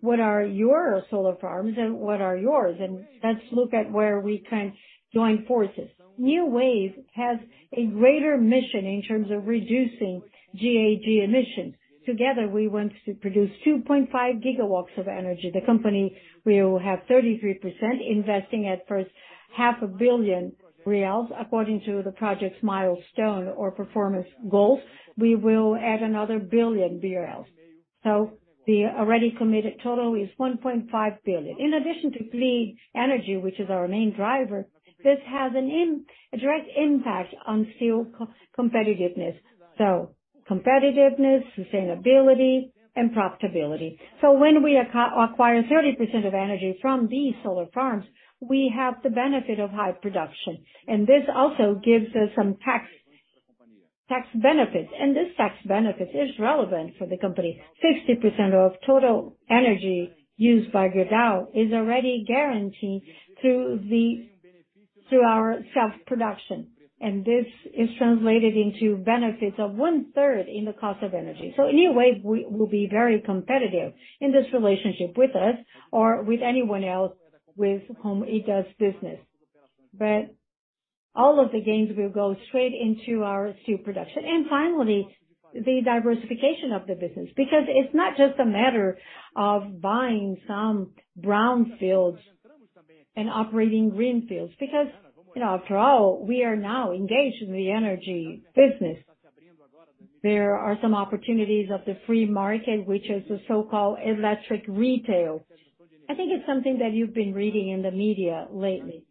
What are your solar farms and what are yours? Let's look at where we can join forces." Newave has a greater mission in terms of reducing GHG emissions. Together, we want to produce 2.5 GW of energy. The company will have 33% investing at first half a billion BRL according to the project's milestone or performance goals. We will add another 1 billion BRL. The already committed total is 1.5 billion BRL. In addition to clean energy, which is our main driver, this has a direct impact on steel co-competitiveness. Competitiveness, sustainability, and profitability. When we acquire 30% of energy from these solar farms, we have the benefit of high production, and this also gives us some tax benefits. This tax benefit is relevant for the company. 60% of total energy used by Gerdau is already guaranteed through our self-production. This is translated into benefits of one-third in the cost of energy. NewWave will be very competitive in this relationship with us or with anyone else with whom it does business. All of the gains will go straight into our steel production. Finally, the diversification of the business, because it's not just a matter of buying some brownfields and operating greenfields. You know, after all, we are now engaged in the energy business. There are some opportunities of the free market, which is the so-called electric retail. I think it's something that you've been reading in the media lately.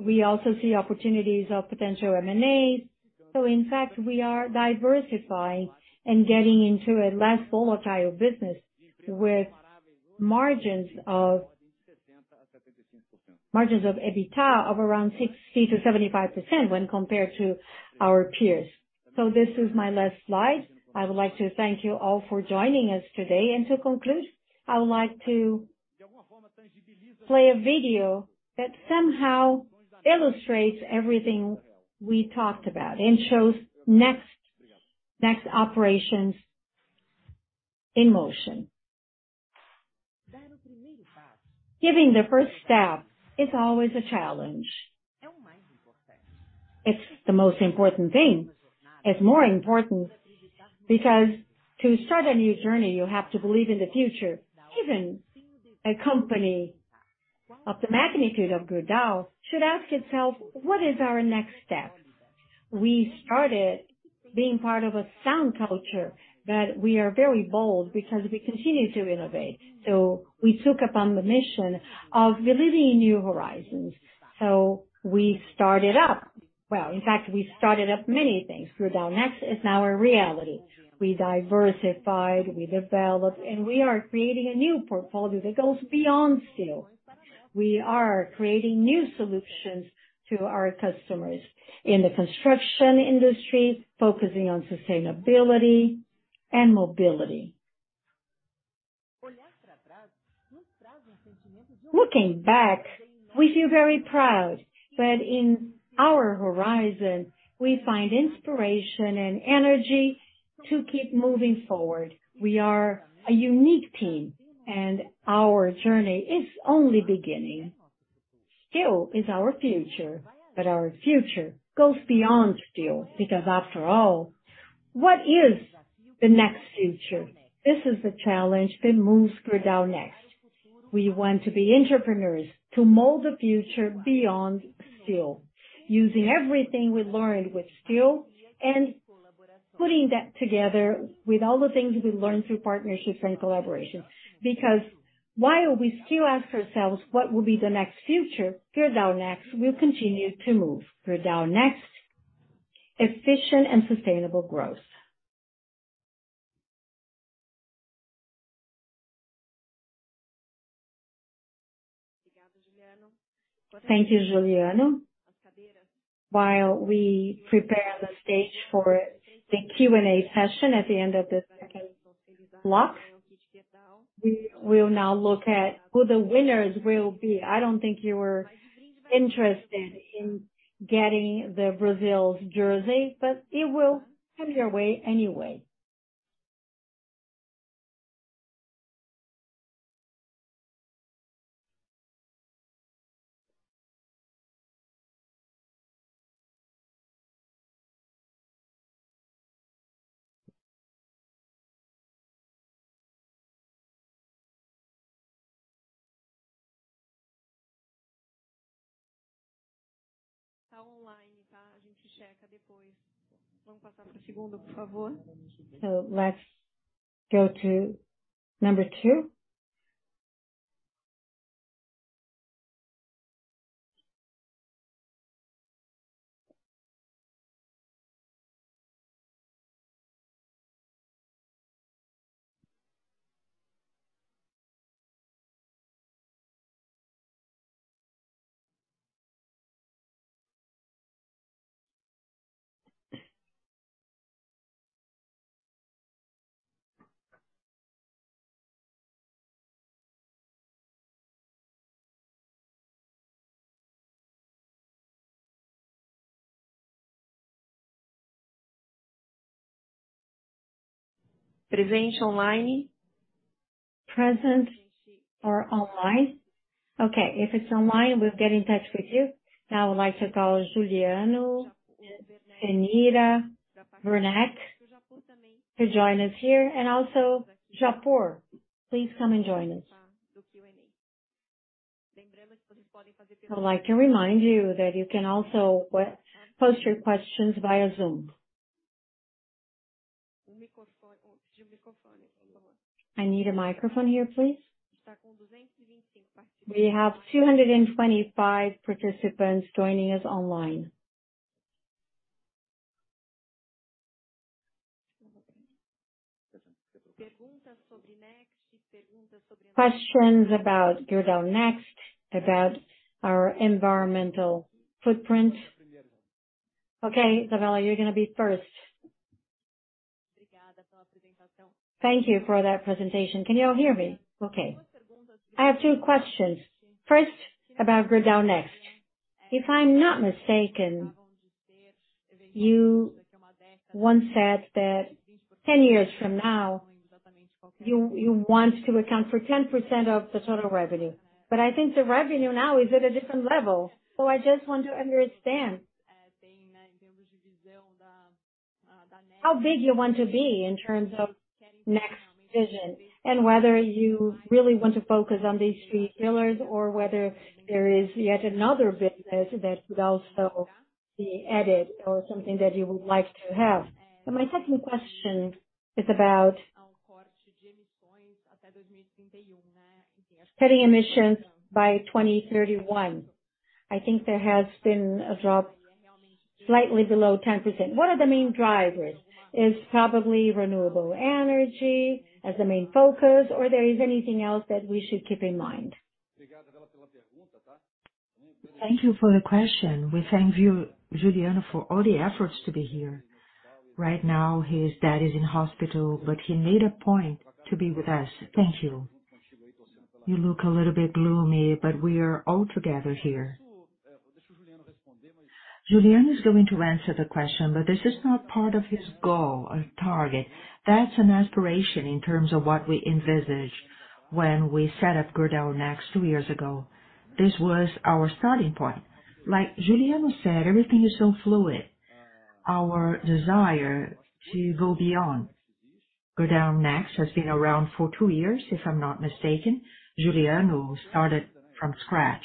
We also see opportunities of potential M&As. In fact, we are diversifying and getting into a less volatile business with margins of EBITDA of around 60%-75% when compared to our peers. This is my last slide. I would like to thank you all for joining us today. To conclude, I would like to play a video that somehow illustrates everything we talked about and shows Gerdau Next operations in motion. Giving the first step is always a challenge. It's the most important thing. It's more important because to start a new journey, you have to believe in the future. Even a company of the magnitude of Gerdau should ask itself, "What is our next step?" We started being part of a sound culture, but we are very bold because we continue to innovate. We took up on the mission of believing in new horizons. We started up. Well, in fact, we started up many things. Gerdau Next is now a reality. We diversified, we developed, and we are creating a new portfolio that goes beyond steel. We are creating new solutions to our customers in the construction industry, focusing on sustainability and mobility. Looking back, we feel very proud. In our horizon, we find inspiration and energy to keep moving forward. We are a unique team, and our journey is only beginning. Steel is our future, but our future goes beyond steel, because after all, what is the next future? This is the challenge that moves Gerdau Next. We want to be entrepreneurs to mold the future beyond steel, using everything we learned with steel and putting that together with all the things we learned through partnerships and collaborations. While we still ask ourselves what will be the next future, Gerdau Next will continue to move. Gerdau Next, efficient and sustainable growth. Thank you, Juliano. While we prepare the stage for the Q&A session at the end of the second block, we will now look at who the winners will be. I don't think you are interested in getting the Brazil's jersey, it will come your way anyway. Let's go to number two. Present online. Present or online. Okay, if it's online, we'll get in touch with you. I would like to call Juliano, Cenira, Werneck to join us here, and also Japur, please come and join us. I would like to remind you that you can also we-post your questions via Zoom. I need a microphone here, please. We have 225 participants joining us online. Questions about Gerdau Next, about our environmental footprint. Okay, Isabella, you're gonna be first. Thank you for that presentation. Can you all hear me? Okay. I have two questions. First, about Gerdau Next. If I'm not mistaken, you once said that ten years from now, you want to account for 10% of the total revenue. I think the revenue now is at a different level. I just want to understand how big you want to be in terms of next vision, and whether you really want to focus on these three pillars or whether there is yet another business that could also be added or something that you would like to have? My second question is about cutting emissions by 2031. I think there has been a drop slightly below 10%. What are the main drivers? Is probably renewable energy as the main focus, or there is anything else that we should keep in mind? Thank you for the question. We thank you, Juliano, for all the efforts to be here. Right now, his dad is in hospital, but he made a point to be with us. Thank you. You look a little bit gloomy, but we are all together here. Juliano is going to answer the question, but this is not part of his goal or target. That's an aspiration in terms of what we envisaged when we set up Gerdau Next two years ago. This was our starting point. Like Juliano said, everything is so fluid. Our desire to go beyond. Gerdau Next has been around for two years, if I'm not mistaken. Juliano started from scratch.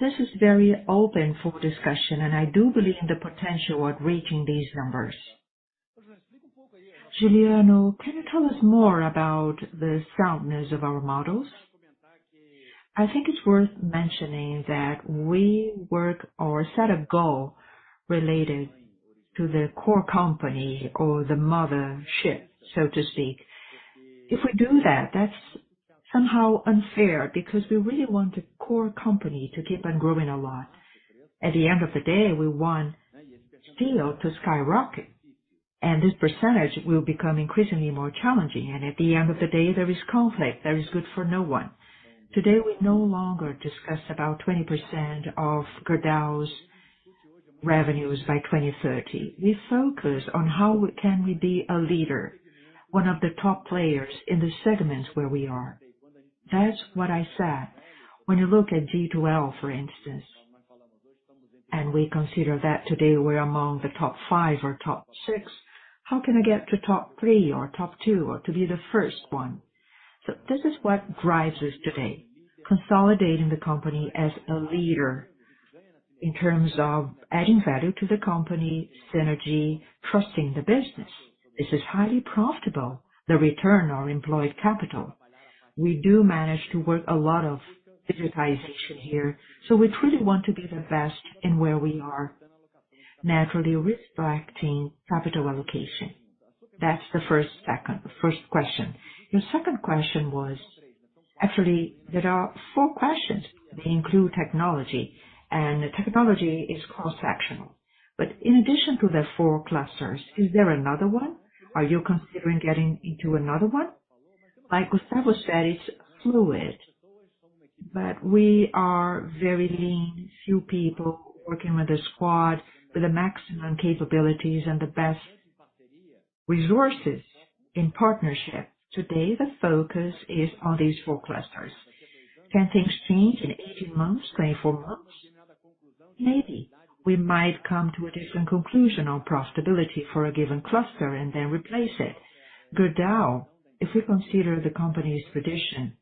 This is very open for discussion, and I do believe in the potential of reaching these numbers. Juliano, can you tell us more about the soundness of our models? I think it's worth mentioning that we work or set a goal related to the core company or the mothership, so to speak. If we do that's somehow unfair because we really want the core company to keep on growing a lot. At the end of the day, we want steel to skyrocket, and this percentage will become increasingly more challenging. At the end of the day, there is conflict that is good for no one. Today, we no longer discuss about 20% of Gerdau's revenues by 2030. We focus on how can we be a leader, one of the top players in the segments where we are. That's what I said. When you look at G2L, for instance, and we consider that today we're among the top five or top six, how can I get to top three or top two or to be the first one? This is what drives us today, consolidating the company as a leader in terms of adding value to the company, synergy, trusting the business. This is highly profitable, the return on employed capital. We do manage to work a lot of digitization here, so we truly want to be the best in where we are, naturally risk-weighting capital allocation. That's the first, The first question. Your second question was... Actually, there are four questions. They include technology, and technology is cross-sectional. In addition to the four clusters, is there another one? Are you considering getting into another one? Like Gustavo said, it's fluid, but we are very lean, few people working with a squad with the maximum capabilities and the best resources in partnership. Today, the focus is on these four clusters. Can things change in 18 months, 24 months? Maybe. We might come to a different conclusion on profitability for a given cluster and then replace it. Gerdau, if we consider the company's tradition,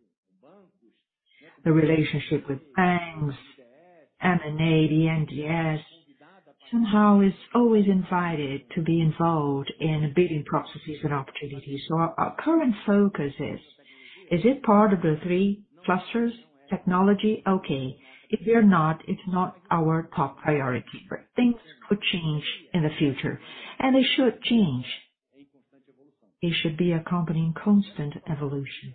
the relationship with banks, M&A, the NDS, somehow is always invited to be involved in bidding processes and opportunities. Our, our current focus is it part of the three clusters technology? Okay. If we are not, it's not our top priority. Things could change in the future, and they should change. It should be a company in constant evolution.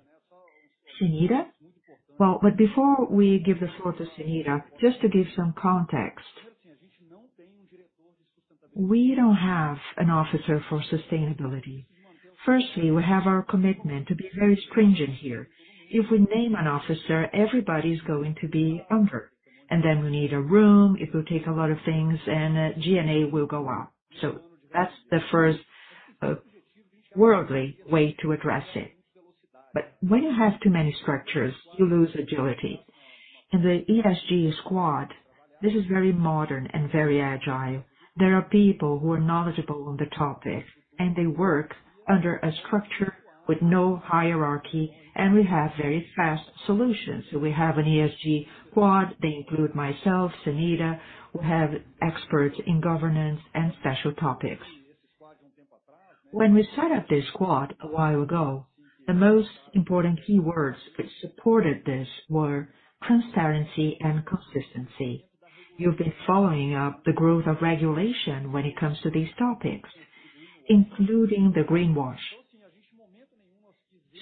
Cenira? Before we give the floor to Cenira, just to give some context. We don't have an officer for sustainability. Firstly, we have our commitment to be very stringent here. If we name an officer, everybody's going to be hampered, and then we need a room. It will take a lot of things, and G&A will go up. That's the first worldly way to address it. When you have too many structures, you lose agility. In the ESG Squad, this is very modern and very agile. There are people who are knowledgeable on the topic, and they work under a structure with no hierarchy, and we have very fast solutions. We have an ESG Squad. They include myself, Cenira. We have experts in governance and special topics. When we set up this squad a while ago, the most important keywords which supported this were transparency and consistency. You've been following up the growth of regulation when it comes to these topics, including the greenwash.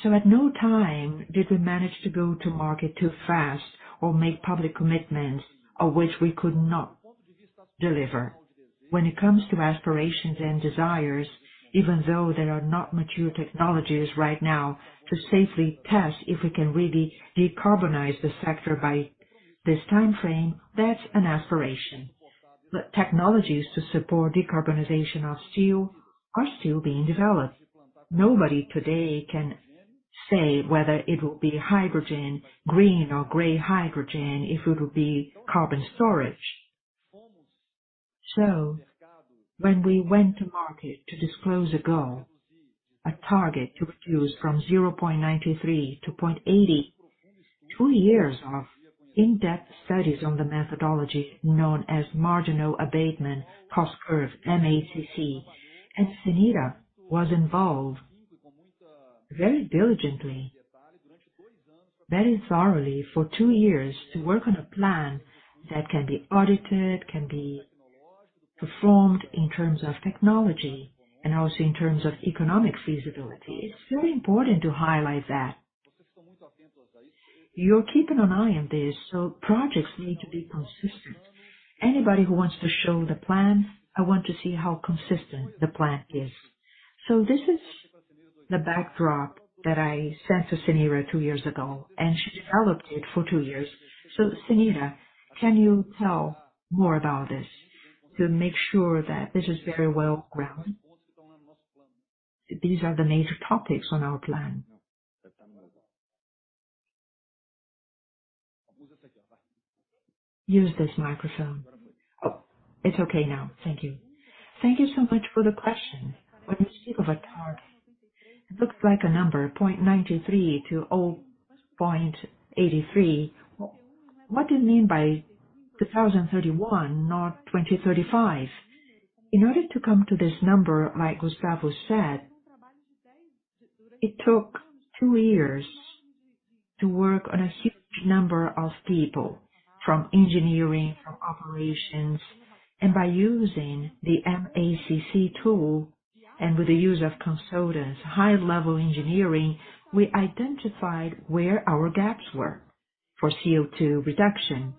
At no time did we manage to go to market too fast or make public commitments of which we could not deliver. When it comes to aspirations and desires, even though there are not mature technologies right now to safely test if we can really decarbonize the sector by this timeframe, that's an aspiration. Technologies to support decarbonization of steel are still being developed. Nobody today can say whether it will be hydrogen, green or gray hydrogen, if it will be carbon storage. When we went to market to disclose a goal, a target to reduce from 0.93 to 0.80, two years of in-depth studies on the methodology known as Marginal Abatement Cost Curve, MACC. Cenira was involved very diligently, very thoroughly for two years to work on a plan that can be audited, can be performed in terms of technology, and also in terms of economic feasibility. It's very important to highlight that. You're keeping an eye on this, so projects need to be consistent. Anybody who wants to show the plan, I want to see how consistent the plan is. This is the backdrop that I sent to Cenira two years ago, and she developed it for two years. Cenira, can you tell more about this to make sure that this is very well-grounded? These are the major topics on our plan. Use this microphone. Oh, it's okay now. Thank you. Thank you so much for the question. When you speak of a target, it looks like a number 0.93 to 0.83. What do you mean by 2031, not 2035? In order to come to this number, like Gustavo said, it took two years to work on a huge number of people from engineering, from operations. By using the MACC tool and with the use of consultants, high-level engineering, we identified where our gaps were for CO₂ reduction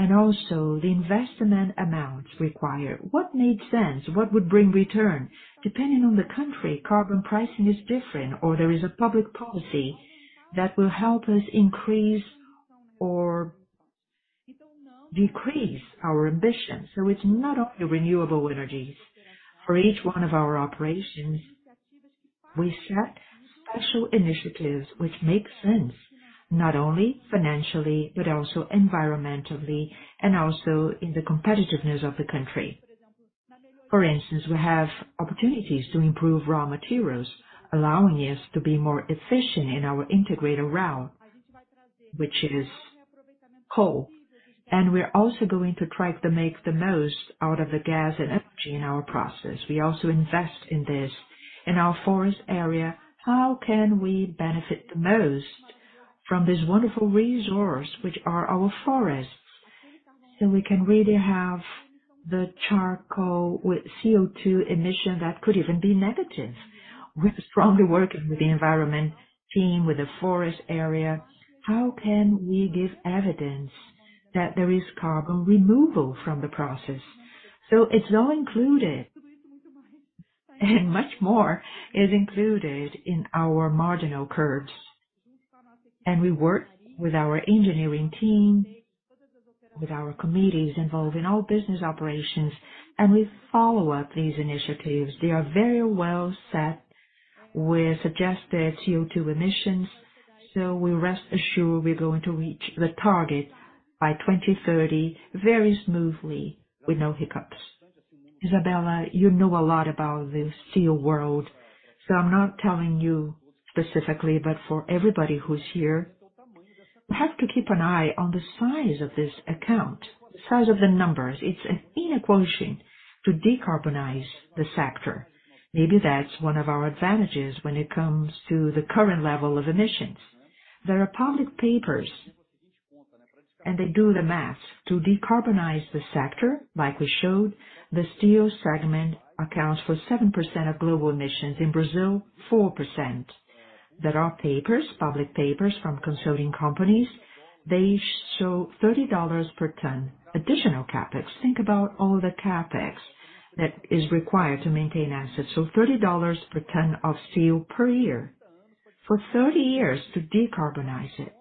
and also the investment amounts required. What made sense, what would bring return? Depending on the country, carbon pricing is different, or there is a public policy that will help us increase or decrease our ambition. It's not only renewable energies. For each one of our operations, we set special initiatives which make sense not only financially but also environmentally, and also in the competitiveness of the country. For instance, we have opportunities to improve raw materials, allowing us to be more efficient in our integrated route, which is coal. We're also going to try to make the most out of the gas and energy in our process. We also invest in this. In our forest area, how can we benefit the most from this wonderful resource, which are our forests? We can really have the charcoal with CO₂ emission that could even be negative. We're strongly working with the environment team, with the forest area. How can we give evidence that there is carbon removal from the process? It's all included and much more is included in our marginal curves. We work with our engineering team, with our committees involved in all business operations, and we follow up these initiatives. They are very well set with suggested CO₂ emissions. We rest assured we're going to reach the target by 2030 very smoothly with no hiccups. Isabella, you know a lot about the steel world. I'm not telling you specifically, for everybody who's here. We have to keep an eye on the size of this account, the size of the numbers. It's an inequality to decarbonize the sector. Maybe that's one of our advantages when it comes to the current level of emissions. There are public papers. They do the math. To decarbonize the sector, like we showed, the steel segment accounts for 7% of global emissions. In Brazil, 4%. There are papers, public papers from consulting companies. They show $30 per ton additional CapEx. Think about all the CapEx that is required to maintain assets. $30 per ton of steel per year for 30 years to decarbonize it.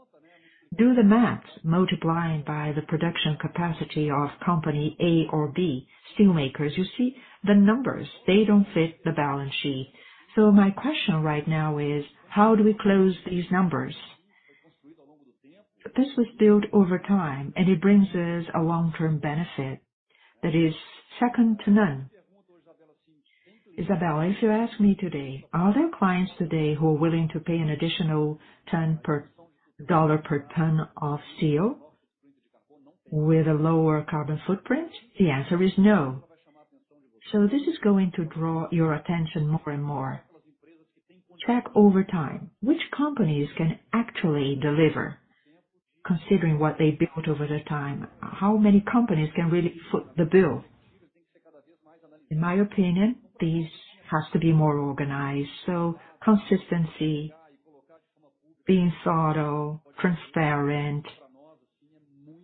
Do the math multiplying by the production capacity of company A or B, steelmakers. You see the numbers, they don't fit the balance sheet. My question right now is: How do we close these numbers? This was built over time, and it brings us a long-term benefit that is second to none. Isabella, if you ask me today, are there clients today who are willing to pay an additional $10 per ton of steel with a lower carbon footprint? The answer is no. This is going to draw your attention more and more. Check over time which companies can actually deliver considering what they built over the time. How many companies can really foot the bill? In my opinion, this has to be more organized. Consistency, being subtle, transparent,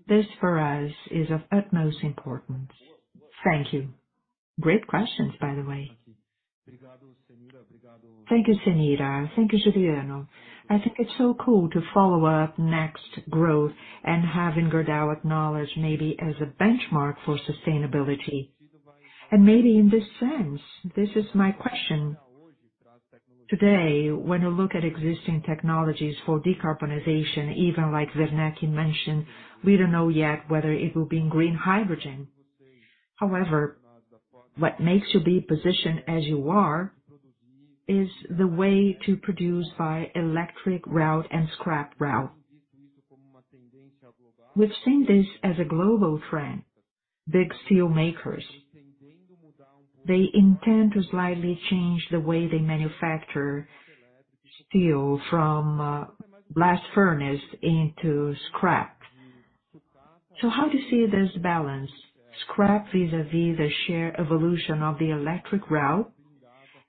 this for us is of utmost importance. Thank you. Great questions, by the way. Thank you, Cenira. Thank you, Juliano. I think it's so cool to follow up next growth and having Gerdau acknowledged maybe as a benchmark for sustainability. Maybe in this sense, this is my question. Today, when you look at existing technologies for decarbonization, even like Gustavo Werneck mentioned, we don't know yet whether it will be in green hydrogen. However, what makes you be positioned as you are is the way to produce by electric route and scrap route. We've seen this as a global trend. Big steel makers, they intend to slightly change the way they manufacture steel from blast furnace into scrap. How do you see this balance, scrap vis-à-vis the share evolution of the electric route,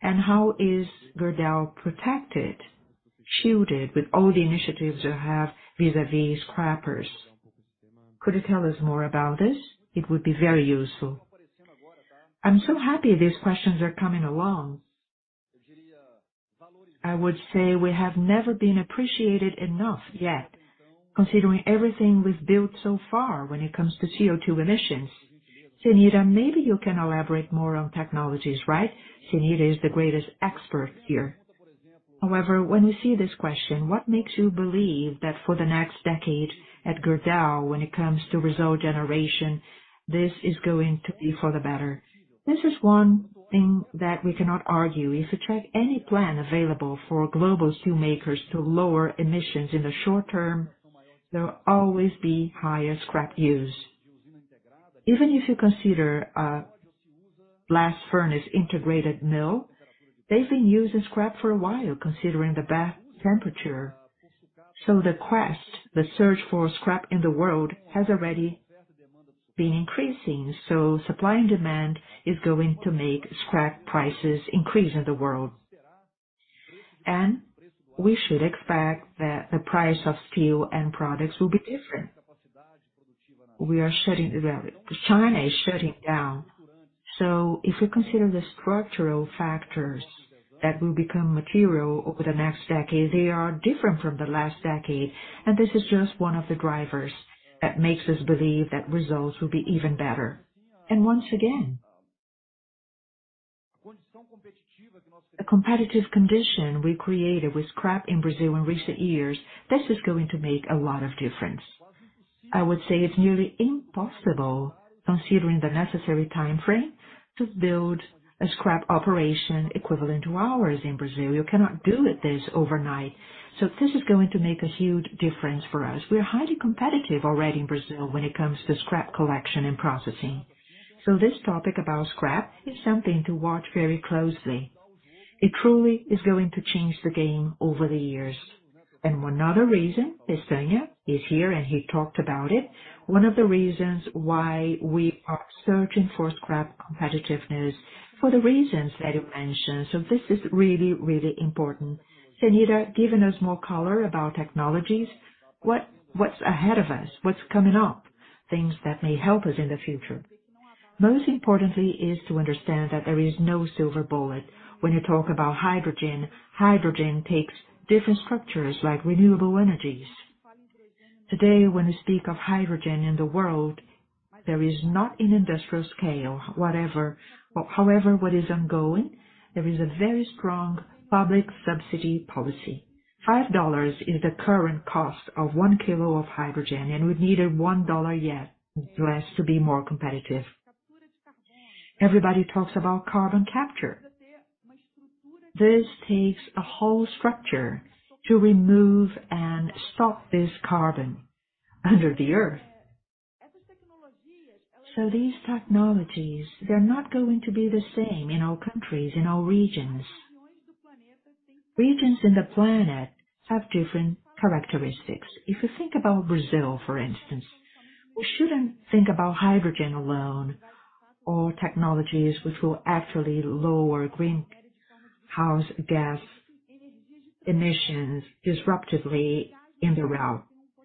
and how is Gerdau protected, shielded with all the initiatives you have vis-à-vis scrappers? Could you tell us more about this? It would be very useful. I'm so happy these questions are coming along. I would say we have never been appreciated enough yet, considering everything we've built so far when it comes to CO₂ emissions. Cenira, maybe you can elaborate more on technologies, right? Cenira is the greatest expert here. When you see this question, what makes you believe that for the next decade at Gerdau, when it comes to result generation, this is going to be for the better? This is one thing that we cannot argue. If you check any plan available for global steelmakers to lower emissions in the short term, there will always be higher scrap use. Even if you consider a blast furnace integrated mill, they've been using scrap for a while, considering the bath temperature. The quest, the search for scrap in the world has already been increasing, so supply and demand is going to make scrap prices increase in the world. We should expect that the price of steel end products will be different. We are shutting down. China is shutting down. If you consider the structural factors that will become material over the next decade, they are different from the last decade, and this is just one of the drivers that makes us believe that results will be even better. Once again, the competitive condition we created with scrap in Brazil in recent years, this is going to make a lot of difference. I would say it's nearly impossible, considering the necessary timeframe, to build a scrap operation equivalent to ours in Brazil. You cannot do this overnight. This is going to make a huge difference for us. We are highly competitive already in Brazil when it comes to scrap collection and processing. This topic about scrap is something to watch very closely. It truly is going to change the game over the years. One other reason, Estevão is here and he talked about it. One of the reasons why we are searching for scrap competitiveness, for the reasons that he mentioned. This is really, really important. Cenira, giving us more color about technologies, what's ahead of us? What's coming up? Things that may help us in the future. Most importantly is to understand that there is no silver bullet. When you talk about hydrogen takes different structures like renewable energies. Today, when you speak of hydrogen in the world, there is not an industrial scale. However, what is ongoing, there is a very strong public subsidy policy. $5 is the current cost of 1 kg of hydrogen, and we'd need a $1 less to be more competitive. Everybody talks about carbon capture. This takes a whole structure to remove and stop this carbon under the Earth. These technologies, they're not going to be the same in all countries, in all regions. Regions in the planet have different characteristics. If you think about Brazil, for instance, we shouldn't think about hydrogen alone or technologies which will actually lower greenhouse gas emissions disruptively in the route.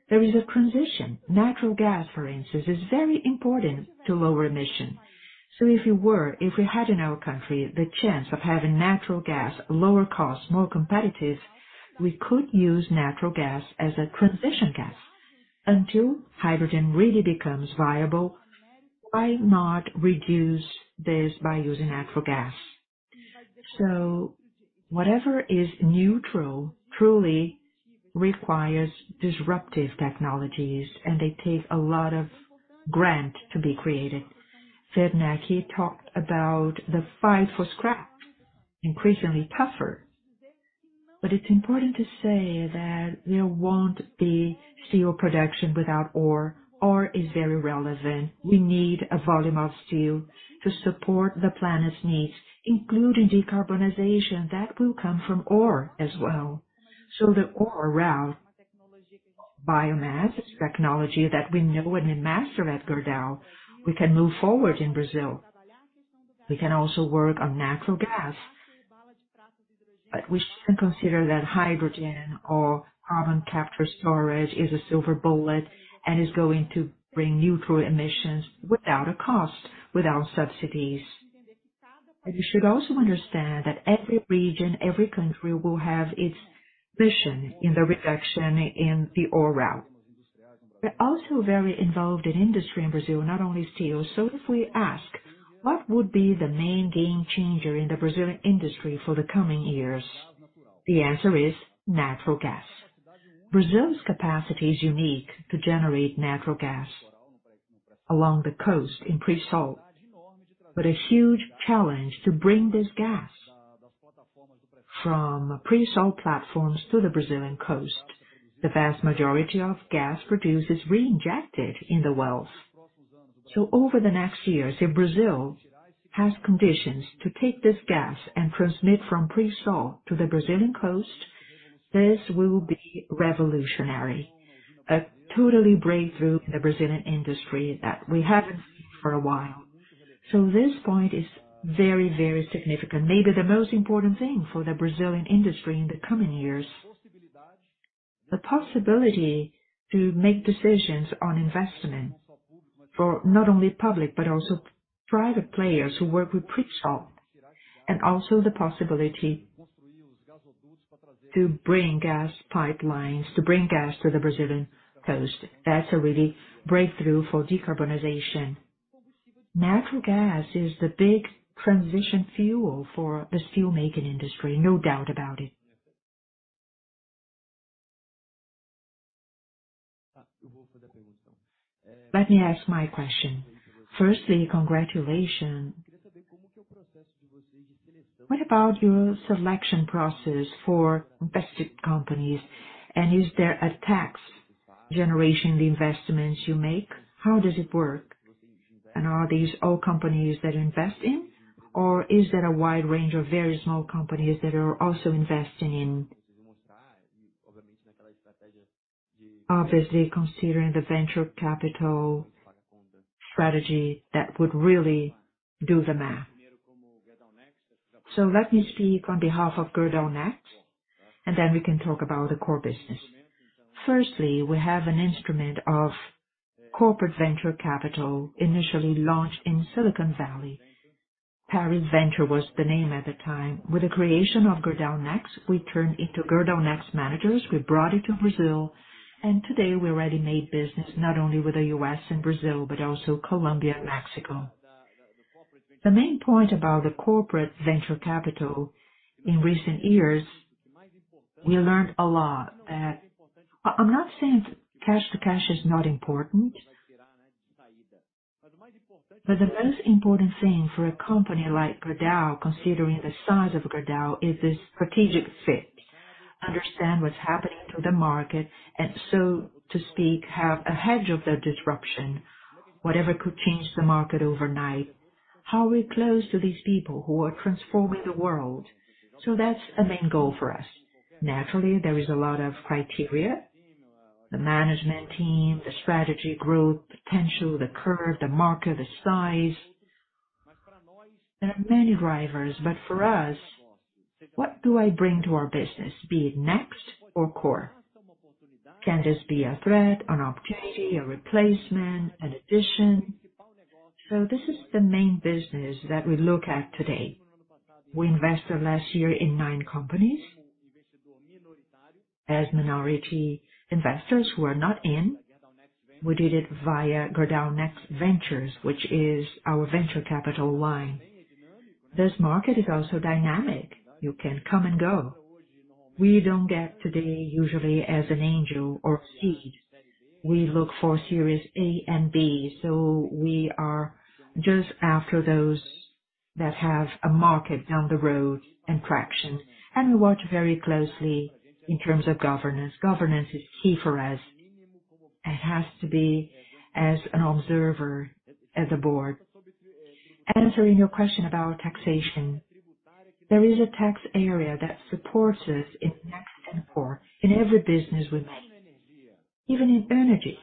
There is a transition. Natural gas, for instance, is very important to lower emissions. If you were, if we had in our country the chance of having natural gas, lower cost, more competitive, we could use natural gas as a transition gas. Until hydrogen really becomes viable, why not reduce this by using natural gas? Whatever is neutral truly requires disruptive technologies, and they take a lot of grant to be created. Gustavo Werneck talked about the fight for scrap, increasingly tougher. It's important to say that there won't be steel production without ore. Ore is very relevant. We need a volume of steel to support the planet's needs, including decarbonization. That will come from ore as well. The ore route, biomass technology that we know and master at Gerdau, we can move forward in Brazil. We can also work on natural gas. We shouldn't consider that hydrogen or carbon capture storage is a silver bullet and is going to bring neutral emissions without a cost, without subsidies. You should also understand that every region, every country will have its mission in the reduction in the ore route. We're also very involved in industry in Brazil, not only steel. If we ask, what would be the main game changer in the Brazilian industry for the coming years? The answer is natural gas. Brazil's capacity is unique to generate natural gas along the coast in Pre-salt. A huge challenge to bring this gas from Pre-salt platforms to the Brazilian coast. The vast majority of gas produced is reinjected in the wells. Over the next years, if Brazil has conditions to take this gas and transmit from Pre-salt to the Brazilian coast, this will be revolutionary. A totally breakthrough in the Brazilian industry that we haven't seen for a while. This point is very, very significant. Maybe the most important thing for the Brazilian industry in the coming years. The possibility to make decisions on investment for not only public, but also private players who work with Pre-salt, and also the possibility to bring gas pipelines, to bring gas to the Brazilian coast. That's a really breakthrough for decarbonization. Natural gas is the big transition fuel for the steel making industry. No doubt about it. Let me ask my question. Firstly, congratulations. What about your selection process for invested companies, and is there a tax generation, the investments you make, how does it work? Are these all companies that you invest in, or is there a wide range of very small companies that are also investing in? Obviously, considering the venture capital strategy, that would really do the math. Let me speak on behalf of Gerdau Next, and then we can talk about the core business. Firstly, we have an instrument of corporate venture capital, initially launched in Silicon Valley. Peri Venture was the name at the time. With the creation of Gerdau Next, we turned into Gerdau Next managers. We brought it to Brazil, and today we already made business not only with the U.S. and Brazil, but also Colombia and Mexico. The main point about the corporate venture capital in recent years, we learned a lot that I'm not saying cash to cash is not important. The most important thing for a company like Gerdau, considering the size of Gerdau, is this strategic fit. Understand what's happening to the market, and so to speak, have a hedge of the disruption, whatever could change the market overnight. How are we close to these people who are transforming the world? That's a main goal for us. Naturally, there is a lot of criteria. The management team, the strategy growth potential, the curve, the market, the size. There are many drivers, but for us, what do I bring to our business, be it Gerdau Next or core? Can this be a threat, an opportunity, a replacement, addition? This is the main business that we look at today. We invested last year in nine companies. As minority investors who are not in, we did it via Gerdau Next Ventures, which is our venture capital line. This market is also dynamic. You can come and go. We don't get today usually as an angel or seed. We look for series A and B. We are just after those that have a market down the road and traction, and we watch very closely in terms of governance. Governance is key for us. It has to be as an observer at the board. Answering your question about taxation, there is a tax area that supports us in Next and core, in every business we make, even in energy.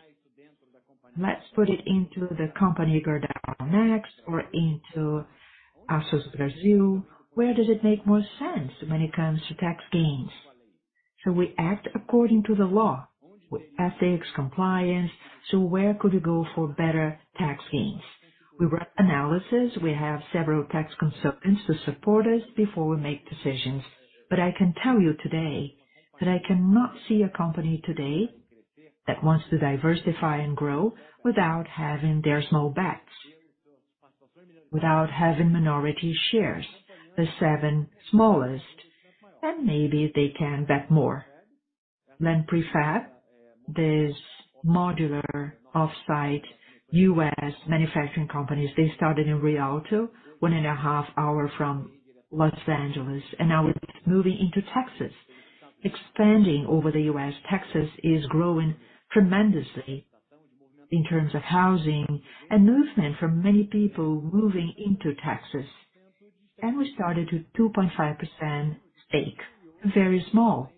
Let's put it into the company Gerdau Next or into Aços Brasil. Where does it make more sense when it comes to tax gains? We act according to the law with ethics compliance. Where could we go for better tax gains? We run analysis. We have several tax consultants to support us before we make decisions. I can tell you today that I cannot see a company today that wants to diversify and grow without having their small bets, without having minority shares. The seven smallest, maybe they can bet more. Prefab. There's modular offsite U.S. manufacturing companies. They started in Rialto, one and a half hour from Los Angeles, now it's moving into Texas. Expanding over the U.S., Texas is growing tremendously in terms of housing and movement for many people moving into Texas. We started with 2.5% stake, very small.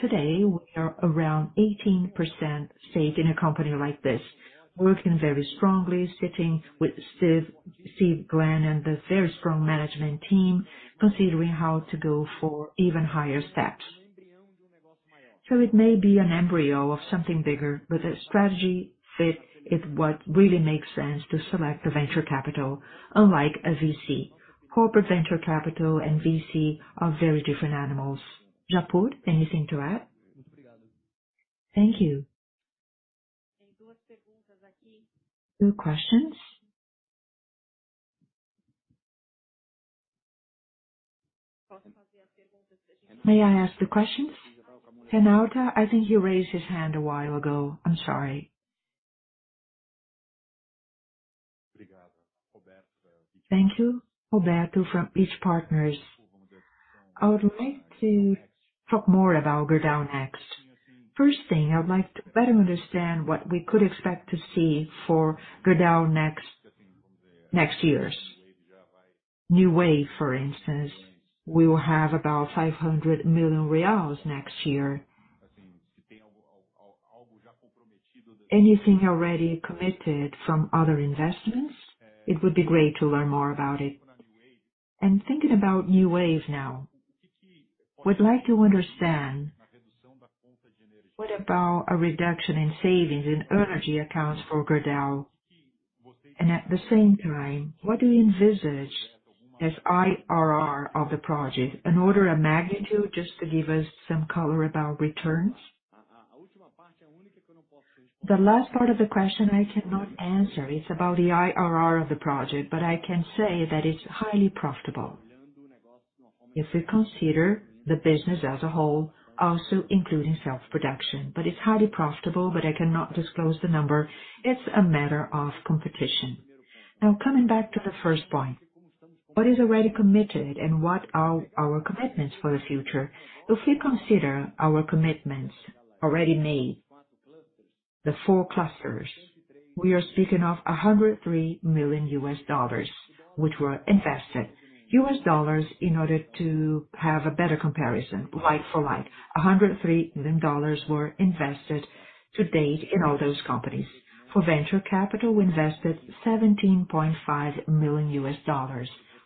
Today, we are around 18% stake in a company like this. Working very strongly, sitting with Steve Glenn and the very strong management team, considering how to go for even higher steps. It may be an embryo of something bigger, but the strategy fit is what really makes sense to select the venture capital, unlike a VC. Corporate venture capital and VC are very different animals. Japur, anything to add? Thank you. Two questions. May I ask the question? Renata, I think you raised his hand a while ago. I'm sorry. Thank you. Roberto from Reach Partners. I would like to talk more about Gerdau Next. First thing, I would like to better understand what we could expect to see for Gerdau Next, next years. Newave, for instance, we will have about 500 million reais next year. Anything already committed from other investments, it would be great to learn more about it. Thinking about Newave now, would like to understand what about a reduction in savings in energy accounts for Gerdau? At the same time, what do you envisage as IRR of the project? An order of magnitude just to give us some color about returns. The last part of the question I cannot answer. It's about the IRR of the project, I can say that it's highly profitable. If we consider the business as a whole, also including self-production. It's highly profitable, but I cannot disclose the number. It's a matter of competition. Coming back to the first point, what is already committed and what are our commitments for the future? If we consider our commitments already made, the four clusters, we are speaking of $103 million which were invested. U.S. dollars in order to have a better comparison, like for like. $103 million were invested to date in all those companies. For venture capital, we invested $17.5 million,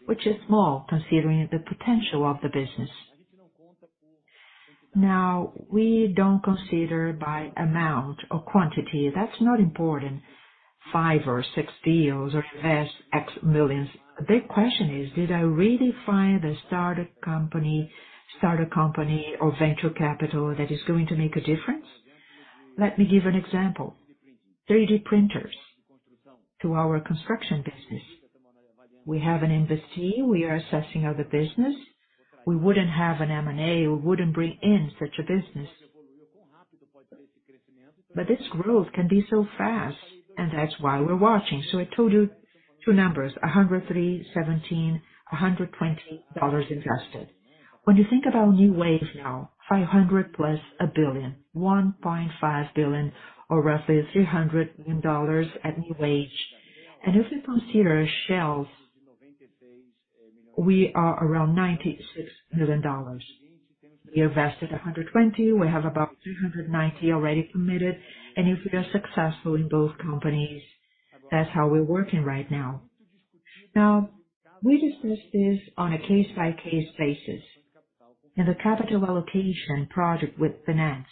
which is small considering the potential of the business. We don't consider by amount or quantity. That's not important. five or six deals or invest X millions. The big question is, did I really find a starter company or venture capital that is going to make a difference? Let me give an example. 3D printers to our construction business. We have an investee, we are assessing other business. We wouldn't have an M&A, we wouldn't bring in such a business. This growth can be so fast, and that's why we're watching. I told you two numbers, $103, $17, $120 invested. When you think about Newave now, $500 plus $1 billion, $1.5 billion, or roughly $300 million at Newave. If we consider shells, we are around $96 million. We invested $120 million, we have about $390 million already committed. If we are successful in both companies, that's how we're working right now. Now, we discuss this on a case-by-case basis in the capital allocation project with finance.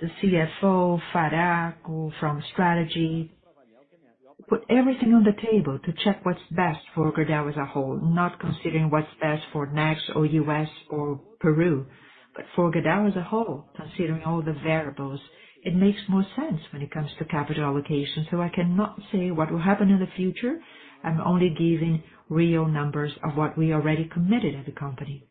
The CFO, Faraco from strategy, put everything on the table to check what's best for Gerdau as a whole, not considering what's best for Next or U.S. or Peru. For Gerdau as a whole, considering all the variables, it makes more sense when it comes to capital allocation. I cannot say what will happen in the future. I'm only giving real numbers of what we already committed as a company.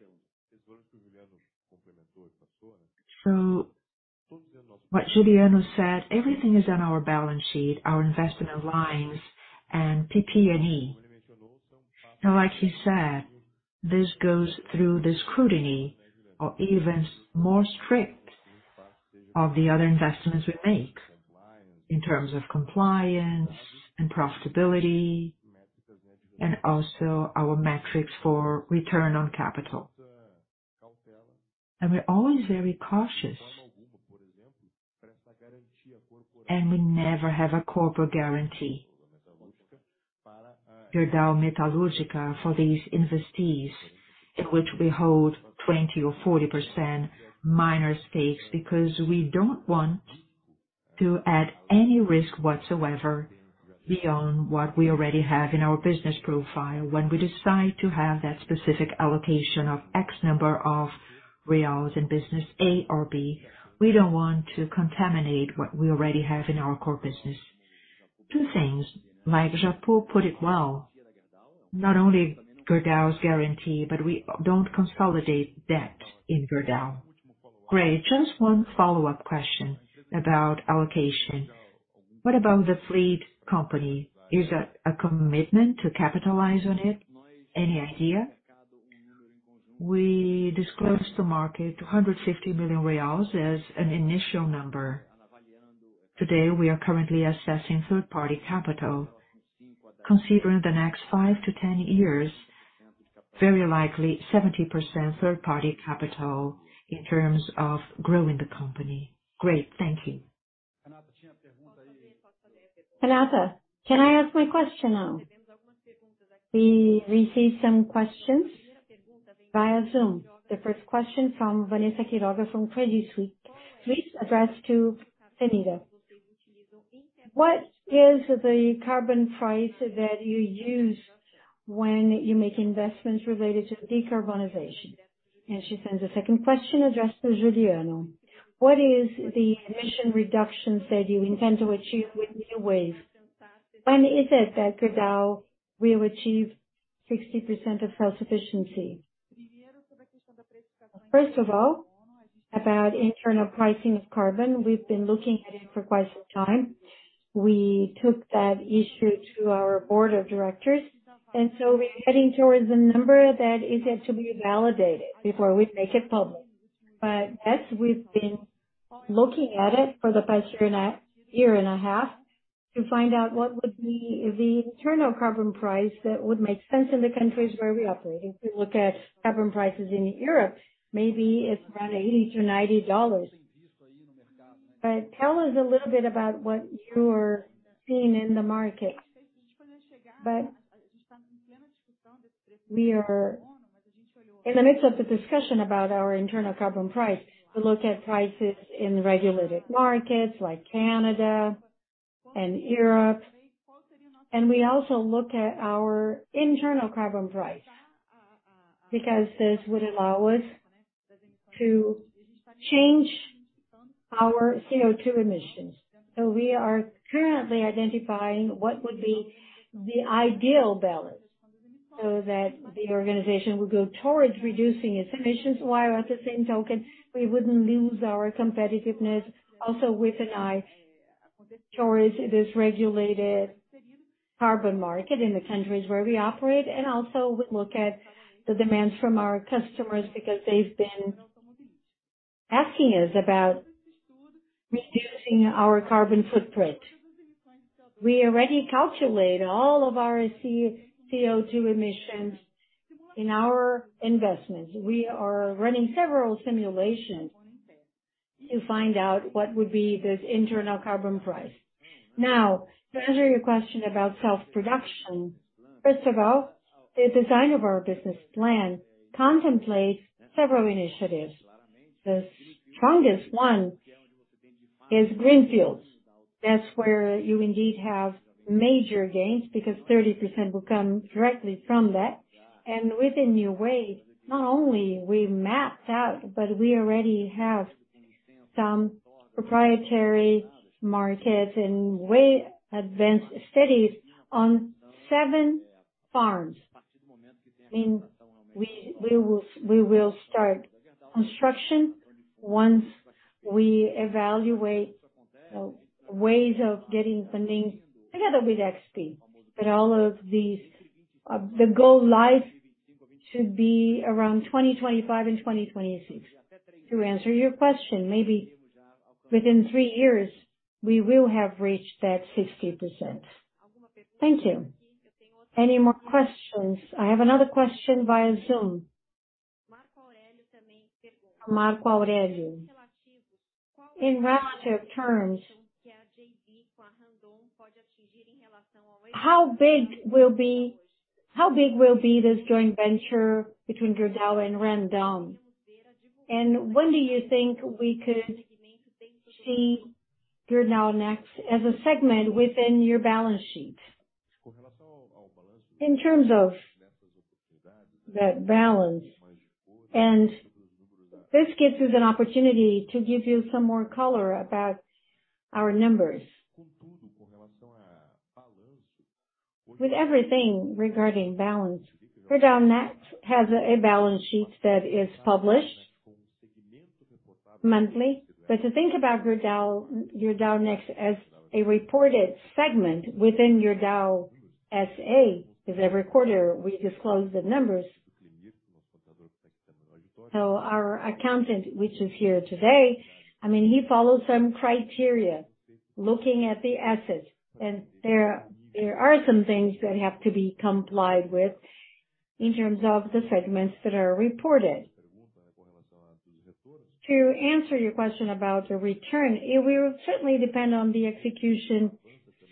What Juliano said, everything is on our balance sheet, our investment lines and PP&E. Like he said, this goes through the scrutiny or even more strict of the other investments we make in terms of compliance and profitability, and also our metrics for return on capital. We're always very cautious, and we never have a corporate guarantee. Gerdau Metalúrgica, for these investees, in which we hold 20% or 40% minor stakes, because we don't want to add any risk whatsoever beyond what we already have in our business profile. When we decide to have that specific allocation of X number of BRL in business A or B, we don't want to contaminate what we already have in our core business. Two things, like Japur put it well, not only Gerdau's guarantee, but we don't consolidate debt in Gerdau. Great. Just one follow-up question about allocation. What about the fleet company? Is that a commitment to capitalize on it? Any idea? We disclosed to market 250 million reais as an initial number. Today, we are currently assessing third-party capital, considering the next 5-10 years, very likely 70% third-party capital in terms of growing the company. Great. Thank you. Renata, can I ask my question now? We received some questions via Zoom. The first question from Vanessa Quiroga from Credit Suisse, please address to Cenira. What is the carbon price that you use when you make investments related to decarbonization? She sends a second question addressed to Juliano: What is the emission reductions that you intend to achieve with NewWay? When is it that Gerdau will achieve 60% of self-sufficiency? First of all, about internal pricing of carbon. We've been looking at it for quite some time. We took that issue to our Board of Directors, we're heading towards a number that is yet to be validated before we make it public. As we've been looking at it for the past year and a half to find out what would be the internal carbon price that would make sense in the countries where we operate. If you look at carbon prices in Europe, maybe it's around EUR 80-90. Tell us a little bit about what you're seeing in the market. We are in the midst of the discussion about our internal carbon price. We look at prices in regulated markets like Canada and Europe, and we also look at our internal carbon price, because this would allow us to change our CO₂ emissions. We are currently identifying what would be the ideal balance so that the organization will go towards reducing its emissions, while at the same token, we wouldn't lose our competitiveness also with an eye towards this regulated carbon market in the countries where we operate. Also we look at the demands from our customers because they've been asking us about reducing our carbon footprint. We already calculate all of our CO₂ emissions in our investments. We are running several simulations to find out what would be this internal carbon price. To answer your question about self-production, first of all, the design of our business plan contemplates several initiatives. The strongest one is greenfields. That's where you indeed have major gains, because 30% will come directly from that. With Newave, not only we mapped out, but we already have some proprietary markets and way advanced studies on seven farms. I mean, we will start construction once we evaluate ways of getting funding together with XP. All of these, the goal life should be around 2025 and 2026. To answer your question, maybe within three years we will have reached that 60%. Thank you. Any more questions? I have another question via Zoom. Marco Aurelio: In relative terms, how big will be this joint venture between Gerdau and Randon? When do you think we could see Gerdau Next as a segment within your balance sheet? In terms of that balance, this gives us an opportunity to give you some more color about our numbers. With everything regarding balance, Gerdau Next has a balance sheet that is published monthly. To think about Gerdau Next as a reported segment within Gerdau SA, because every quarter we disclose the numbers. Our accountant, which is here today, I mean, he follows some criteria looking at the assets. There, there are some things that have to be complied with in terms of the segments that are reported. To answer your question about the return, it will certainly depend on the execution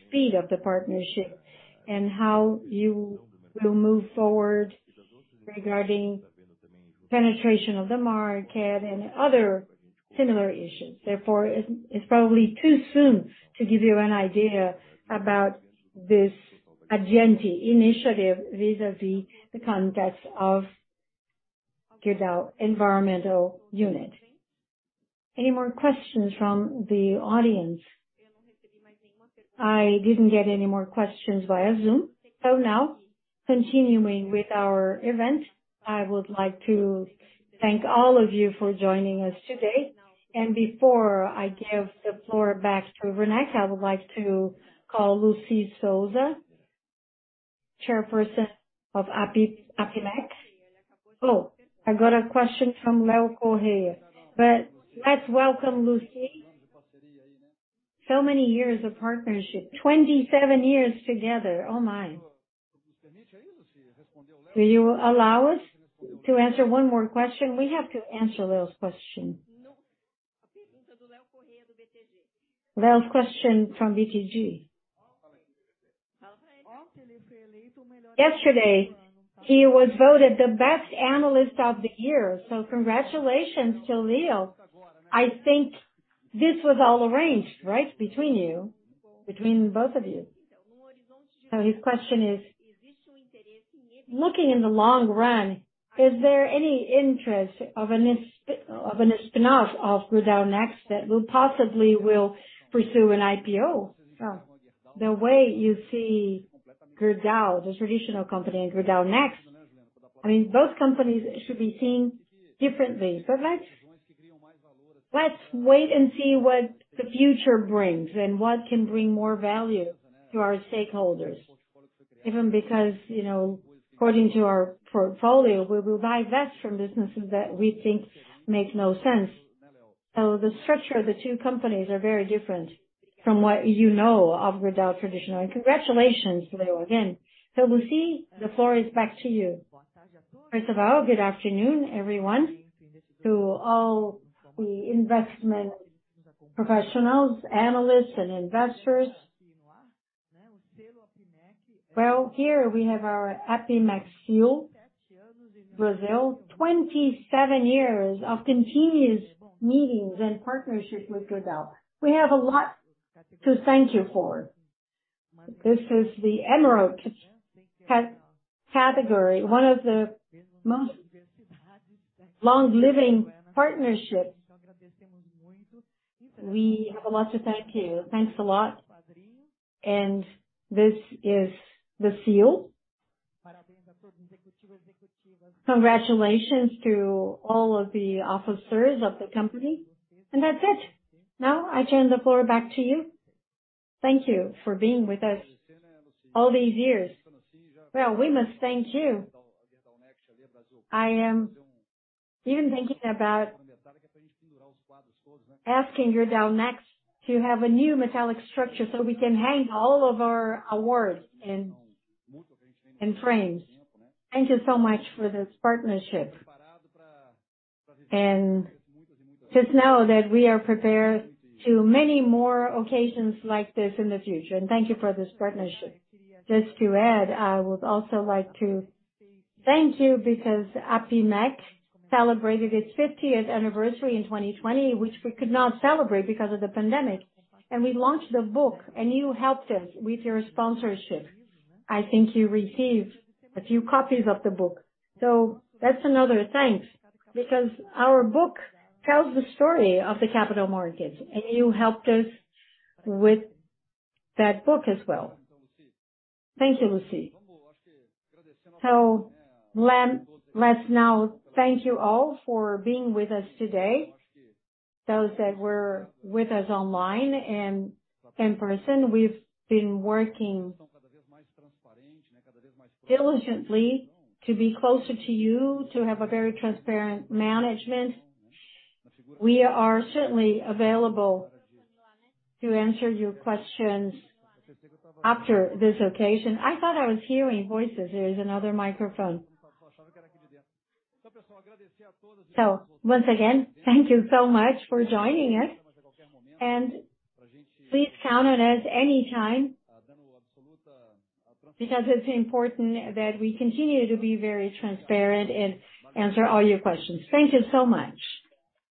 speed of the partnership and how you will move forward regarding penetration of the market and other similar issues. Therefore, it's probably too soon to give you an idea about this agente initiative vis-à-vis the context of Gerdau environmental unit. Any more questions from the audience? I didn't get any more questions via Zoom. Now, continuing with our event, I would like to thank all of you for joining us today. Before I give the floor back to Rene, I would like to call Lucy Sousa, chairperson of APIMEC. I got a question from Leo Correa. Let's welcome Lucy. Many years of partnership. 27 years together. Oh, my. Will you allow us to answer one more question? We have to answer Leo's question. Leo's question from BTG. Yesterday, he was voted the best analyst of the year. Congratulations to Leo. I think this was all arranged, right, between both of you. His question is: Looking in the long run, is there any interest of a spinoff of Gerdau Next that will possibly pursue an IPO? The way you see Gerdau, the traditional company, and Gerdau Next, I mean, both companies should be seen differently. Let's wait and see what the future brings and what can bring more value to our stakeholders. Even because, you know, according to our portfolio, we will divest from businesses that we think make no sense. The structure of the two companies are very different from what you know of Gerdau traditional. Congratulations to Leo again. Lucy, the floor is back to you. First of all, good afternoon, everyone. To all the investment professionals, analysts and investors. Well, here we have our APIMEC shield, Brazil. 27 years of continuous meetings and partnerships with Gerdau. We have a lot to thank you for. This is the Emerald category, one of the most long-living partnerships. We have a lot to thank you. Thanks a lot. This is the seal. Congratulations to all of the officers of the company. That's it. Now I turn the floor back to you. Thank you for being with us all these years. Well, we must thank you. I am even thinking about asking Gerdau Next to have a new metallic structure, so we can hang all of our awards in frames. Thank you so much for this partnership. Just know that we are prepared to many more occasions like this in the future. Thank you for this partnership. Just to add, I would also like to thank you because APIMEC celebrated its 50th anniversary in 2020, which we could not celebrate because of the pandemic. We launched a book, and you helped us with your sponsorship. I think you received a few copies of the book. That's another thanks, because our book tells the story of the capital markets, and you helped us with that book as well. Thank you, Lucy. Let's now thank you all for being with us today. Those that were with us online and in person, we've been working diligently to be closer to you, to have a very transparent management. We are certainly available to answer your questions after this occasion. I thought I was hearing voices. There is another microphone. Once again, thank you so much for joining us, and please count on us any time, because it's important that we continue to be very transparent and answer all your questions. Thank you so much.